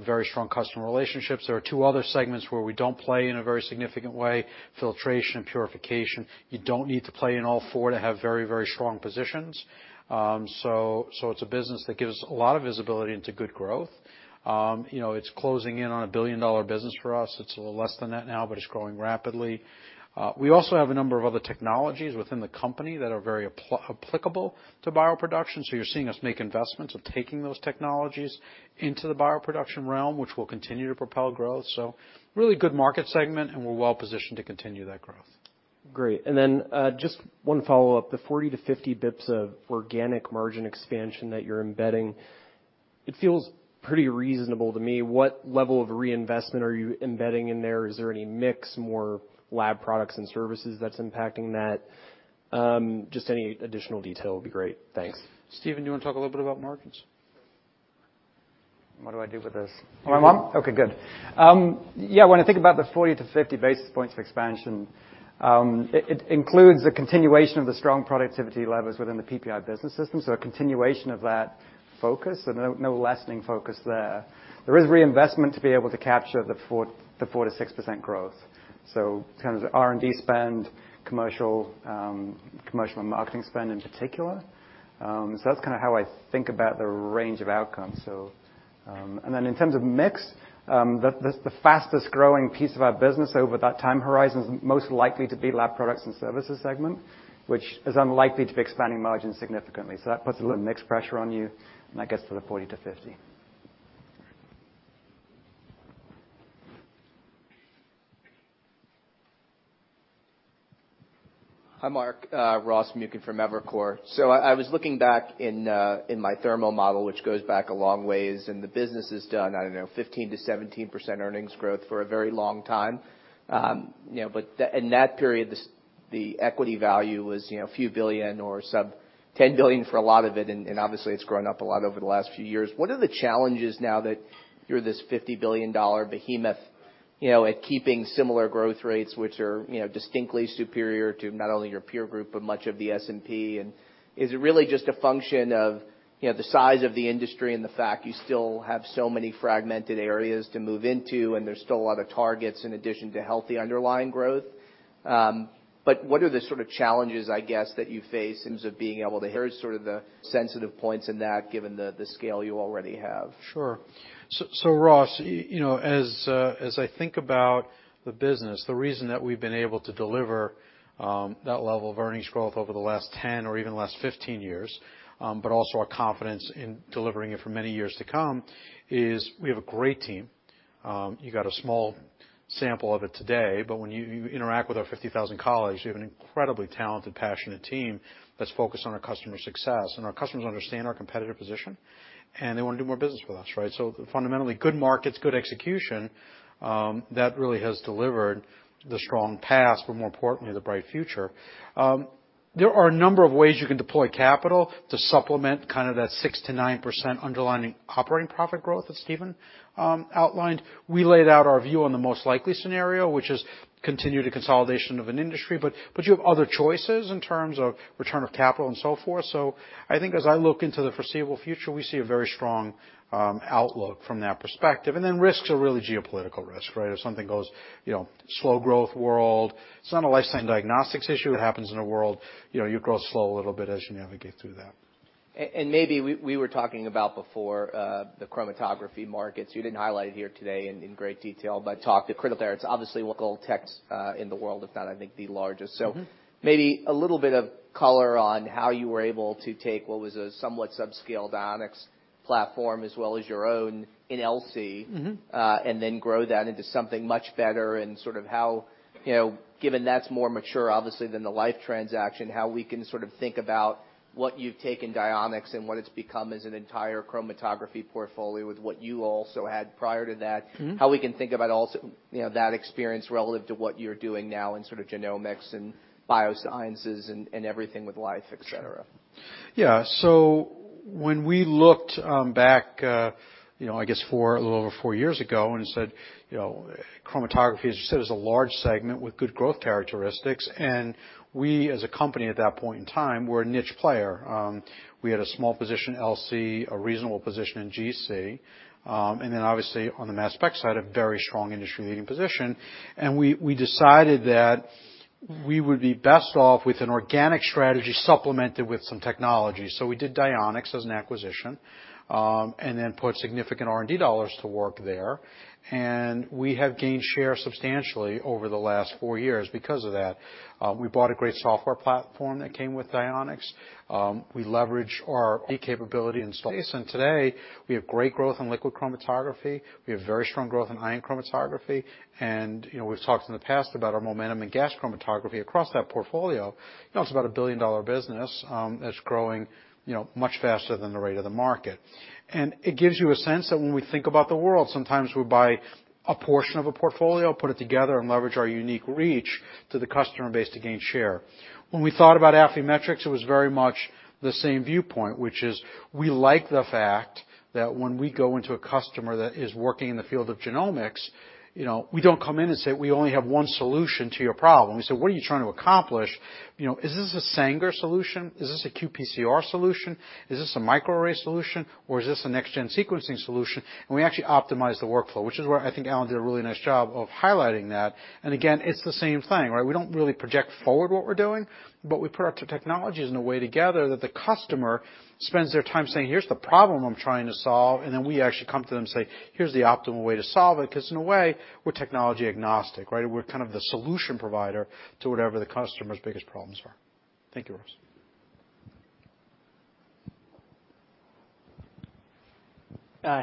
very strong customer relationships. There are two other segments where we don't play in a very significant way, filtration and purification. You don't need to play in all four to have very strong positions. It's a business that gives a lot of visibility into good growth. It's closing in on a billion-dollar business for us. It's a little less than that now, but it's growing rapidly. We also have a number of other technologies within the company that are very applicable to bioproduction. You're seeing us make investments of taking those technologies into the bioproduction realm, which will continue to propel growth. Really good market segment, we're well positioned to continue that growth. Great. Just one follow-up. The 40-50 basis points of organic margin expansion that you're embedding, it feels pretty reasonable to me. What level of reinvestment are you embedding in there? Is there any mix, more lab products and services that's impacting that? Just any additional detail would be great. Thanks. Stephen, do you want to talk a little bit about margins? What do I do with this? Am I on? Okay, good. When I think about the 40 to 50 basis points of expansion, it includes a continuation of the strong productivity levers within the PPI business system. A continuation of that focus. No lessening focus there. There is reinvestment to be able to capture the 4%-6% growth. In terms of R&D spend, commercial and marketing spend in particular. That's kind of how I think about the range of outcomes. In terms of mix, the fastest-growing piece of our business over that time horizon is most likely to be Lab Products and Services segment, which is unlikely to be expanding margins significantly. That puts a little mix pressure on you, and that gets to the 40 to 50. Hi, Marc. Ross Muken from Evercore. I was looking back in my Thermo model, which goes back a long ways, and the business has done, I don't know, 15%-17% earnings growth for a very long time. But in that period, the equity value was a few billion or sub-$10 billion for a lot of it, and obviously, it's grown up a lot over the last few years. What are the challenges now that you're this $50 billion behemoth at keeping similar growth rates, which are distinctly superior to not only your peer group, but much of the S&P? Is it really just a function of the size of the industry and the fact you still have so many fragmented areas to move into and there's still a lot of targets in addition to healthy underlying growth? What are the sort of challenges, I guess, that you face in terms of being able to hear sort of the sensitive points in that, given the scale you already have? Sure. Ross, as I think about the business, the reason that we've been able to deliver that level of earnings growth over the last 10 or even last 15 years, but also our confidence in delivering it for many years to come, is we have a great team. You got a small sample of it today, but when you interact with our 50,000 colleagues, you have an incredibly talented, passionate team that's focused on our customers' success. Our customers understand our competitive position, and they want to do more business with us, right? Fundamentally, good markets, good execution, that really has delivered the strong past, but more importantly, the bright future. There are a number of ways you can deploy capital to supplement kind of that 6%-9% underlying operating profit growth that Stephen outlined. We laid out our view on the most likely scenario, which is continued consolidation of an industry, but you have other choices in terms of return of capital and so forth. I think as I look into the foreseeable future, we see a very strong outlook from that perspective. Risks are really geopolitical risk, right? If something goes slow growth world, it's not a life science diagnostics issue. It happens in a world, you grow slow a little bit as you navigate through that. Maybe we were talking about before the chromatography markets. You didn't highlight it here today in great detail, but talk to critical there. It's obviously Life Technologies in the world, if not, I think the largest. Maybe a little bit of color on how you were able to take what was a somewhat subscale Dionex platform as well as your own in LC- Grow that into something much better and sort of how, given that's more mature, obviously, than the Life transaction, how we can sort of think about what you've taken Dionex and what it's become as an entire chromatography portfolio with what you also had prior to that. How we can think about also that experience relative to what you're doing now in sort of genomics and biosciences and everything with Life, et cetera. Yeah. When we looked back, I guess a little over 4 years ago and said, chromatography, as you said, is a large segment with good growth characteristics. We, as a company at that point in time, were a niche player. We had a small position in LC, a reasonable position in GC, and then obviously on the mass spec side, a very strong industry-leading position. We decided that we would be best off with an organic strategy supplemented with some technology. We did Dionex as an acquisition, and then put significant R&D dollars to work there. We have gained share substantially over the last 4 years because of that. We bought a great software platform that came with Dionex. We leveraged our e-capability installation. Today, we have great growth in liquid chromatography. We have very strong growth in ion chromatography. We've talked in the past about our momentum in gas chromatography across that portfolio. It's about a $1 billion business that's growing much faster than the rate of the market. It gives you a sense that when we think about the world, sometimes we buy a portion of a portfolio, put it together, and leverage our unique reach to the customer base to gain share. When we thought about Affymetrix, it was very much the same viewpoint, which is we like the fact that when we go into a customer that is working in the field of genomics, we don't come in and say, "We only have one solution to your problem." We say, "What are you trying to accomplish? Is this a Sanger solution? Is this a qPCR solution? Is this a microarray solution, or is this a next-gen sequencing solution?" We actually optimize the workflow, which is where I think Alan did a really nice job of highlighting that. Again, it's the same thing, right? We don't really project forward what we're doing, but we put our two technologies in a way together that the customer spends their time saying, "Here's the problem I'm trying to solve," and then we actually come to them and say, "Here's the optimal way to solve it," because in a way, we're technology agnostic, right? We're kind of the solution provider to whatever the customer's biggest problems are. Thank you, Ross.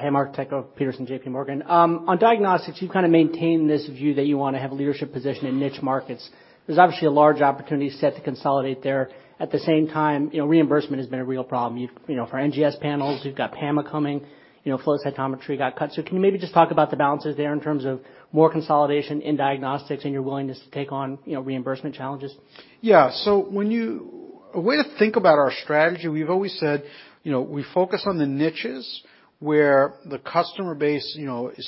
Hey, Mark. Tycho Peterson, J.P. Morgan. On diagnostics, you've kind of maintained this view that you want to have a leadership position in niche markets. There's obviously a large opportunity set to consolidate there. At the same time, reimbursement has been a real problem. For NGS panels, we've got PAMA coming. Flow cytometry got cut. Can you maybe just talk about the balances there in terms of more consolidation in diagnostics and your willingness to take on reimbursement challenges? Yeah. A way to think about our strategy, we've always said we focus on the niches where the customer base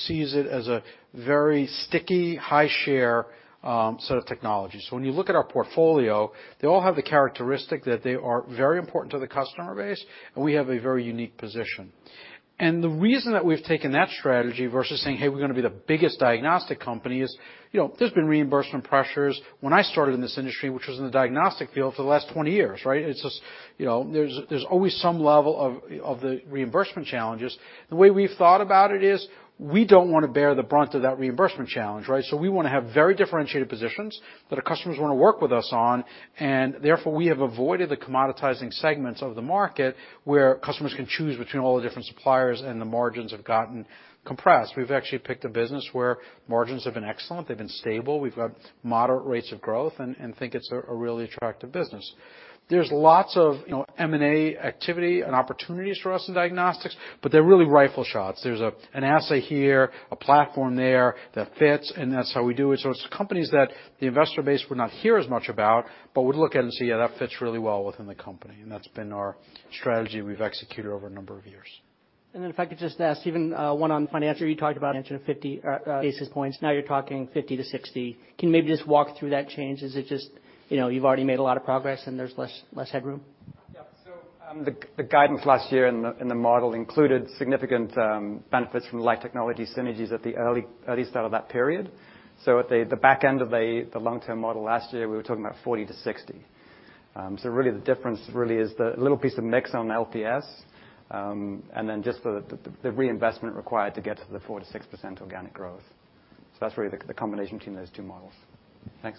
sees it as a very sticky, high-share set of technologies. When you look at our portfolio, they all have the characteristic that they are very important to the customer base, and we have a very unique position. The reason that we've taken that strategy versus saying, "Hey, we're going to be the biggest diagnostic company," is there's been reimbursement pressures. When I started in this industry, which was in the diagnostic field for the last 20 years, right? There's always some level of the reimbursement challenges. The way we've thought about it is, we don't want to bear the brunt of that reimbursement challenge, right? We want to have very differentiated positions that our customers want to work with us on, and therefore, we have avoided the commoditizing segments of the market where customers can choose between all the different suppliers, and the margins have gotten compressed. We've actually picked a business where margins have been excellent, they've been stable. We've got moderate rates of growth and think it's a really attractive business. There's lots of M&A activity and opportunities for us in diagnostics, but they're really rifle shots. There's an assay here, a platform there that fits, and that's how we do it. It's companies that the investor base would not hear as much about, but would look at and see, yeah, that fits really well within the company. That's been our strategy we've executed over a number of years. If I could just ask Stephen, one on financial. You talked about 50 basis points. Now you're talking 50-60 basis points. Can you maybe just walk through that change? Is it just you've already made a lot of progress and there's less headroom? Yeah. The guidance last year in the model included significant benefits from Life Technologies synergies at the early start of that period. At the back end of the long-term model last year, we were talking about 40 to 60. Really, the difference really is the little piece of mix on the LPS, and then just the reinvestment required to get to the 4%-6% organic growth. That's really the combination between those two models. Thanks.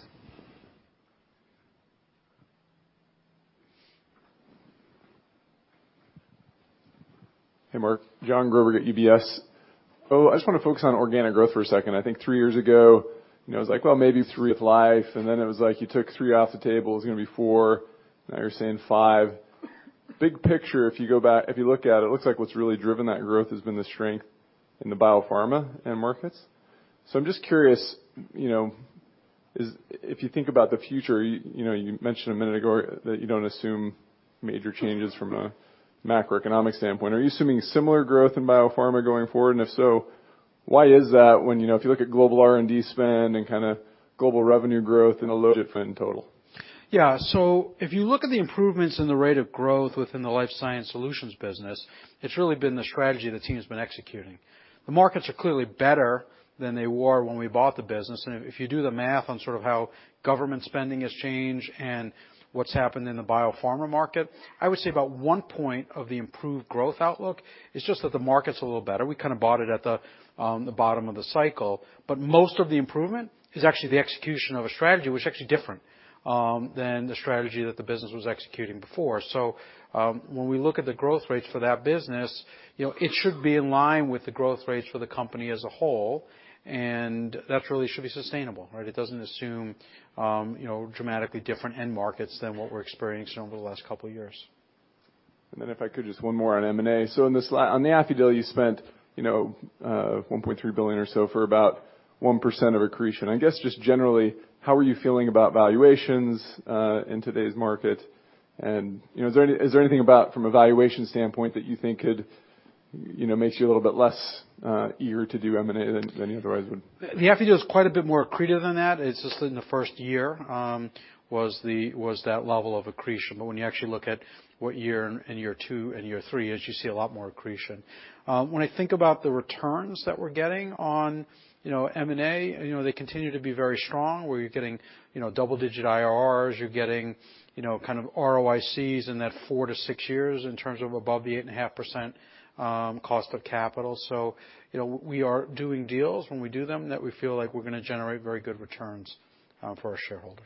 Hey, Marc. Jon Gruber at UBS. I just want to focus on organic growth for a second. I think three years ago, it was like, well, maybe three with Life, and then it was like you took three off the table. It was going to be four. Now you're saying five. Big picture, if you look at it looks like what's really driven that growth has been the strength in the biopharma end markets. I'm just curious, if you think about the future, you mentioned a minute ago that you don't assume major changes from a macroeconomic standpoint. Are you assuming similar growth in biopharma going forward? And if so, why is that when if you look at global R&D spend and kind of global revenue growth in a low different in total? Yeah. If you look at the improvements in the rate of growth within the Life Sciences Solutions business, it's really been the strategy the team's been executing. The markets are clearly better than they were when we bought the business, and if you do the math on sort of how government spending has changed and what's happened in the biopharma market, I would say about one point of the improved growth outlook is just that the market's a little better. We kind of bought it at the bottom of the cycle. Most of the improvement is actually the execution of a strategy, which is actually different than the strategy that the business was executing before. When we look at the growth rates for that business, it should be in line with the growth rates for the company as a whole, and that really should be sustainable, right? It doesn't assume dramatically different end markets than what we're experiencing over the last couple of years. if I could, just one more on M&A. On the Affymetrix deal, you spent $1.3 billion or so for about 1% of accretion. I guess, just generally, how are you feeling about valuations, in today's market? Is there anything about from a valuation standpoint that you think makes you a little bit less eager to do M&A than you otherwise would? The Affymetrix deal is quite a bit more accretive than that. It is just in the first year was that level of accretion. When you actually look at what year two and year three is, you see a lot more accretion. When I think about the returns that we are getting on M&A, they continue to be very strong, where you are getting double-digit IRRs, you are getting kind of ROICs in that 4-6 years in terms of above the 8.5% cost of capital. We are doing deals when we do them that we feel like we are going to generate very good returns for our shareholders.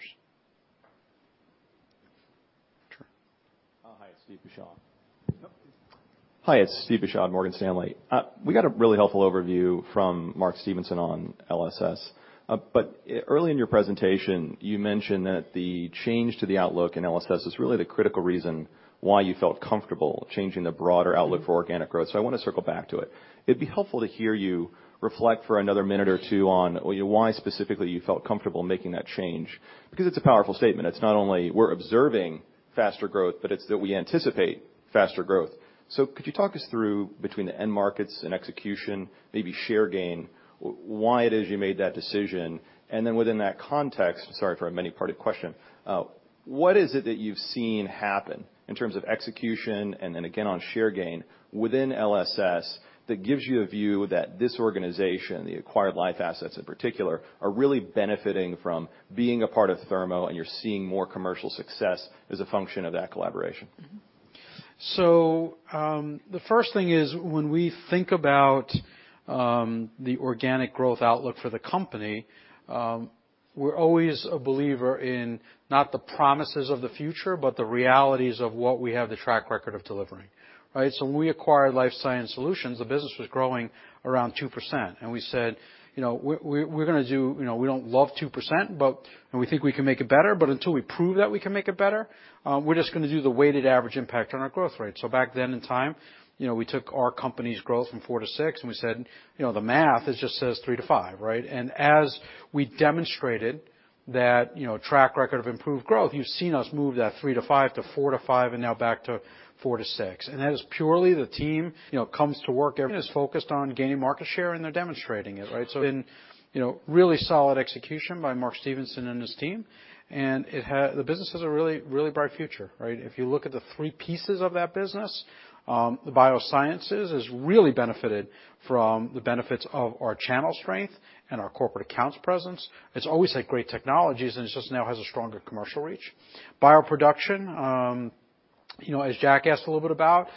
Sure. Hi, it is Steve Beuchaw. Hi, it is Steve Beuchaw of Morgan Stanley. We got a really helpful overview from Mark Stevenson on LSS. Early in your presentation, you mentioned that the change to the outlook in LSS is really the critical reason why you felt comfortable changing the broader outlook for organic growth. I want to circle back to it. It would be helpful to hear you reflect for another minute or two on why specifically you felt comfortable making that change, because it is a powerful statement. It is not only we are observing faster growth, but it is that we anticipate faster growth. Could you talk us through between the end markets and execution, maybe share gain, why it is you made that decision? Within that context, sorry for a many-parted question, what is it that you have seen happen in terms of execution and then again on share gain within LSS that gives you a view that this organization, the acquired life assets in particular, are really benefiting from being a part of Thermo and you are seeing more commercial success as a function of that collaboration? The first thing is when we think about the organic growth outlook for the company, we're always a believer in not the promises of the future, but the realities of what we have the track record of delivering. When we acquired Life Sciences Solutions, the business was growing around 2% and we said, "We don't love 2%, and we think we can make it better, but until we prove that we can make it better, we're just going to do the weighted average impact on our growth rate." Back then in time, we took our company's growth from 4%-6%, and we said, "The math, it just says 3%-5%," right? As we demonstrated that track record of improved growth, you've seen us move that 3%-5% to 4%-5% and now back to 4%-6%. That is purely the team comes to work, everyone is focused on gaining market share, and they're demonstrating it, right? Really solid execution by Mark Stevenson and his team. The business has a really bright future, right? If you look at the three pieces of that business, the biosciences has really benefited from the benefits of our channel strength and our corporate accounts presence. It's always had great technologies, and it just now has a stronger commercial reach. Bioproduction, as Jack asked a little bit about,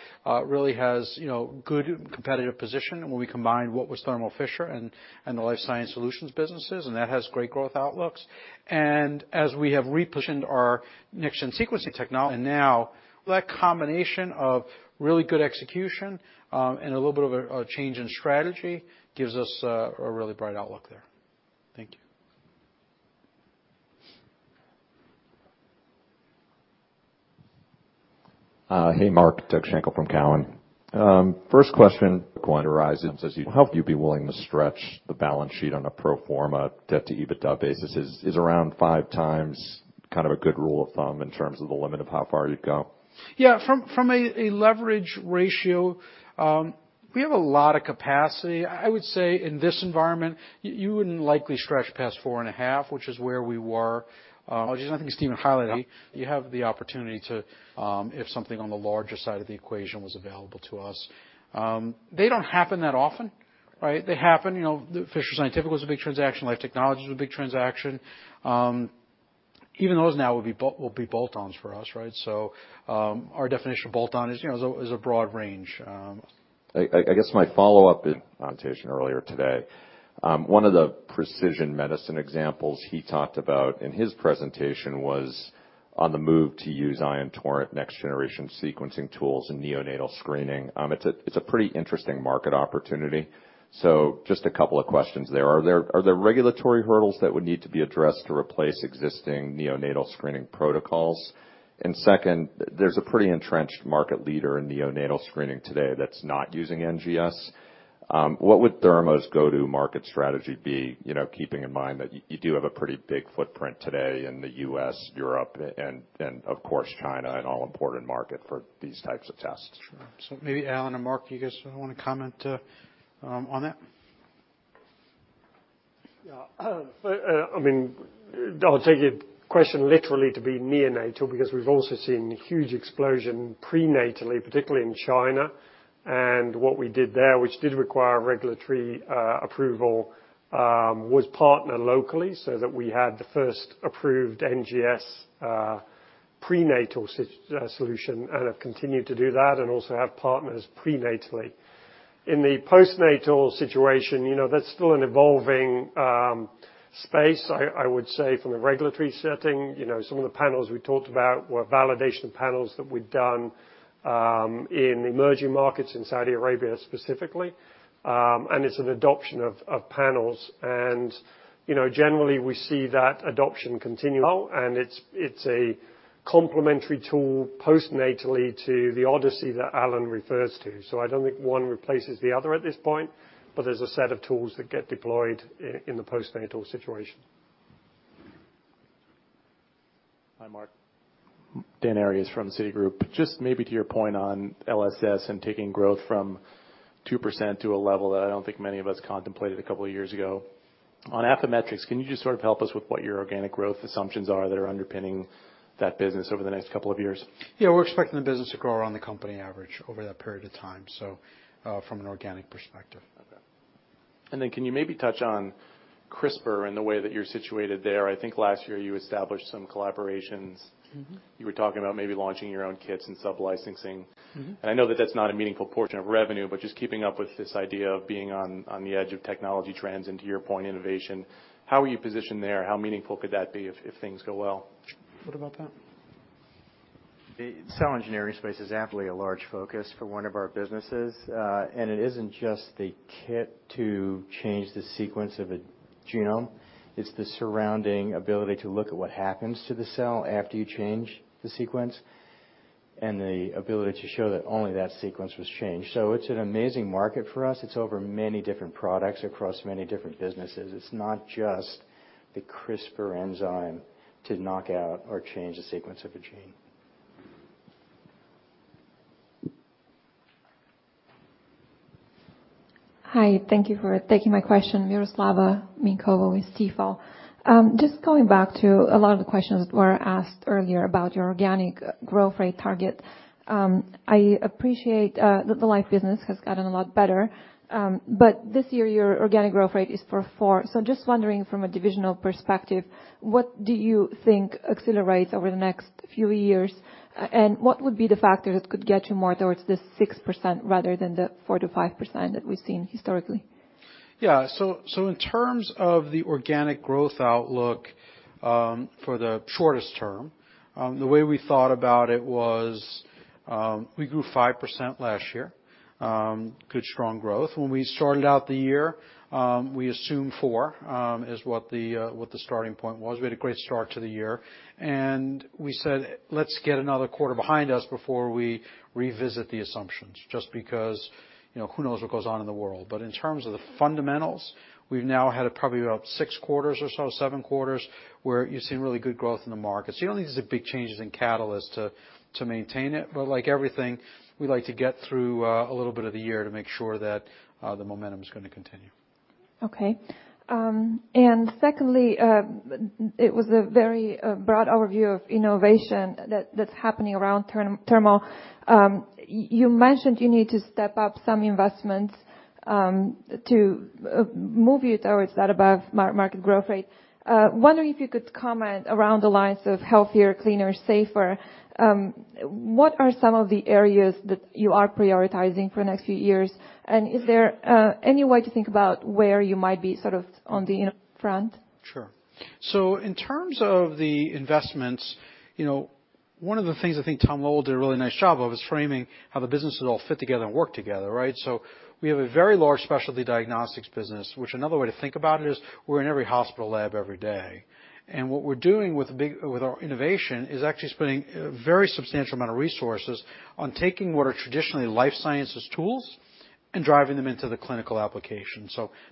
really has good competitive position when we combined what was Thermo Fisher and the Life Sciences Solutions businesses, and that has great growth outlooks. As we have repositioned our next-gen sequencing technology now, that combination of really good execution and a little bit of a change in strategy gives us a really bright outlook there. Thank you. Hey, Mark. Doug Schenkel from Cowen. First question, how you'd be willing to stretch the balance sheet on a pro forma debt to EBITDA basis. Is around 5x kind of a good rule of thumb in terms of the limit of how far you'd go? From a leverage ratio, we have a lot of capacity. I would say in this environment, you wouldn't likely stretch past 4.5, which is where we were. Which is, I think, Stephen highlighted, you have the opportunity to, if something on the larger side of the equation was available to us. They don't happen that often. They happen. Fisher Scientific was a big transaction, Life Technologies was a big transaction. Even those now will be bolt-ons for us. Our definition of bolt-on is a broad range. I guess my follow-up is on a presentation earlier today. One of the precision medicine examples he talked about in his presentation was on the move to use Ion Torrent next-generation sequencing tools in neonatal screening. It's a pretty interesting market opportunity. Just a couple of questions there. Are there regulatory hurdles that would need to be addressed to replace existing neonatal screening protocols? Second, there's a pretty entrenched market leader in neonatal screening today that's not using NGS. What would Thermo's go-to market strategy be, keeping in mind that you do have a pretty big footprint today in the U.S., Europe, and of course, China, an all-important market for these types of tests. Sure. Maybe Alan or Mark, you guys want to comment on that? Yeah. I'll take a question literally to be neonatal, because we've also seen a huge explosion prenatally, particularly in China, and what we did there, which did require regulatory approval, was partner locally so that we had the first approved NGS prenatal solution and have continued to do that and also have partners prenatally. In the postnatal situation, that's still an evolving space. I would say from a regulatory setting, some of the panels we talked about were validation panels that we'd done in emerging markets in Saudi Arabia specifically. It's an adoption of panels. Generally, we see that adoption continue out, and it's a complementary tool postnatally to the Odyssey that Alan refers to. I don't think one replaces the other at this point, but there's a set of tools that get deployed in the postnatal situation. Hi, Mark. Dan Arias from Citigroup. Just maybe to your point on LSS and taking growth from 2% to a level that I don't think many of us contemplated a couple of years ago. On Affymetrix, can you just sort of help us with what your organic growth assumptions are that are underpinning that business over the next couple of years? Yeah, we're expecting the business to grow around the company average over that period of time, so from an organic perspective. Okay. Can you maybe touch on CRISPR and the way that you're situated there? I think last year you established some collaborations. You were talking about maybe launching your own kits and sub-licensing. I know that that's not a meaningful portion of revenue, but just keeping up with this idea of being on the edge of technology trends and to your point, innovation, how are you positioned there? How meaningful could that be if things go well? What about that? The cell engineering space is aptly a large focus for one of our businesses. It isn't just the kit to change the sequence of a genome, it's the surrounding ability to look at what happens to the cell after you change the sequence, and the ability to show that only that sequence was changed. It's an amazing market for us. It's over many different products across many different businesses. It's not just the CRISPR enzyme to knock out or change the sequence of a gene. Hi, thank you for taking my question. Miroslava Minkova with Stifel. Just going back to a lot of the questions that were asked earlier about your organic growth rate target. I appreciate that the Life business has gotten a lot better. This year, your organic growth rate is for 4%. Just wondering from a divisional perspective, what do you think accelerates over the next few years? And what would be the factor that could get you more towards the 6% rather than the 4%-5% that we've seen historically? In terms of the organic growth outlook for the shortest term, the way we thought about it was, we grew 5% last year. Good, strong growth. When we started out the year, we assumed 4%, is what the starting point was. We had a great start to the year, we said, "Let's get another quarter behind us before we revisit the assumptions," just because, who knows what goes on in the world. In terms of the fundamentals, we've now had probably about six quarters or so, seven quarters, where you've seen really good growth in the market. You don't think there's big changes in catalyst to maintain it. Like everything, we like to get through a little bit of the year to make sure that the momentum's going to continue. Okay. Secondly, it was a very broad overview of innovation that's happening around Thermo You mentioned you need to step up some investments to move you towards that above-market growth rate. Wondering if you could comment around the lines of healthier, cleaner, safer? What are some of the areas that you are prioritizing for the next few years? Is there any way to think about where you might be on the front? Sure. In terms of the investments, one of the things I think Thomas Loewald did a really nice job of is framing how the businesses all fit together and work together, right? We have a very large specialty diagnostics business, which another way to think about it is we're in every hospital lab every day. What we're doing with our innovation is actually spending a very substantial amount of resources on taking what are traditionally life sciences tools and driving them into the clinical application.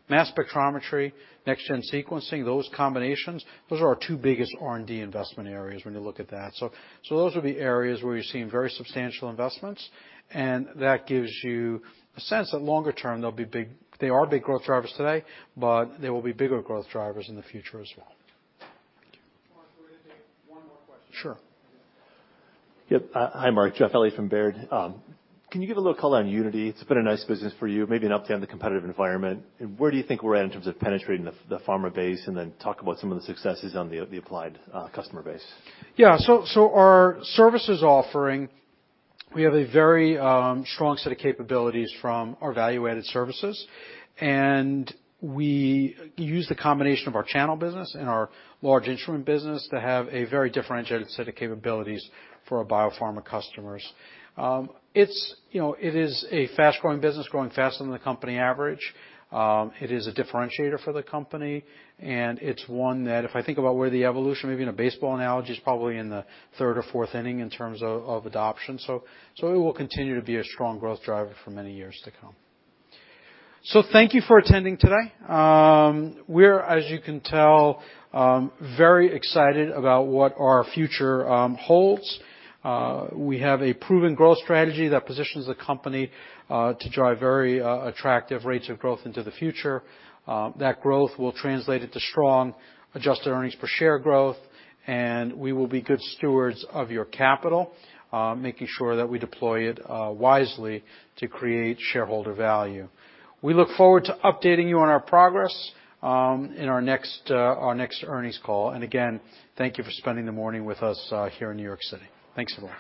Mass spectrometry, next-gen sequencing, those combinations, those are our two biggest R&D investment areas when you look at that. Those will be areas where you're seeing very substantial investments, and that gives you a sense that longer term, they are big growth drivers today, but they will be bigger growth drivers in the future as well. Mark, we're going to take one more question. Sure. Yep. Hi, Mark. Jeff Elliott from Baird. Can you give a little color on Unity? It's been a nice business for you, maybe an update on the competitive environment. Where do you think we're at in terms of penetrating the pharma base? Talk about some of the successes on the applied customer base. Yeah. Our services offering, we have a very strong set of capabilities from our value-added services. We use the combination of our channel business and our large instrument business to have a very differentiated set of capabilities for our biopharma customers. It is a fast-growing business, growing faster than the company average. It is a differentiator for the company, and it's one that if I think about where the evolution, maybe in a baseball analogy, is probably in the third or fourth inning in terms of adoption. It will continue to be a strong growth driver for many years to come. Thank you for attending today. We're, as you can tell, very excited about what our future holds. We have a proven growth strategy that positions the company to drive very attractive rates of growth into the future. That growth will translate into strong adjusted earnings per share growth, and we will be good stewards of your capital, making sure that we deploy it wisely to create shareholder value. We look forward to updating you on our progress in our next earnings call. Again, thank you for spending the morning with us here in New York City. Thanks, everyone.